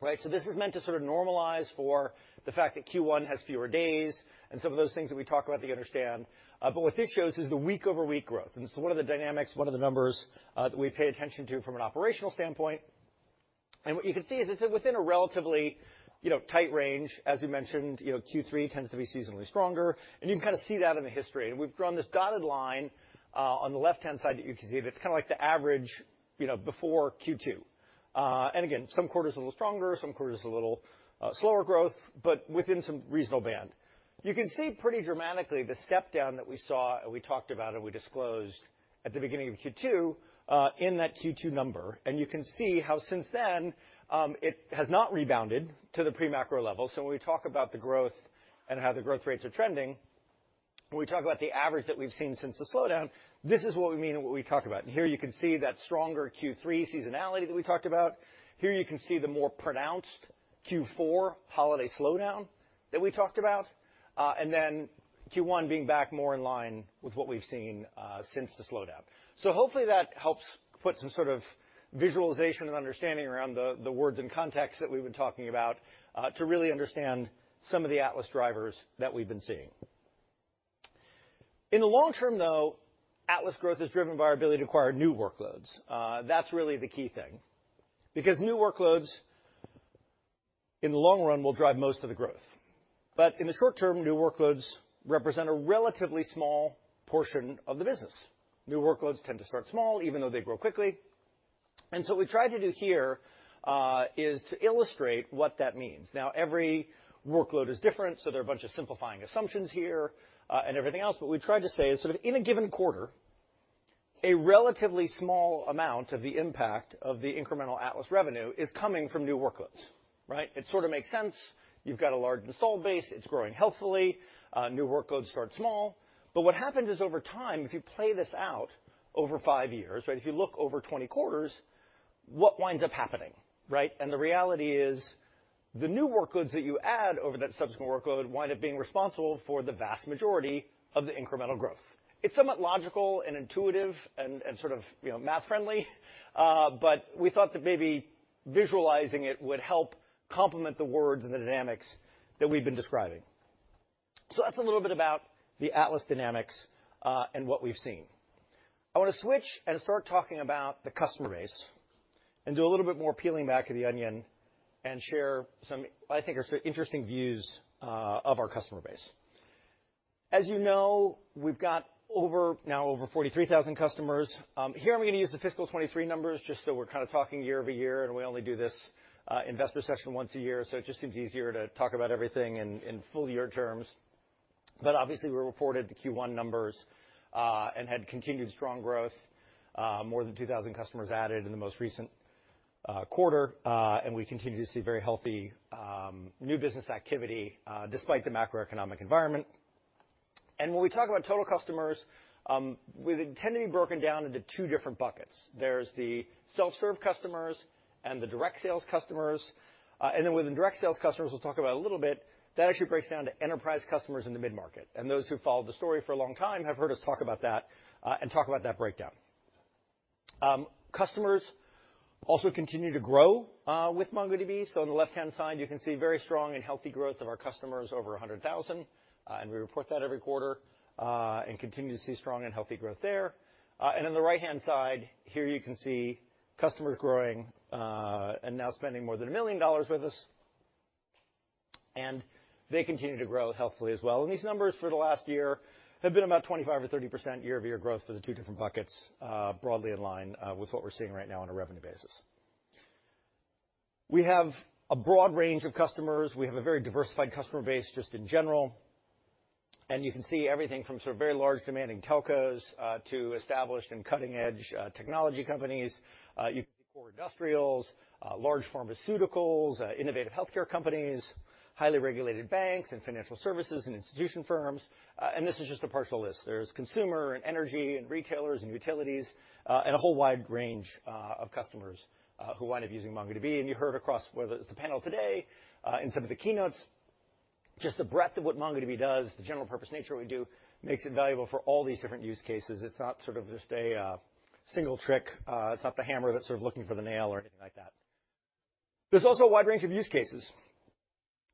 Right? This is meant to sort of normalize for the fact that Q1 has fewer days, and some of those things that we talked about that you understand. But what this shows is the week-over-week growth, and this is one of the dynamics, one of the numbers that we pay attention to from an operational standpoint. What you can see is it's within a relatively, you know, tight range. As we mentioned, you know, Q3 tends to be seasonally stronger, and you can kind of see that in the history. We've drawn this dotted line on the left-hand side that you can see, that's kind of like the average, you know, before Q2. Again, some quarters are a little stronger, some quarters a little slower growth, but within some reasonable band. You can see pretty dramatically the step down that we saw, and we talked about, and we disclosed at the beginning of Q2 in that Q2 number. You can see how since then, it has not rebounded to the pre-macro level. When we talk about the growth and how the growth rates are trending, when we talk about the average that we've seen since the slowdown, this is what we mean and what we talk about. Here you can see that stronger Q3 seasonality that we talked about. Here you can see the more pronounced Q4 holiday slowdown that we talked about, and then Q1 being back more in line with what we've seen since the slowdown. Hopefully that helps put some sort of visualization and understanding around the words and context that we've been talking about, to really understand some of the Atlas drivers that we've been seeing. In the long term, though, Atlas growth is driven by our ability to acquire new workloads. That's really the key thing, because new workloads, in the long run, will drive most of the growth. In the short term, new workloads represent a relatively small portion of the business. New workloads tend to start small, even though they grow quickly. What we've tried to do here is to illustrate what that means. Now, every workload is different, so there are a bunch of simplifying assumptions here and everything else. What we've tried to say is sort of in a given quarter, a relatively small amount of the impact of the incremental Atlas revenue is coming from new workloads, right. It sort of makes sense. You've got a large installed base, it's growing healthily, new workloads start small. What happens is, over time, if you play this out over five years, right, if you look over 20 quarters, what winds up happening, right. The reality is, the new workloads that you add over that subsequent workload wind up being responsible for the vast majority of the incremental growth. It's somewhat logical and intuitive and sort of, you know, math friendly, but we thought that maybe visualizing it would help complement the words and the dynamics that we've been describing. That's a little bit about the Atlas dynamics, and what we've seen. I want to switch and start talking about the customer base and do a little bit more peeling back of the onion and share some, I think are interesting views of our customer base. As you know, we've got now over 43,000 customers. Here I'm going to use the fiscal 2023 numbers, just so we're kind of talking year-over-year, we only do this investor session once a year, so it just seems easier to talk about everything in full year terms. Obviously, we reported the Q1 numbers and had continued strong growth, more than 2,000 customers added in the most recent quarter. We continue to see very healthy new business activity despite the macroeconomic environment. When we talk about total customers, we tend to be broken down into two different buckets. There's the self-serve customers and the direct sales customers. Within direct sales customers, we'll talk about a little bit, that actually breaks down to enterprise customers in the mid-market. Those who followed the story for a long time have heard us talk about that, and talk about that breakdown. Customers also continue to grow with MongoDB. On the left-hand side, you can see very strong and healthy growth of our customers, over 100,000, and we report that every quarter, and continue to see strong and healthy growth there. On the right-hand side, here you can see customers growing, and now spending more than $1 million with us, and they continue to grow healthily as well. These numbers for the last year have been about 25% or 30% year-over-year growth for the two different buckets, broadly in line with what we're seeing right now on a revenue basis. We have a broad range of customers. We have a very diversified customer base, just in general. You can see everything from sort of very large demanding telcos, to established and cutting-edge technology companies, you see core industrials, large pharmaceuticals, innovative healthcare companies, highly regulated banks and financial services and institution firms, and this is just a partial list. There's consumer and energy and retailers and utilities, and a whole wide range of customers who wind up using MongoDB. You heard across, whether it's the panel today, in some of the keynotes, just the breadth of what MongoDB does, the general purpose nature we do, makes it valuable for all these different use cases. It's not sort of just a single trick, it's not the hammer that's sort of looking for the nail or anything like that. There's also a wide range of use cases.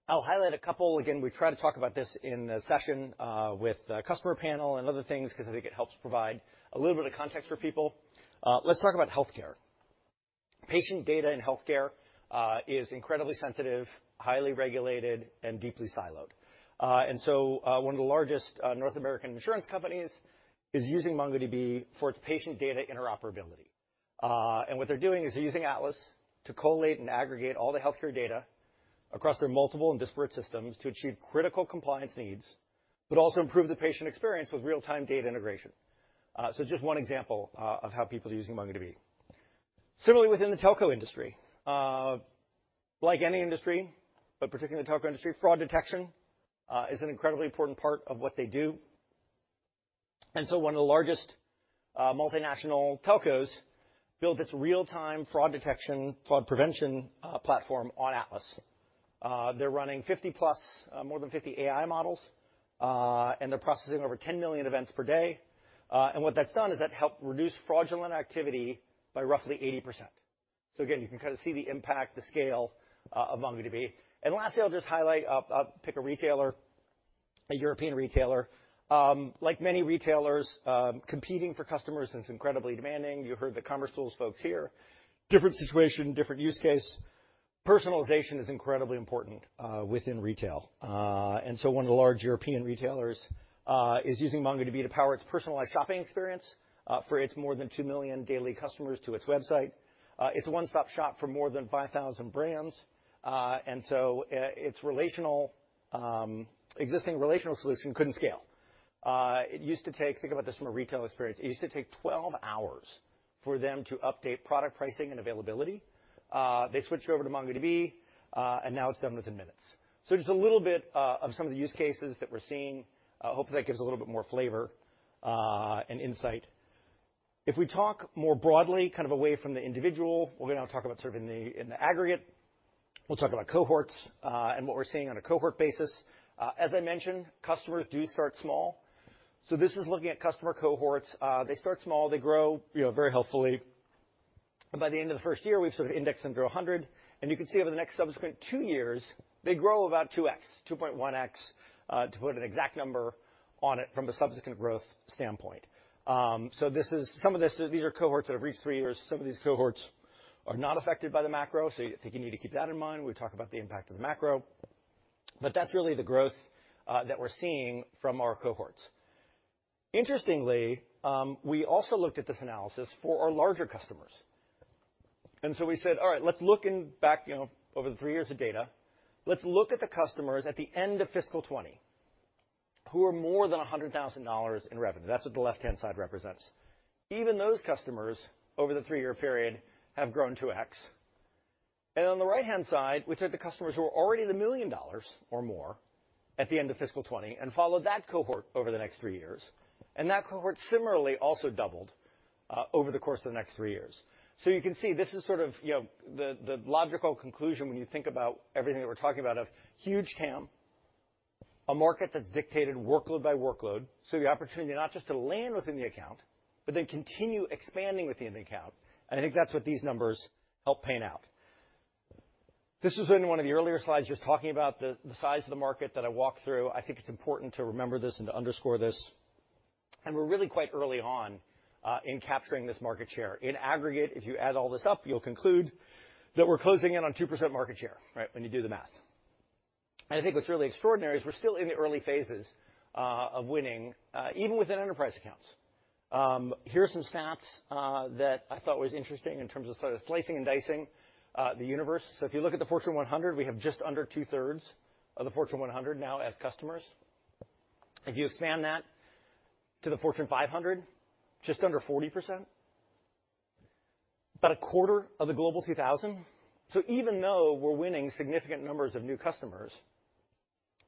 I'll highlight a couple. Again, we try to talk about this in the session, with the customer panel and other things, 'cause I think it helps provide a little bit of context for people. Let's talk about healthcare. Patient data in healthcare, is incredibly sensitive, highly regulated, and deeply siloed. One of the largest North American insurance companies is using MongoDB for its patient data interoperability. What they're doing is they're using Atlas to collate and aggregate all the healthcare data across their multiple and disparate systems to achieve critical compliance needs, but also improve the patient experience with real-time data integration. Just one example of how people are using MongoDB. Similarly, within the telco industry, like any industry, but particularly the telco industry, fraud detection is an incredibly important part of what they do. One of the largest multinational telcos built its real-time fraud detection, fraud prevention platform on Atlas. They're running 50+, more than 50 AI models, and they're processing over 10 million events per day. What that's done is that helped reduce fraudulent activity by roughly 80%. Again, you can kind of see the impact, the scale of MongoDB. Lastly, I'll just highlight, I'll pick a retailer, a European retailer. Like many retailers, competing for customers is incredibly demanding. You heard the commercetools folks here. Different situation, different use case. Personalization is incredibly important within retail. One of the large European retailers is using MongoDB to power its personalized shopping experience for its more than 2 million daily customers to its website. It's a one-stop shop for more than 5,000 brands, its relational existing relational solution couldn't scale. Think about this from a retail experience. It used to take 12 hours for them to update product pricing and availability. They switched over to MongoDB, now it's done within minutes. Just a little bit of some of the use cases that we're seeing. Hopefully, that gives a little bit more flavor and insight. We talk more broadly, kind of away from the individual, we're gonna now talk about sort of in the, in the aggregate. We'll talk about cohorts and what we're seeing on a cohort basis. As I mentioned, customers do start small. This is looking at customer cohorts. They start small, they grow, you know, very healthily, and by the end of the first year, we've sort of indexed and grow 100, and you can see over the next subsequent two years, they grow about 2x, 2.1x, to put an exact number on it from a subsequent growth standpoint. Some of this, these are cohorts that have reached three years. Some of these cohorts are not affected by the macro, so I think you need to keep that in mind. We talk about the impact of the macro, but that's really the growth that we're seeing from our cohorts. Interestingly, we also looked at this analysis for our larger customers. We said, all right, let's look in back, you know, over the three years of data, let's look at the customers at the end of fiscal 20 who are more than $100,000 in revenue. That's what the left-hand side represents. Even those customers, over the three-year period, have grown to X. On the right-hand side, we took the customers who are already at $1 million or more at the end of fiscal 20 and followed that cohort over the next three years, and that cohort similarly also doubled over the course of the next three years. You can see this is sort of, you know, the logical conclusion when you think about everything that we're talking about, of huge TAM, a market that's dictated workload by workload, so the opportunity not just to land within the account, but then continue expanding within the account, and I think that's what these numbers help pan out. This is in one of the earlier slides, just talking about the size of the market that I walked through. I think it's important to remember this and to underscore this, we're really quite early on in capturing this market share. In aggregate, if you add all this up, you'll conclude that we're closing in on 2% market share, right, when you do the math. I think what's really extraordinary is we're still in the early phases of winning even within enterprise accounts. Here are some stats that I thought was interesting in terms of sort of slicing and dicing the universe. If you look at the Fortune 100, we have just under 2/3 of the Fortune 100 now as customers. If you expand that to the Fortune 500, just under 40%, about 1/4 of the Global 2,000. Even though we're winning significant numbers of new customers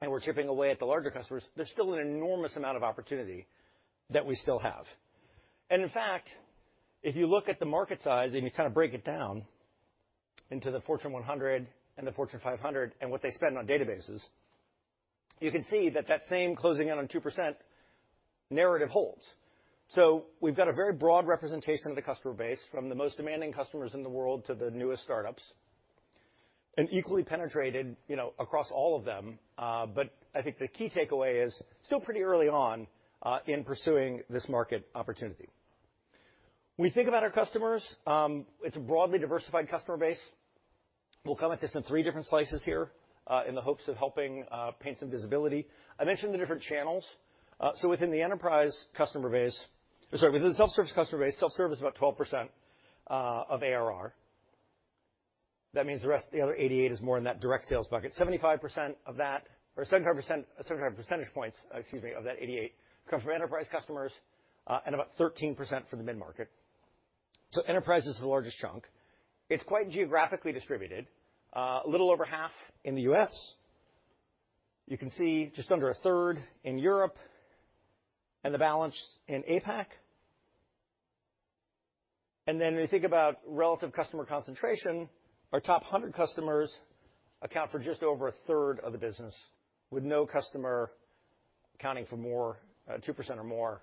and we're chipping away at the larger customers, there's still an enormous amount of opportunity that we still have. In fact, if you look at the market size, and you kind of break it down into the Fortune 100 and the Fortune 500 and what they spend on databases, you can see that that same closing in on 2% narrative holds. We've got a very broad representation of the customer base, from the most demanding customers in the world to the newest startups, and equally penetrated, you know, across all of them. But I think the key takeaway is still pretty early on, in pursuing this market opportunity. We think about our customers. It's a broadly diversified customer base. We'll come at this in three different slices here, in the hopes of helping paint some visibility. I mentioned the different channels. Within the self-service customer base, self-service is about 12% of ARR. That means the rest, the other 88, is more in that direct sales bucket. 75% of that, or 75 percentage points, excuse me, of that 88 come from enterprise customers, and about 13% from the mid-market. Enterprise is the largest chunk. It's quite geographically distributed, a little over half in the U.S. You can see just under a third in Europe and the balance in APAC. When you think about relative customer concentration, our top 100 customers account for just over a third of the business, with no customer accounting for more, 2% or more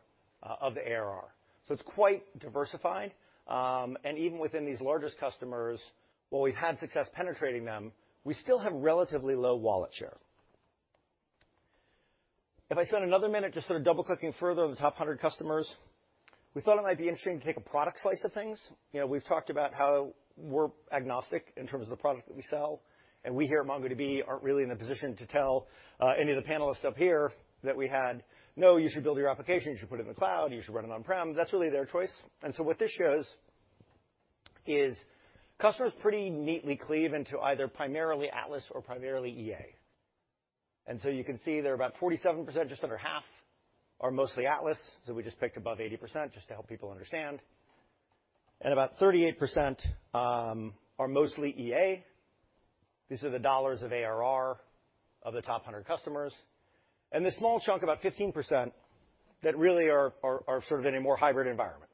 of the ARR. It's quite diversified. Even within these largest customers, while we've had success penetrating them, we still have relatively low wallet share. If I spend another minute just sort of double-clicking further on the top 100 customers, we thought it might be interesting to take a product slice of things. You know, we've talked about how we're agnostic in terms of the product that we sell, and we here at MongoDB aren't really in a position to tell any of the panelists up here that we had, "No, you should build your application, you should put it in the cloud, you should run it on-prem." That's really their choice. What this shows is customers pretty neatly cleave into either primarily Atlas or primarily EA. You can see they're about 47%, just under half, are mostly Atlas, so we just picked above 80% just to help people understand. About 38% are mostly EA. These are the dollars of ARR of the top 100 customers, and the small chunk, about 15%, that really are sort of in a more hybrid environment.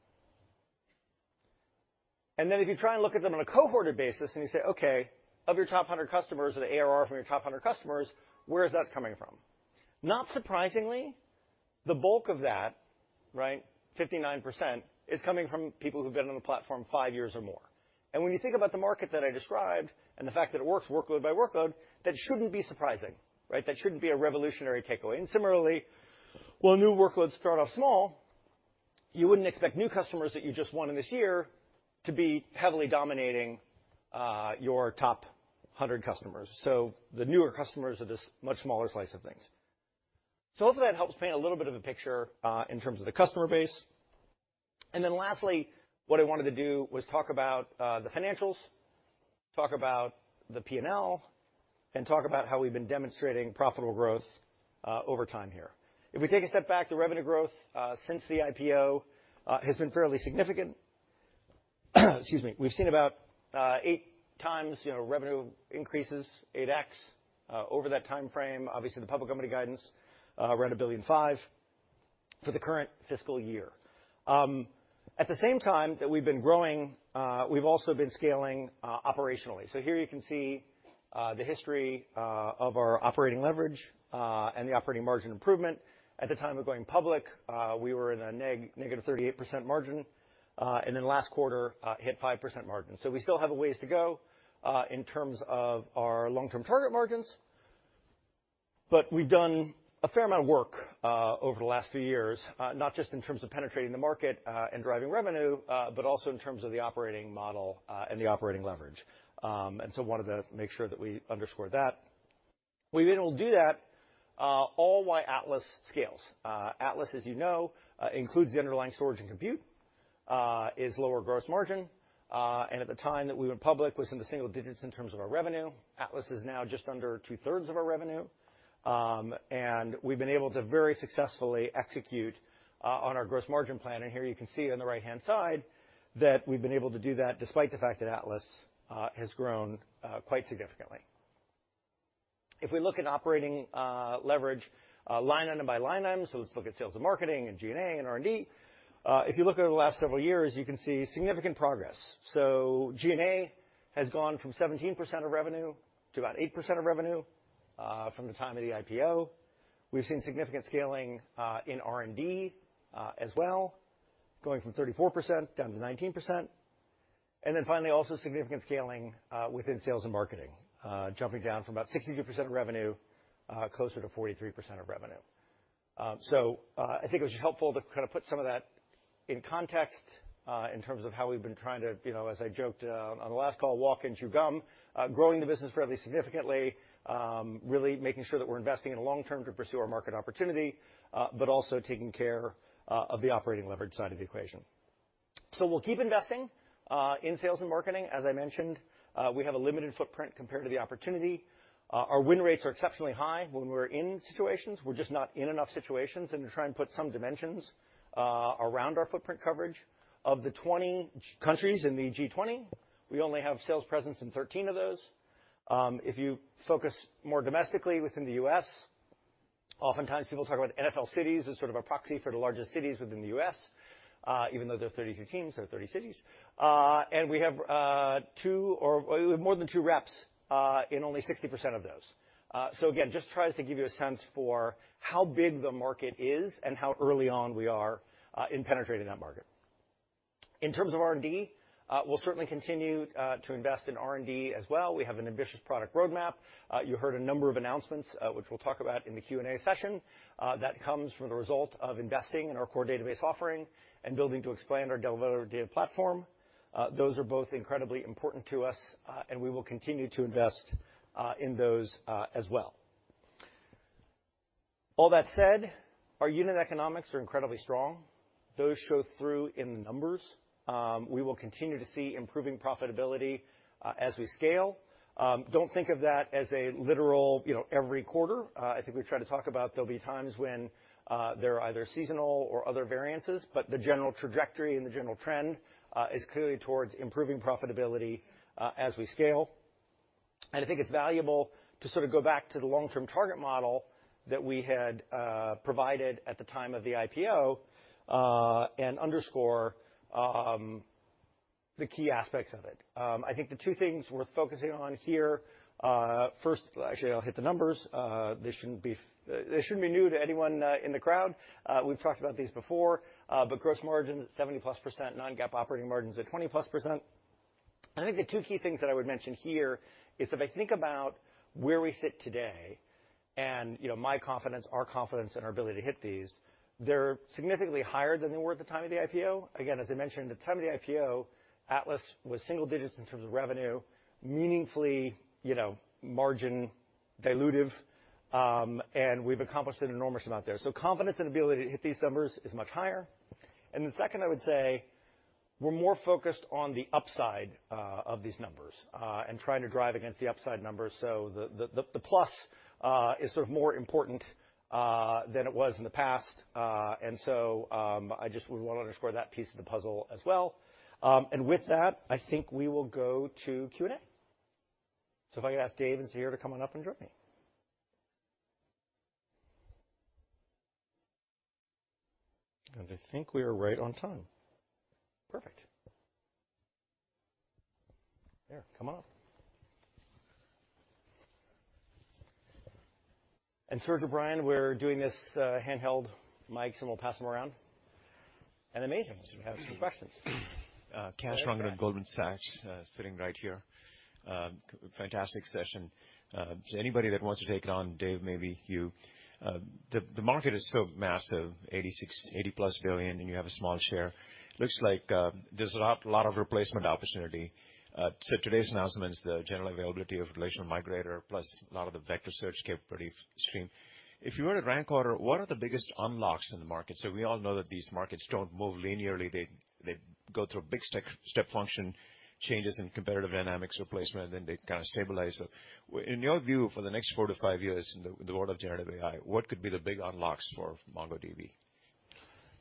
If you try and look at them on a cohorted basis, and you say, "Okay, of your top 100 customers or the ARR from your top 100 customers, where is that coming from?" Not surprisingly, the bulk of that, right, 59%, is coming from people who've been on the platform 5 years or more. When you think about the market that I described and the fact that it works workload by workload, that shouldn't be surprising, right? That shouldn't be a revolutionary takeaway. Similarly, while new workloads start off small, you wouldn't expect new customers that you just won in this year to be heavily dominating your top 100 customers. The newer customers are this much smaller slice of things. Hopefully, that helps paint a little bit of a picture in terms of the customer base. Then lastly, what I wanted to do was talk about the financials, talk about the P&L, and talk about how we've been demonstrating profitable growth over time here. If we take a step back, the revenue growth since the IPO has been fairly significant. Excuse me. We've seen about, you know, 8x revenue increases, 8x over that time frame. Obviously, the public company guidance, around $1.5 billion for the current fiscal year. At the same time that we've been growing, we've also been scaling operationally. Here you can see the history of our operating leverage and the operating margin improvement. At the time of going public, we were in a negative 38% margin, and then last quarter, hit 5% margin. We still have a ways to go in terms of our long-term target margins, but we've done a fair amount of work over the last few years, not just in terms of penetrating the market and driving revenue, but also in terms of the operating model and the operating leverage. Wanted to make sure that we underscore that. We've been able to do that all while Atlas scales. Atlas, as you know, includes the underlying storage and compute, is lower gross margin, and at the time that we went public, was in the single digits in terms of our revenue. Atlas is now just under two-thirds of our revenue. We've been able to very successfully execute on our gross margin plan. Here you can see on the right-hand side, that we've been able to do that despite the fact that Atlas has grown quite significantly. If we look at operating leverage, line item by line item, so let's look at sales and marketing and G&A and R&D. If you look over the last several years, you can see significant progress. G&A has gone from 17% of revenue to about 8% of revenue from the time of the IPO. We've seen significant scaling in R&D as well, going from 34% down to 19%. Finally, also significant scaling within sales and marketing jumping down from about 62% of revenue closer to 43% of revenue. I think it was helpful to kind of put some of that in context in terms of how we've been trying to, you know, as I joked on the last call, walk and chew gum. Growing the business fairly significantly, really making sure that we're investing in the long term to pursue our market opportunity, but also taking care of the operating leverage side of the equation. we'll keep investing in sales and marketing. As I mentioned, we have a limited footprint compared to the opportunity. Our win rates are exceptionally high when we're in situations. We're just not in enough situations, and to try and put some dimensions around our footprint coverage. Of the 20 countries in the G20, we only have sales presence in 13 of those. If you focus more domestically within the US, oftentimes people talk about NFL cities as sort of a proxy for the largest cities within the U.S., even though there are 32 teams, there are 30 cities. And we have more than two reps in only 60% of those. Again, just tries to give you a sense for how big the market is and how early on we are in penetrating that market. In terms of R&D, we'll certainly continue to invest in R&D as well. We have an ambitious product roadmap. You heard a number of announcements, which we'll talk about in the Q&A session. That comes from the result of investing in our core database offering and building to explain our developer data platform. Those are both incredibly important to us, and we will continue to invest in those as well. All that said, our unit economics are incredibly strong. Those show through in the numbers. We will continue to see improving profitability as we scale. Don't think of that as a literal, you know, every quarter. I think we try to talk about there'll be times when there are either seasonal or other variances, but the general trajectory and the general trend is clearly towards improving profitability as we scale. I think it's valuable to sort of go back to the long-term target model that we had provided at the time of the IPO and underscore the key aspects of it. Actually, I'll hit the numbers. This shouldn't be new to anyone in the crowd. We've talked about these before, but gross margin, 70+%, non-GAAP operating margins at 20+%. I think the two key things that I would mention here is if I think about where we sit today and, you know, my confidence, our confidence, and our ability to hit these, they're significantly higher than they were at the time of the IPO. Again, as I mentioned, at the time of the IPO, Atlas was single digits in terms of revenue, meaningfully, you know, margin dilutive, and we've accomplished an enormous amount there. Confidence and ability to hit these numbers is much higher. The second, I would say, we're more focused on the upside of these numbers and trying to drive against the upside numbers. The plus is sort of more important than it was in the past. I just would want to underscore that piece of the puzzle as well. With that, I think we will go to Q&A. If I could ask Dave, who's here, to come on up and join me. I think we are right on time. Perfect. There, come on up. Serge O'Brien, we're doing this handheld mic, so we'll pass them around. Amazing, we have some questions. Kash Rangan at Goldman Sachs, sitting right here. Fantastic session. Anybody that wants to take it on, Dave, maybe you. The market is so massive, $80+ billion, and you have a small share. Looks like there's a lot of replacement opportunity. Today's announcements, the general availability of Relational Migrator, plus a lot of the vector search capability stream. If you were to rank order, what are the biggest unlocks in the market? We all know that these markets don't move linearly, they go through a big step function, changes in competitive dynamics, replacement, and then they kind of stabilize. In your view, for the next four to five years in the world of generative AI, what could be the big unlocks for MongoDB?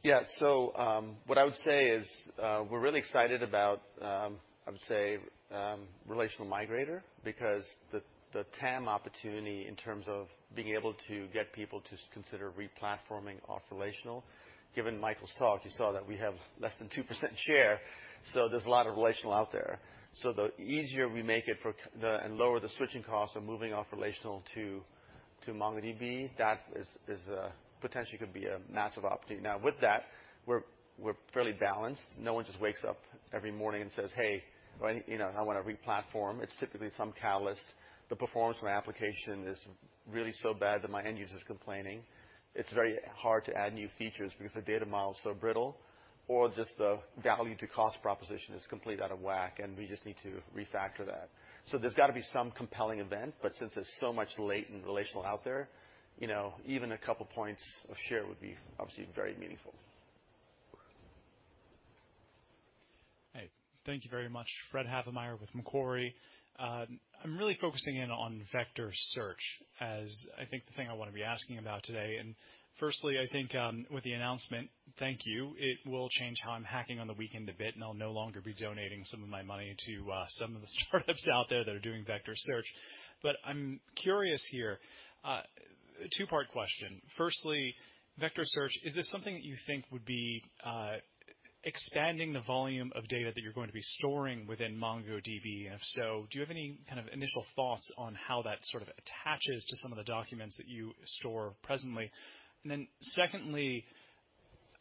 What I would say is, we're really excited about Relational Migrator, because the TAM opportunity in terms of being able to get people to consider replatforming off relational. Given Michael's talk, you saw that we have less than 2% share, there's a lot of relational out there. The easier we make it for and lower the switching costs of moving off relational to MongoDB, that is potentially could be a massive opportunity. With that- We're fairly balanced. No one just wakes up every morning and says, "Hey, you know, I wanna re-platform." It's typically some catalyst. The performance of my application is really so bad that my end user is complaining. It's very hard to add new features because the data model is so brittle, or just the value to cost proposition is completely out of whack, and we just need to refactor that. There's got to be some compelling event, but since there's so much latent relational out there, you know, even a couple points of share would be obviously very meaningful. Hey, thank you very much. Frederick Havemeyer with Macquarie. I'm really focusing in on vector search, as I think the thing I want to be asking about today. Firstly, I think, with the announcement, thank you, it will change how I'm hacking on the weekend a bit, and I'll no longer be donating some of my money to some of the startups out there that are doing vector search. I'm curious here, a two-part question. Firstly, vector search, is this something that you think would be expanding the volume of data that you're going to be storing within MongoDB? If so, do you have any kind of initial thoughts on how that sort of attaches to some of the documents that you store presently? Secondly,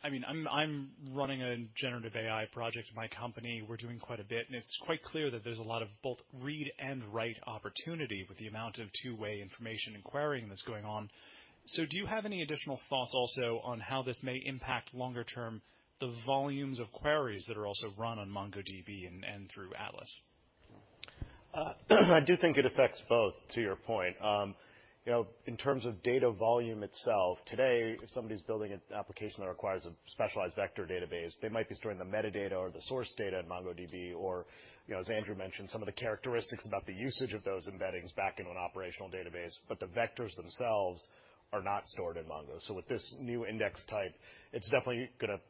I mean, I'm running a generative AI project at my company. We're doing quite a bit, and it's quite clear that there's a lot of both read and write opportunity with the amount of two-way information and querying that's going on. Do you have any additional thoughts also on how this may impact, longer term, the volumes of queries that are also run on MongoDB and through Atlas? I do think it affects both, to your point. You know, in terms of data volume itself, today, if somebody's building an application that requires a specialized vector database, they might be storing the metadata or the source data in MongoDB, or, you know, as Andrew mentioned, some of the characteristics about the usage of those embeddings back into an operational database, but the vectors themselves are not stored in Mongo. With this new index type, it's definitely gonna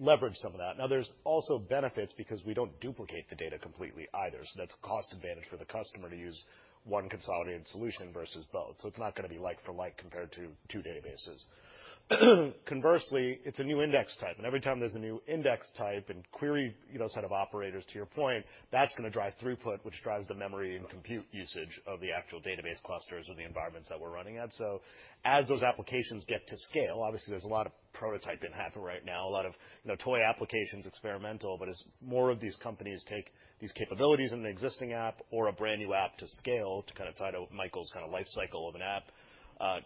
leverage some of that. Now, there's also benefits because we don't duplicate the data completely either, so that's cost advantage for the customer to use one consolidated solution versus both. It's not gonna be like for like compared to two databases. Conversely, it's a new index type, and every time there's a new index type and query, you know, set of operators, to your point, that's gonna drive throughput, which drives the memory and compute usage of the actual database clusters or the environments that we're running at. As those applications get to scale, obviously, there's a lot of prototyping happening right now, a lot of, you know, toy applications, experimental, but as more of these companies take these capabilities in an existing app or a brand-new app to scale, to kind of tie to Michael's kind of life cycle of an app,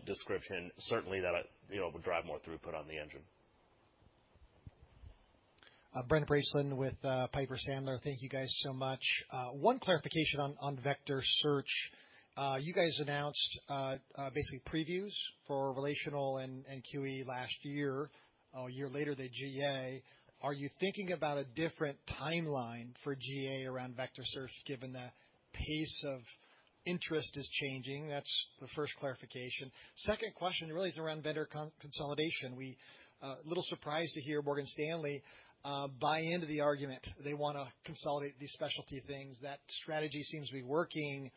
description, certainly that, you know, would drive more throughput on the engine. Brent Bracelin with Piper Sandler. Thank you guys so much. One clarification on vector search. You guys announced basically previews for relational and QE last year. A year later, the GA. Are you thinking about a different timeline for GA around vector search, given that pace of interest is changing? That's the first clarification. Second question really is around vendor consolidation. We a little surprised to hear Morgan Stanley buy into the argument. They wanna consolidate these specialty things. That strategy seems to be working.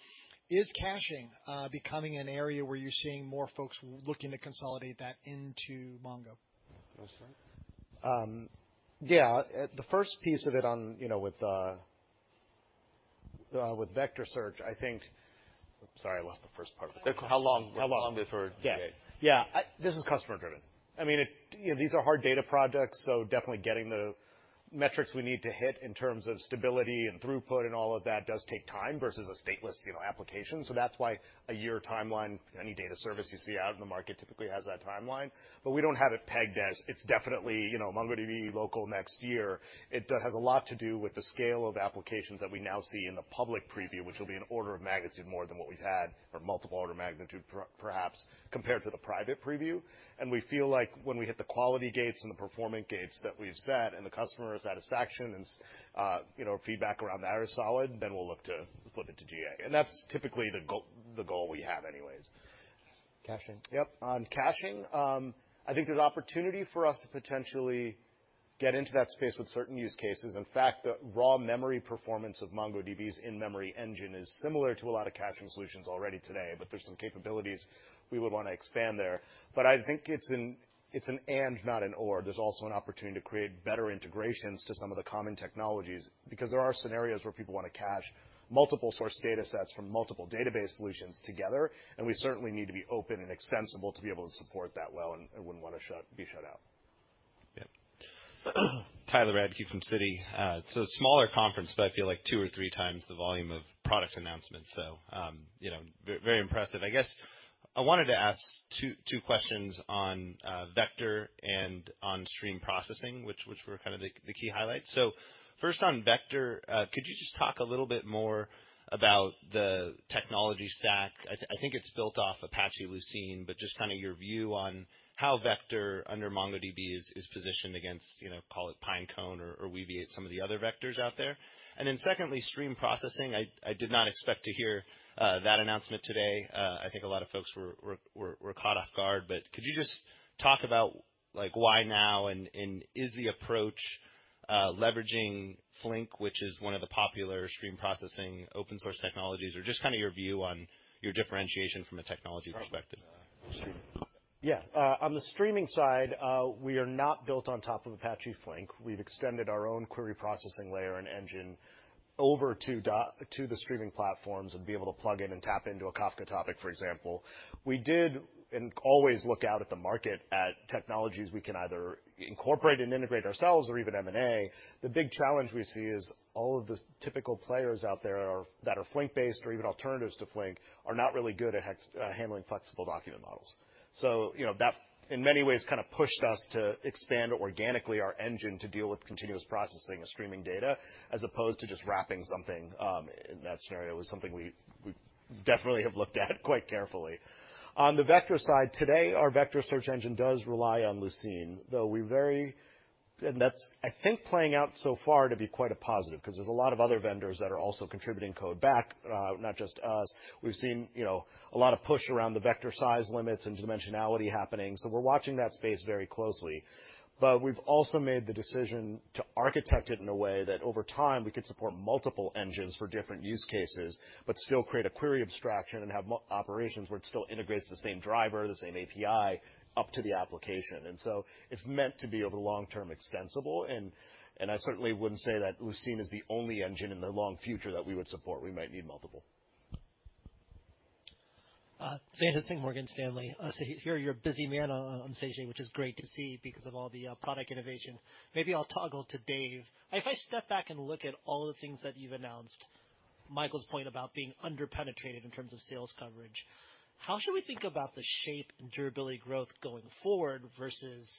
Is caching becoming an area where you're seeing more folks looking to consolidate that into Mongo? You want to start? Yeah, the first piece of it on, you know, with vector search. Sorry, I lost the first part of it. How long before GA? Yeah, this is customer driven. I mean, you know, these are hard data products, so definitely getting the metrics we need to hit in terms of stability and throughput and all of that does take time versus a stateless application. That's why a year timeline, any data service you see out in the market typically has that timeline. We don't have it pegged as it's definitely, you know, MongoDB local next year. It has a lot to do with the scale of applications that we now see in the public preview, which will be an order of magnitude more than what we've had, or multiple order of magnitude perhaps, compared to the private preview. We feel like when we hit the quality gates and the performance gates that we've set and the customer satisfaction and, you know, feedback around that is solid, then we'll look to put it to GA. That's typically the goal we have anyways. Caching? Yep, on caching, I think there's opportunity for us to potentially get into that space with certain use cases. In fact, the raw memory performance of MongoDB's in-memory engine is similar to a lot of caching solutions already today, but there's some capabilities we would want to expand there. I think it's an and, not an or. There's also an opportunity to create better integrations to some of the common technologies, because there are scenarios where people want to cache multiple source data sets from multiple database solutions together, and we certainly need to be open and extensible to be able to support that well and wouldn't want to be shut out. Yep. Tyler Radke from Citi. It's a smaller conference, but I feel like two or three times the volume of product announcements, you know, very impressive. I guess I wanted to ask two questions on vector and on stream processing, which were kind of the key highlights. First on vector, could you just talk a little bit more about the technology stack? I think it's built off Apache Lucene, but just kind of your view on how vector under MongoDB is positioned against, you know, call it Pinecone or Weaviate, some of the other vectors out there. Secondly, stream processing. I did not expect to hear that announcement today. I think a lot of folks were caught off guard, but could you just talk about, like, why now, and is the approach leveraging Flink, which is one of the popular stream processing open source technologies, or just kind of your view on your differentiation from a technology perspective? On the streaming side, we are not built on top of Apache Flink. We've extended our own query processing layer and engine over to the streaming platforms and be able to plug in and tap into a Kafka topic, for example. We did and always look out at the market at technologies we can either incorporate and integrate ourselves or even M&A. The big challenge we see is all of the typical players out there are, that are Flink-based or even alternatives to Flink, are not really good at handling flexible document models. You know, that, in many ways, kind of pushed us to expand organically our engine to deal with continuous processing of streaming data, as opposed to just wrapping something in that scenario. It was something we definitely have looked at quite carefully. On the vector side, today, our vector search engine does rely on Lucene, though that's, I think, playing out so far to be quite a positive, 'cause there's a lot of other vendors that are also contributing code back, not just us. We've seen, you know, a lot of push around the vector size limits and dimensionality happening, so we're watching that space very closely. We've also made the decision to architect it in a way that over time, we could support multiple engines for different use cases, but still create a query abstraction and have operations where it still integrates the same driver, the same API, up to the application. It's meant to be over the long term extensible, and I certainly wouldn't say that Lucene is the only engine in the long future that we would support. We might need multiple. Sanjit Singh, Morgan Stanley. You hear you're a busy man on stage, which is great to see because of all the product innovation. Maybe I'll toggle to Dave. If I step back and look at all the things that you've announced, Michael's point about being under-penetrated in terms of sales coverage, how should we think about the shape and durability growth going forward versus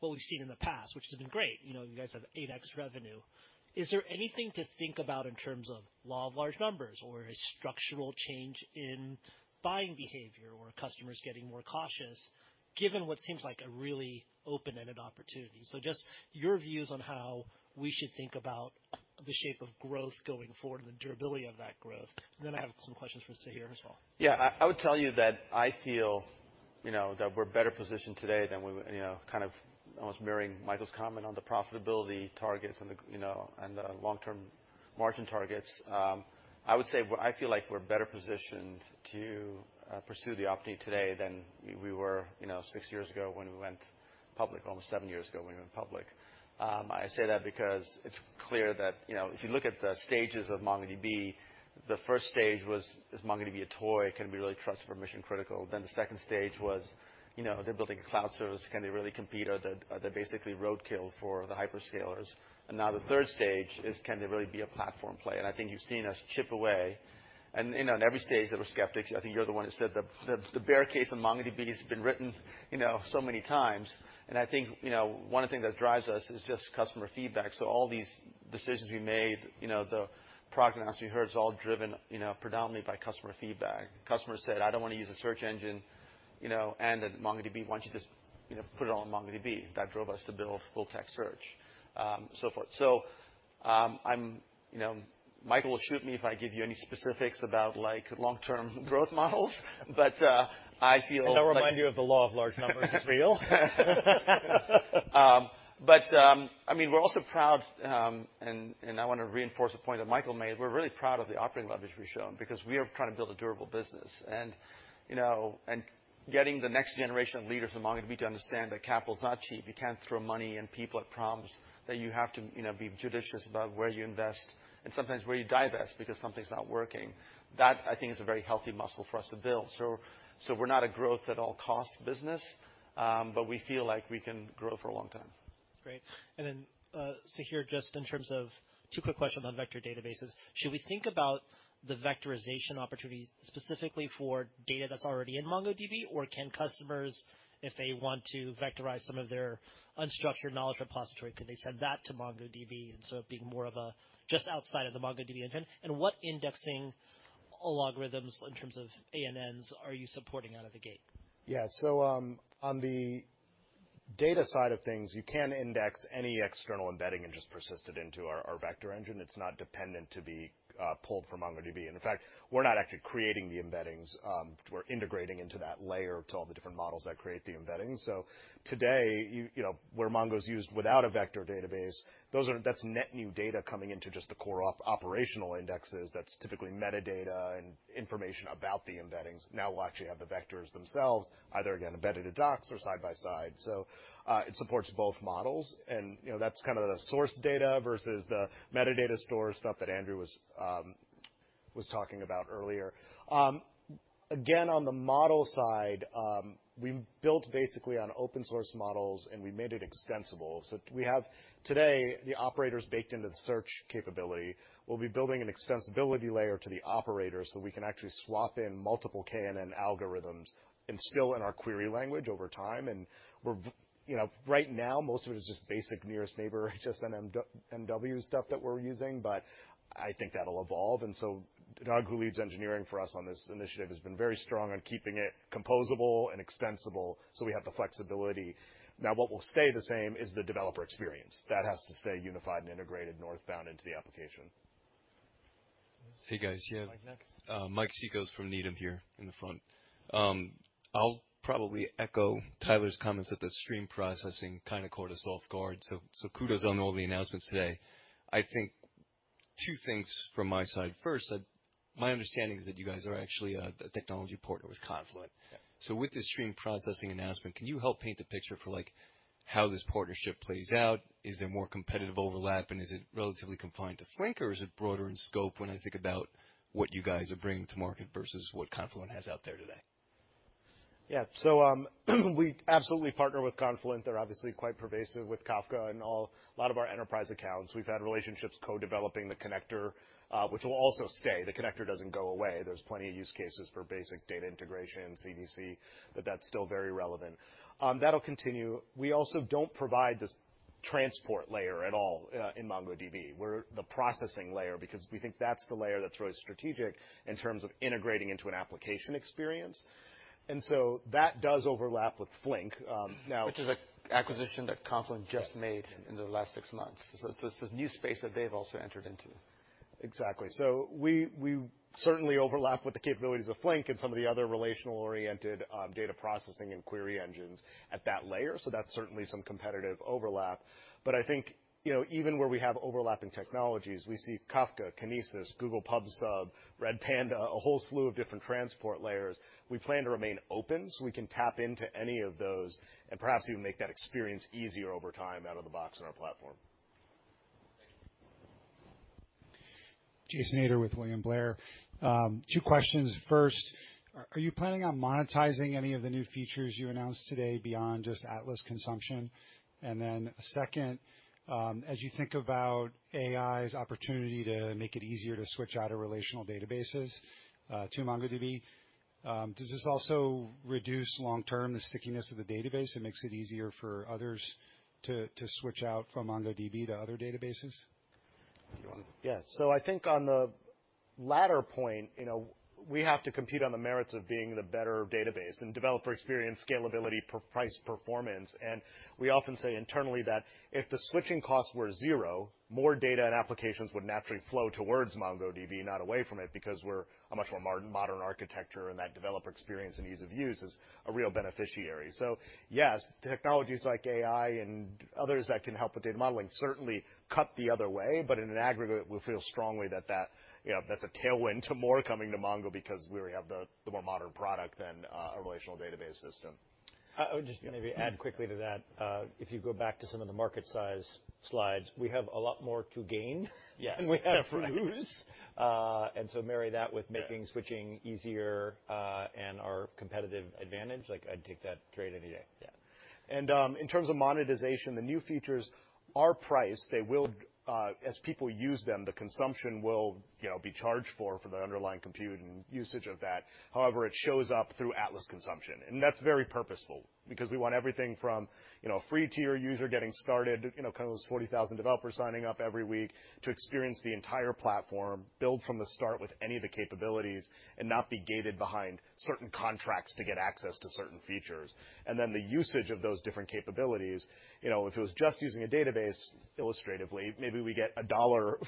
what we've seen in the past, which has been great? You know, you guys have 8x revenue. Is there anything to think about in terms of law of large numbers or a structural change in buying behavior, or customers getting more cautious, given what seems like a really open-ended opportunity? Just your views on how we should think about the shape of growth going forward and the durability of that growth. I have some questions for Sahir as well. I would tell you that I feel, you know, that we're better positioned today than we were, you know, kind of almost mirroring Michael's comment on the profitability targets and the, you know, and the long-term margin targets. I would say I feel like we're better positioned to pursue the opportunity today than we were, you know, six years ago when we went public, almost seven years ago when we went public. I say that because it's clear that, you know, if you look at the stages of MongoDB, the first stage was: Is MongoDB a toy? Can we really trust for mission-critical? The second stage was, you know, they're building a cloud service. Can they really compete, or are they basically roadkill for the hyperscalers? The third stage is: Can they really be a platform play? I think you've seen us chip away. You know, in every stage, there were skeptics. I think you're the one who said the, the bear case on MongoDB has been written, you know, so many times. I think, you know, one of the things that drives us is just customer feedback. All these decisions we made, you know, the product announcement you heard is all driven, you know, predominantly by customer feedback. Customers said, "I don't want to use a search engine," you know, and that, "MongoDB, why don't you just, you know, put it all on MongoDB?" That drove us to build full tech search, so forth. I'm, you know, Michael will shoot me if I give you any specifics about, like, long-term growth models, but, I feel- I'll remind you of the law of large numbers is real. I mean, we're also proud, and I want to reinforce a point that Michael made. We're really proud of the operating leverage we've shown because we are trying to build a durable business. You know, and getting the next generation of leaders at MongoDB to understand that capital is not cheap. You can't throw money and people at problems, that you have to, you know, be judicious about where you invest and sometimes where you divest because something's not working. That, I think, is a very healthy muscle for us to build. We're not a growth-at-all-cost business, but we feel like we can grow for a long time. Great. Sahir, just in terms of two quick questions on vector databases. Should we think about the vectorization opportunity specifically for data that's already in MongoDB, or can customers, if they want to vectorize some of their unstructured knowledge repository, could they send that to MongoDB, and so it being more of a just outside of the MongoDB engine? What indexing algorithms in terms of ANNs are you supporting out of the gate? Yeah. On the data side of things, you can index any external embedding and just persist it into our vector engine. It's not dependent to be pulled from MongoDB. In fact, we're not actually creating the embeddings. We're integrating into that layer to all the different models that create the embedding. Today, you know, where Mongo is used without a vector database, that's net new data coming into just the core operational indexes. That's typically metadata and information about the embeddings. Now we'll actually have the vectors themselves, either again, embedded in docs or side by side. It supports both models, and, you know, that's kind of the source data versus the metadata store stuff that Andrew was talking about earlier. Again, on the model side, we built basically on open source models, and we made it extensible. We have, today, the operators baked into the search capability. We'll be building an extensibility layer to the operator, so we can actually swap in multiple KNN algorithms and still in our query language over time. you know, right now, most of it is just basic nearest neighbor, HNSW, stuff that we're using, but I think that'll evolve. Nag, who leads engineering for us on this initiative, has been very strong on keeping it composable and extensible, so we have the flexibility. What will stay the same is the developer experience. That has to stay unified and integrated northbound into the application. Hey, guys. Yeah. Mike's next. Mike Cikos from Needham here in the front. I'll probably echo Tyler's comments that the Stream Processing kind of caught us off guard, so kudos on all the announcements today. Two things from my side. First, my understanding is that you guys are actually a technology partner with Confluent. Yeah. With this stream processing announcement, can you help paint the picture for how this partnership plays out? Is there more competitive overlap, and is it relatively confined to Flink, or is it broader in scope when I think about what you guys are bringing to market versus what Confluent has out there today? Yeah. We absolutely partner with Confluent. They're obviously quite pervasive with Kafka and a lot of our enterprise accounts. We've had relationships co-developing the connector, which will also stay. The connector doesn't go away. There's plenty of use cases for basic data integration, CDC, but that's still very relevant. That'll continue. We also don't provide this transport layer at all in MongoDB. We're the processing layer because we think that's the layer that's really strategic in terms of integrating into an application experience. That does overlap with Flink. Now. Which is an acquisition that Confluent just made in the last six months. It's this new space that they've also entered into. Exactly. We, we certainly overlap with the capabilities of Flink and some of the other relational-oriented data processing and query engines at that layer, so that's certainly some competitive overlap. I think, you know, even where we have overlapping technologies, we see Kafka, Kinesis, Google Pub/Sub, Redpanda, a whole slew of different transport layers. We plan to remain open, so we can tap into any of those and perhaps even make that experience easier over time out of the box on our platform. Thank you. Jason Ader from William Blair. Two questions. First, are you planning on monetizing any of the new features you announced today beyond just Atlas consumption? Second, as you think about AI's opportunity to make it easier to switch out of relational databases to MongoDB, does this also reduce long-term the stickiness of the database? It makes it easier for others to switch out from MongoDB to other databases. Yeah. I think on the latter point, you know, we have to compete on the merits of being the better database and developer experience, scalability, price, performance. We often say internally that if the switching costs were zero, more data and applications would naturally flow towards MongoDB, not away from it, because we're a much more modern architecture, and that developer experience and ease of use is a real beneficiary. Yes, technologies like AI and others that can help with data modeling certainly cut the other way, but in an aggregate, we feel strongly that, you know, that's a tailwind to more coming to Mongo because we have the more modern product than a relational database system. I would just maybe add quickly to that. If you go back to some of the market size slides, we have a lot more to gain- Yes. -than we have to lose. Marry that with making switching easier, and our competitive advantage, like, I'd take that trade any day. Yeah. In terms of monetization, the new features are priced. They will, as people use them, the consumption will, you know, be charged for the underlying compute and usage of that. However, it shows up through Atlas consumption, and that's very purposeful because we want everything from, you know, a free tier user getting started, you know, kind of those 40,000 developers signing up every week, to experience the entire platform, build from the start with any of the capabilities, and not be gated behind certain contracts to get access to certain features. The usage of those different capabilities, you know, if it was just using a database, illustratively, maybe we get $1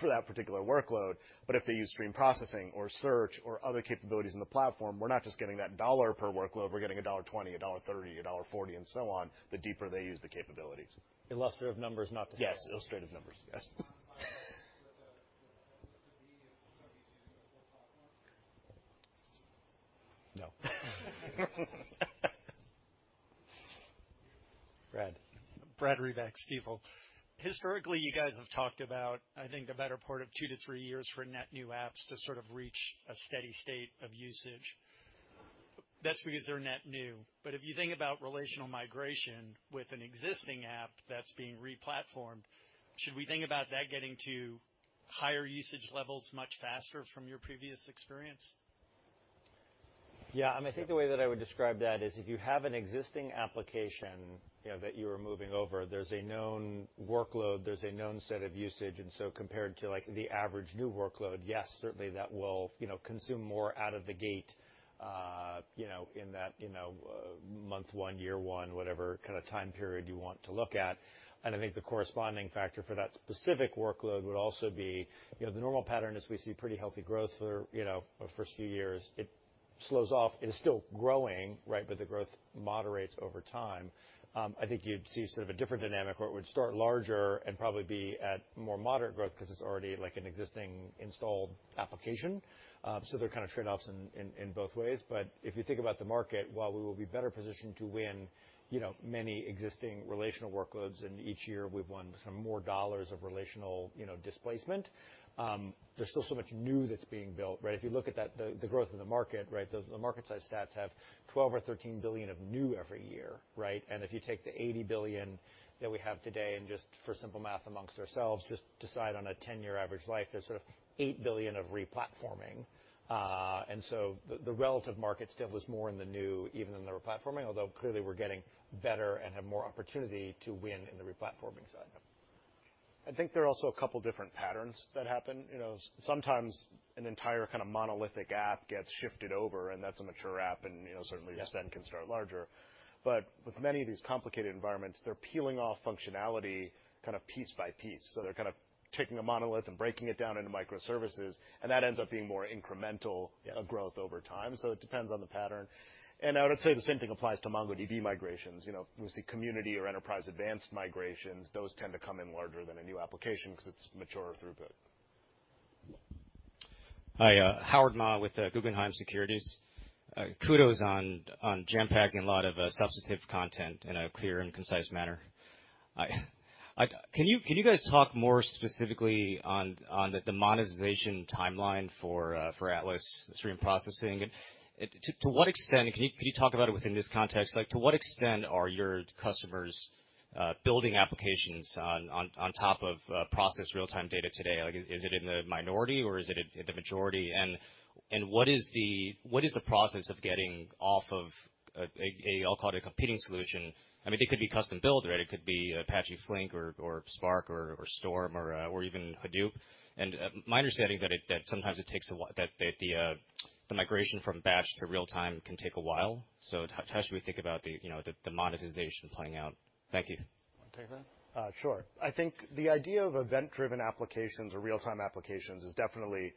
for that particular workload, but if they use stream processing or search or other capabilities in the platform, we're not just getting that $1 per workload, we're getting $1.20, $1.30, $1.40, and so on, the deeper they use the capabilities. Illustrative numbers not to- Yes, illustrative numbers. Yes. No. Brad. Brad Reback, Stifel. Historically, you guys have talked about, I think, the better part of two to three years for net new apps to sort of reach a steady state of usage. That's because they're net new. If you think about relational migration with an existing app that's being replatformed, should we think about that getting to higher usage levels much faster from your previous experience? Yeah, I mean, I think the way that I would describe that is if you have an existing application, you know, that you are moving over, there's a known workload, there's a known set of usage. Compared to, like, the average new workload, yes, certainly, that will, you know, consume more out of the gate, you know, in that, you know, month 1, year 1, whatever kind of time period you want to look at. I think the corresponding factor for that specific workload would also be, you know, the normal pattern is we see pretty healthy growth for, you know, the first few years. It slows off. It is still growing, right, but the growth moderates over time. I think you'd see sort of a different dynamic where it would start larger and probably be at more moderate growth because it's already like an existing installed application. There are kind of trade-offs in, in both ways. If you think about the market, while we will be better positioned to win, you know, many existing relational workloads, and each year, we've won some more dollars of relational, you know, displacement, there's still so much new that's being built, right? If you look at that, the growth of the market, right, the market size stats have $12 billion or $13 billion of new every year, right? If you take the $80 billion that we have today, and just for simple math amongst ourselves, just decide on a 10-year average life, there's sort of $8 billion of replatforming. The relative market still is more in the new, even in the replatforming, although clearly, we're getting better and have more opportunity to win in the replatforming side. I think there are also a couple of different patterns that happen. You know, sometimes an entire kind of monolithic app gets shifted over, and that's a mature app, and, you know. Yes The spend can start larger. With many of these complicated environments, they're peeling off functionality kind of piece by piece. They're kind of taking a monolith and breaking it down into microservices, and that ends up being more incremental. Yeah of growth over time. It depends on the pattern. I would say the same thing applies to MongoDB migrations. You know, we see community or Enterprise Advanced migrations. Those tend to come in larger than a new application because it's mature throughput. Hi, Howard Ma with Guggenheim Securities. Kudos on jam-packing a lot of substantive content in a clear and concise manner. Can you guys talk more specifically on the monetization timeline for Atlas Stream Processing? To what extent can you talk about it within this context? To what extent are your customers building applications on top of process real-time data today? Is it in the minority or is it in the majority? What is the process of getting off of a, I'll call it a competing solution? I mean, it could be custom-built, right? It could be Apache Flink or Spark or Storm or even Hadoop. My understanding is that sometimes it takes a while, that the migration from batch to real time can take a while. How should we think about the, you know, the monetization playing out? Thank you. Want to take that? Sure. I think the idea of event-driven applications or real-time applications is definitely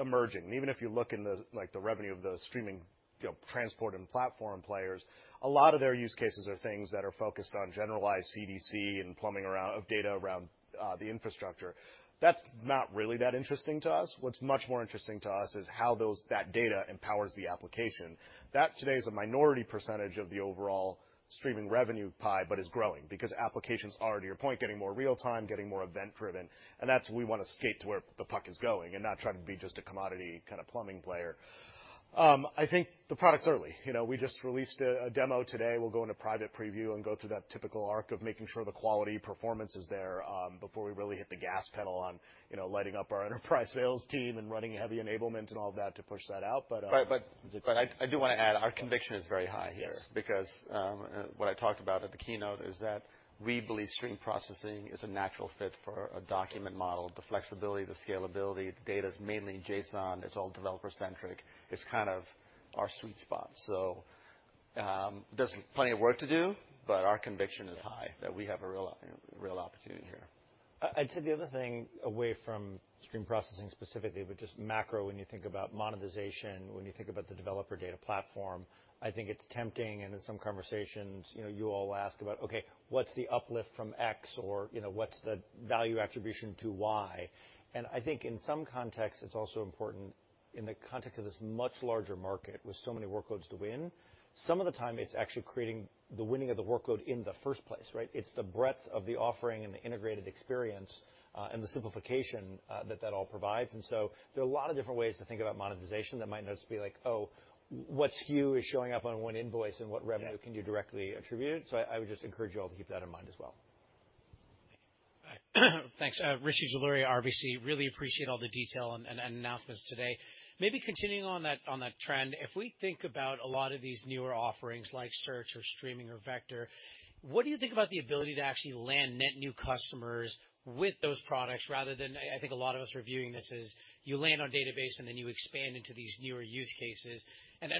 emerging. Even if you look in the, like the revenue of the streaming, you know, transport and platform players, a lot of their use cases are things that are focused on generalized CDC and plumbing of data around the infrastructure. That's not really that interesting to us. What's much more interesting to us is how that data empowers the application. That, today, is a minority percentage of the overall streaming revenue pie, but is growing because applications are, to your point, getting more real time, getting more event-driven, and that's we want to skate to where the puck is going and not trying to be just a commodity kind of plumbing player. I think the product's early. You know, we just released a demo today. We'll go into private preview and go through that typical arc of making sure the quality performance is there, before we really hit the gas pedal on, you know, lighting up our enterprise sales team and running heavy enablement and all that to push that out. Right. I do want to add, our conviction is very high here. Yes Because, what I talked about at the keynote is that we believe stream processing is a natural fit for a document model. The flexibility, the scalability, the data is mainly JSON, it's all developer-centric. It's kind of our sweet spot. There's plenty of work to do, but our conviction is high that we have a real opportunity here. I'd say the other thing, away from stream processing specifically, but just macro, when you think about monetization, when you think about the developer data platform, I think it's tempting, and in some conversations, you know, you all ask about, "Okay, what's the uplift from X or, you know, what's the value attribution to Y?" I think in some contexts, it's also important in the context of this much larger market, with so many workloads to win, some of the time, it's actually creating the winning of the workload in the first place, right? It's the breadth of the offering and the integrated experience, and the simplification that that all provides. There are a lot of different ways to think about monetization that might not just be like, oh, what SKU is showing up on one invoice and what revenue- Yeah Can you directly attribute? I would just encourage you all to keep that in mind as well. Thank you. Thanks. Rishi Jaluria, RBC. Really appreciate all the detail and announcements today. Maybe continuing on that, on that trend, if we think about a lot of these newer offerings, like search or streaming or vector, what do you think about the ability to actually land net new customers with those products rather than? I think a lot of us are viewing this as you land on database, and then you expand into these newer use cases.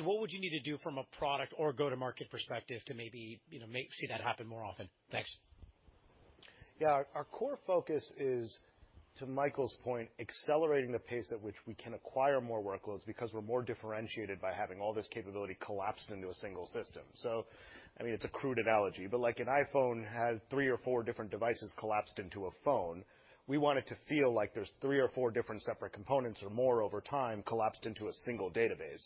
What would you need to do from a product or go-to-market perspective to maybe, you know, see that happen more often? Thanks. Our core focus is, to Michael's point, accelerating the pace at which we can acquire more workloads because we're more differentiated by having all this capability collapsed into a single system. I mean, it's a crude analogy, but like an iPhone had three or four different devices collapsed into a phone, we want it to feel like there's three or four different separate components or more over time, collapsed into a single database.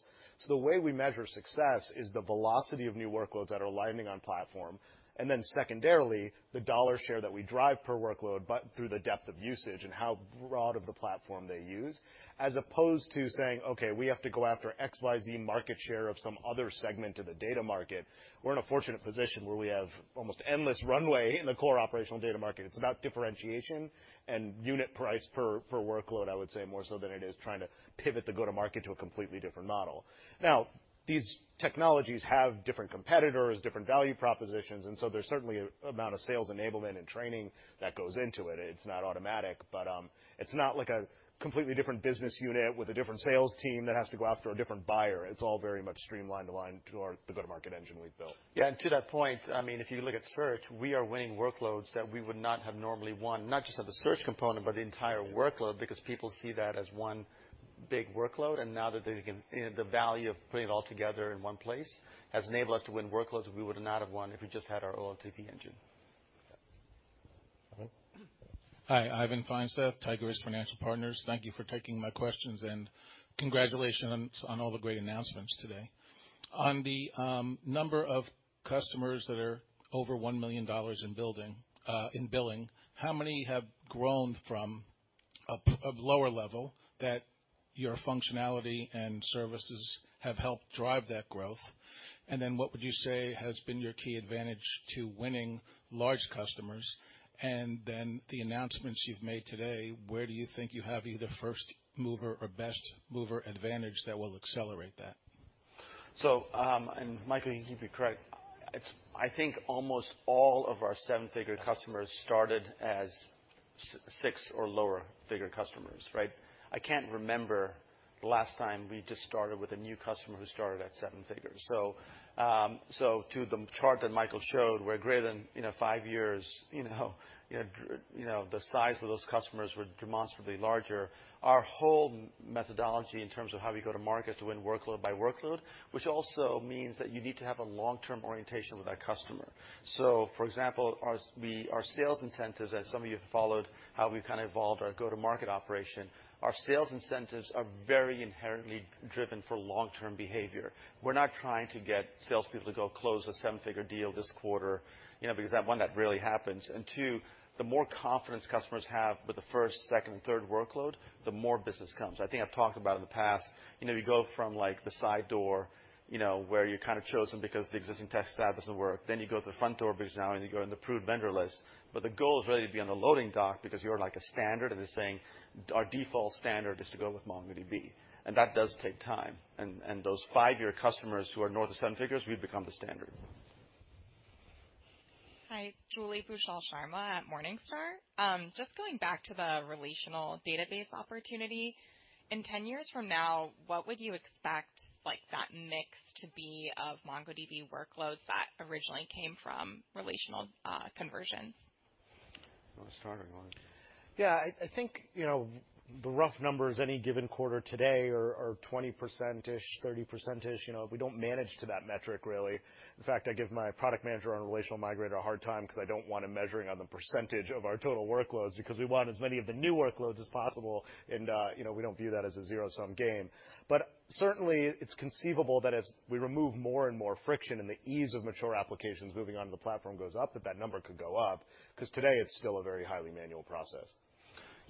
The way we measure success is the velocity of new workloads that are landing on platform, and then secondarily, the dollar share that we drive per workload, but through the depth of usage and how broad of a platform they use, as opposed to saying, "Okay, we have to go after XYZ market share of some other segment of the data market." We're in a fortunate position where we have almost endless runway in the core operational data market. It's about differentiation and unit price per workload, I would say, more so than it is trying to pivot the go-to-market to a completely different model. These technologies have different competitors, different value propositions, and so there's certainly an amount of sales enablement and training that goes into it. It's not automatic, but it's not like a completely different business unit with a different sales team that has to go after a different buyer. It's all very much streamlined, aligned to our, the go-to-market engine we've built. Yeah, to that point, I mean, if you look at Search, we are winning workloads that we would not have normally won, not just of the search component, but the entire workload, because people see that as one big workload. You know, the value of putting it all together in one place has enabled us to win workloads we would not have won if we just had our OLTP engine. All right. Hi, Ivan Feinseth, Tigress Financial Partners. Thank you for taking my questions, and congratulations on all the great announcements today. On the number of customers that are over $1 million in billing, how many have grown from a lower level that your functionality and services have helped drive that growth? What would you say has been your key advantage to winning large customers? The announcements you've made today, where do you think you have either first mover or best mover advantage that will accelerate that? Michael, you can correct. I think almost all of our seven-figure customers started as six or lower figure customers, right? I can't remember the last time we just started with a new customer who started at seven figures. To the chart that Michael showed, where greater than five years, the size of those customers were demonstrably larger. Our whole methodology in terms of how we go to market to win workload by workload, which also means that you need to have a long-term orientation with that customer. For example, our sales incentives, as some of you have followed, how we've kind of evolved our go-to-market operation, our sales incentives are very inherently driven for long-term behavior. We're not trying to get salespeople to go close a seven-figure deal this quarter, you know, because that one, that rarely happens, and two, the more confidence customers have with the first, second, and third workload, the more business comes. I think I've talked about in the past, you know, you go from like the side door, you know, where you're kind of chosen because the existing tech staff doesn't work, then you go to the front door because now you go on the approved vendor list. The goal is really to be on the loading dock because you're like a standard, and they're saying, "Our default standard is to go with MongoDB." That does take time, and those five-year customers who are north of seven figures, we've become the standard. Hi, Julie Bhusal Sharma at Morningstar. Just going back to the relational database opportunity. In 10 years from now, what would you expect, like, that mix to be of MongoDB workloads that originally came from relational conversions? You want to start or you want me? I think, you know, the rough numbers, any given quarter today are 20%-ish, 30%-ish. You know, we don't manage to that metric, really. In fact, I give my product manager on Relational Migrator a hard time because I don't want him measuring on the percentage of our total workloads, because we want as many of the new workloads as possible, and, you know, we don't view that as a zero-sum game. Certainly, it's conceivable that as we remove more and more friction and the ease of mature applications moving on to the platform goes up, that that number could go up, because today it's still a very highly manual process.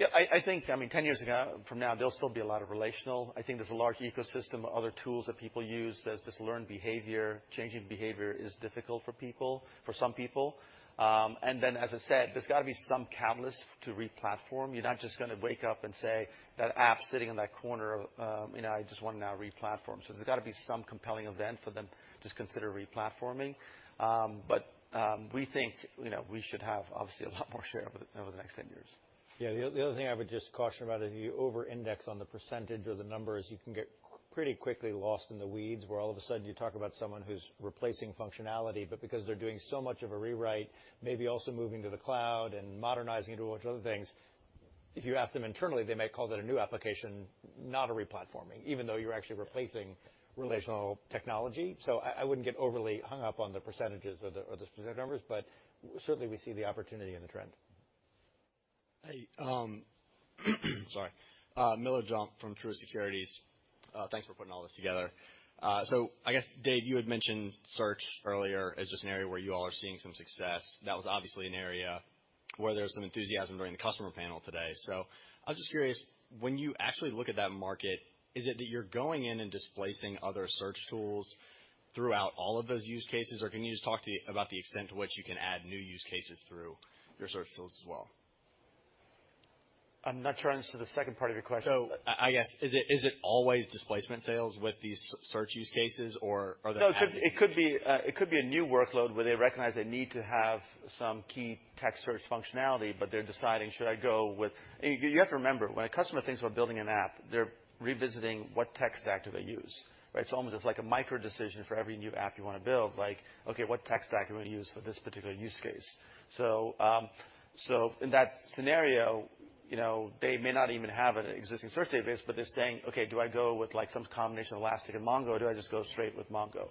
Yeah, I think, I mean, 10 years ago, from now, there'll still be a lot of relational. I think there's a large ecosystem of other tools that people use. There's this learned behavior. Changing behavior is difficult for people, for some people. As I said, there's got to be some catalyst to replatform. You're not just gonna wake up and say, "That app sitting in that corner, you know, I just want to now replatform." There's got to be some compelling event for them to consider replatforming. We think, you know, we should have, obviously, a lot more share over the, over the next 10 years. The other thing I would just caution about, if you over-index on the % or the numbers, you can get pretty quickly lost in the weeds, where all of a sudden you talk about someone who's replacing functionality, but because they're doing so much of a rewrite, maybe also moving to the cloud and modernizing it or watch other things, if you ask them internally, they may call that a new application, not a replatforming, even though you're actually replacing relational technology. I wouldn't get overly hung up on the % or the specific numbers, but certainly, we see the opportunity and the trend. Hey, sorry. Miller Jump from Truist Securities. Thanks for putting all this together. I guess, Dave, you had mentioned search earlier as just an area where you all are seeing some success. That was obviously an area where there was some enthusiasm during the customer panel today. I was just curious, when you actually look at that market, is it that you're going in and displacing other search tools throughout all of those use cases, or can you just talk to me about the extent to which you can add new use cases through your search tools as well? I'm not sure I understood the second part of your question. I guess, is it always displacement sales with these search use cases, or are they... No, it could be a new workload where they recognize they need to have some key text search functionality, but they're deciding, should I go with? You have to remember, when a customer thinks about building an app, they're revisiting what tech stack do they use, right? It's almost as like a micro decision for every new app you want to build. Like, okay, what tech stack do you want to use for this particular use case? In that scenario, you know, they may not even have an existing search database, but they're saying, "Okay, do I go with, like, some combination of Elastic and Mongo, or do I just go straight with Mongo?"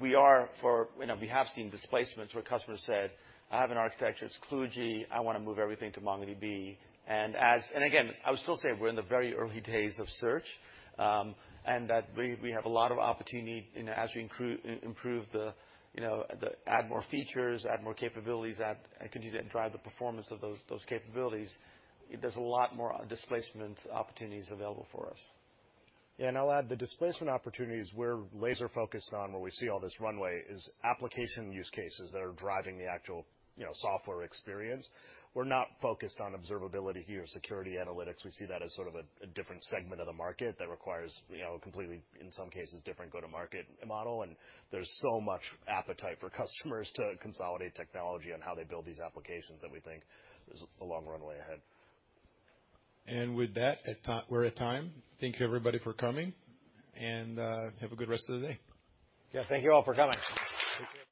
We are for... You know, we have seen displacements where customers said, "I have an architecture, it's kludgy, I want to move everything to MongoDB." Again, I would still say we're in the very early days of search, and that we have a lot of opportunity, you know, as we improve the add more features, add more capabilities, and continue to drive the performance of those capabilities, there's a lot more displacement opportunities available for us. Yeah, I'll add the displacement opportunities we're laser-focused on, where we see all this runway, is application use cases that are driving the actual, you know, software experience. We're not focused on observability here, security analytics. We see that as sort of a different segment of the market that requires, you know, completely, in some cases, different go-to-market model. There's so much appetite for customers to consolidate technology on how they build these applications that we think there's a long runway ahead. With that, we're at time. Thank you, everybody, for coming, and have a good rest of the day. Yeah, thank you all for coming. Take care.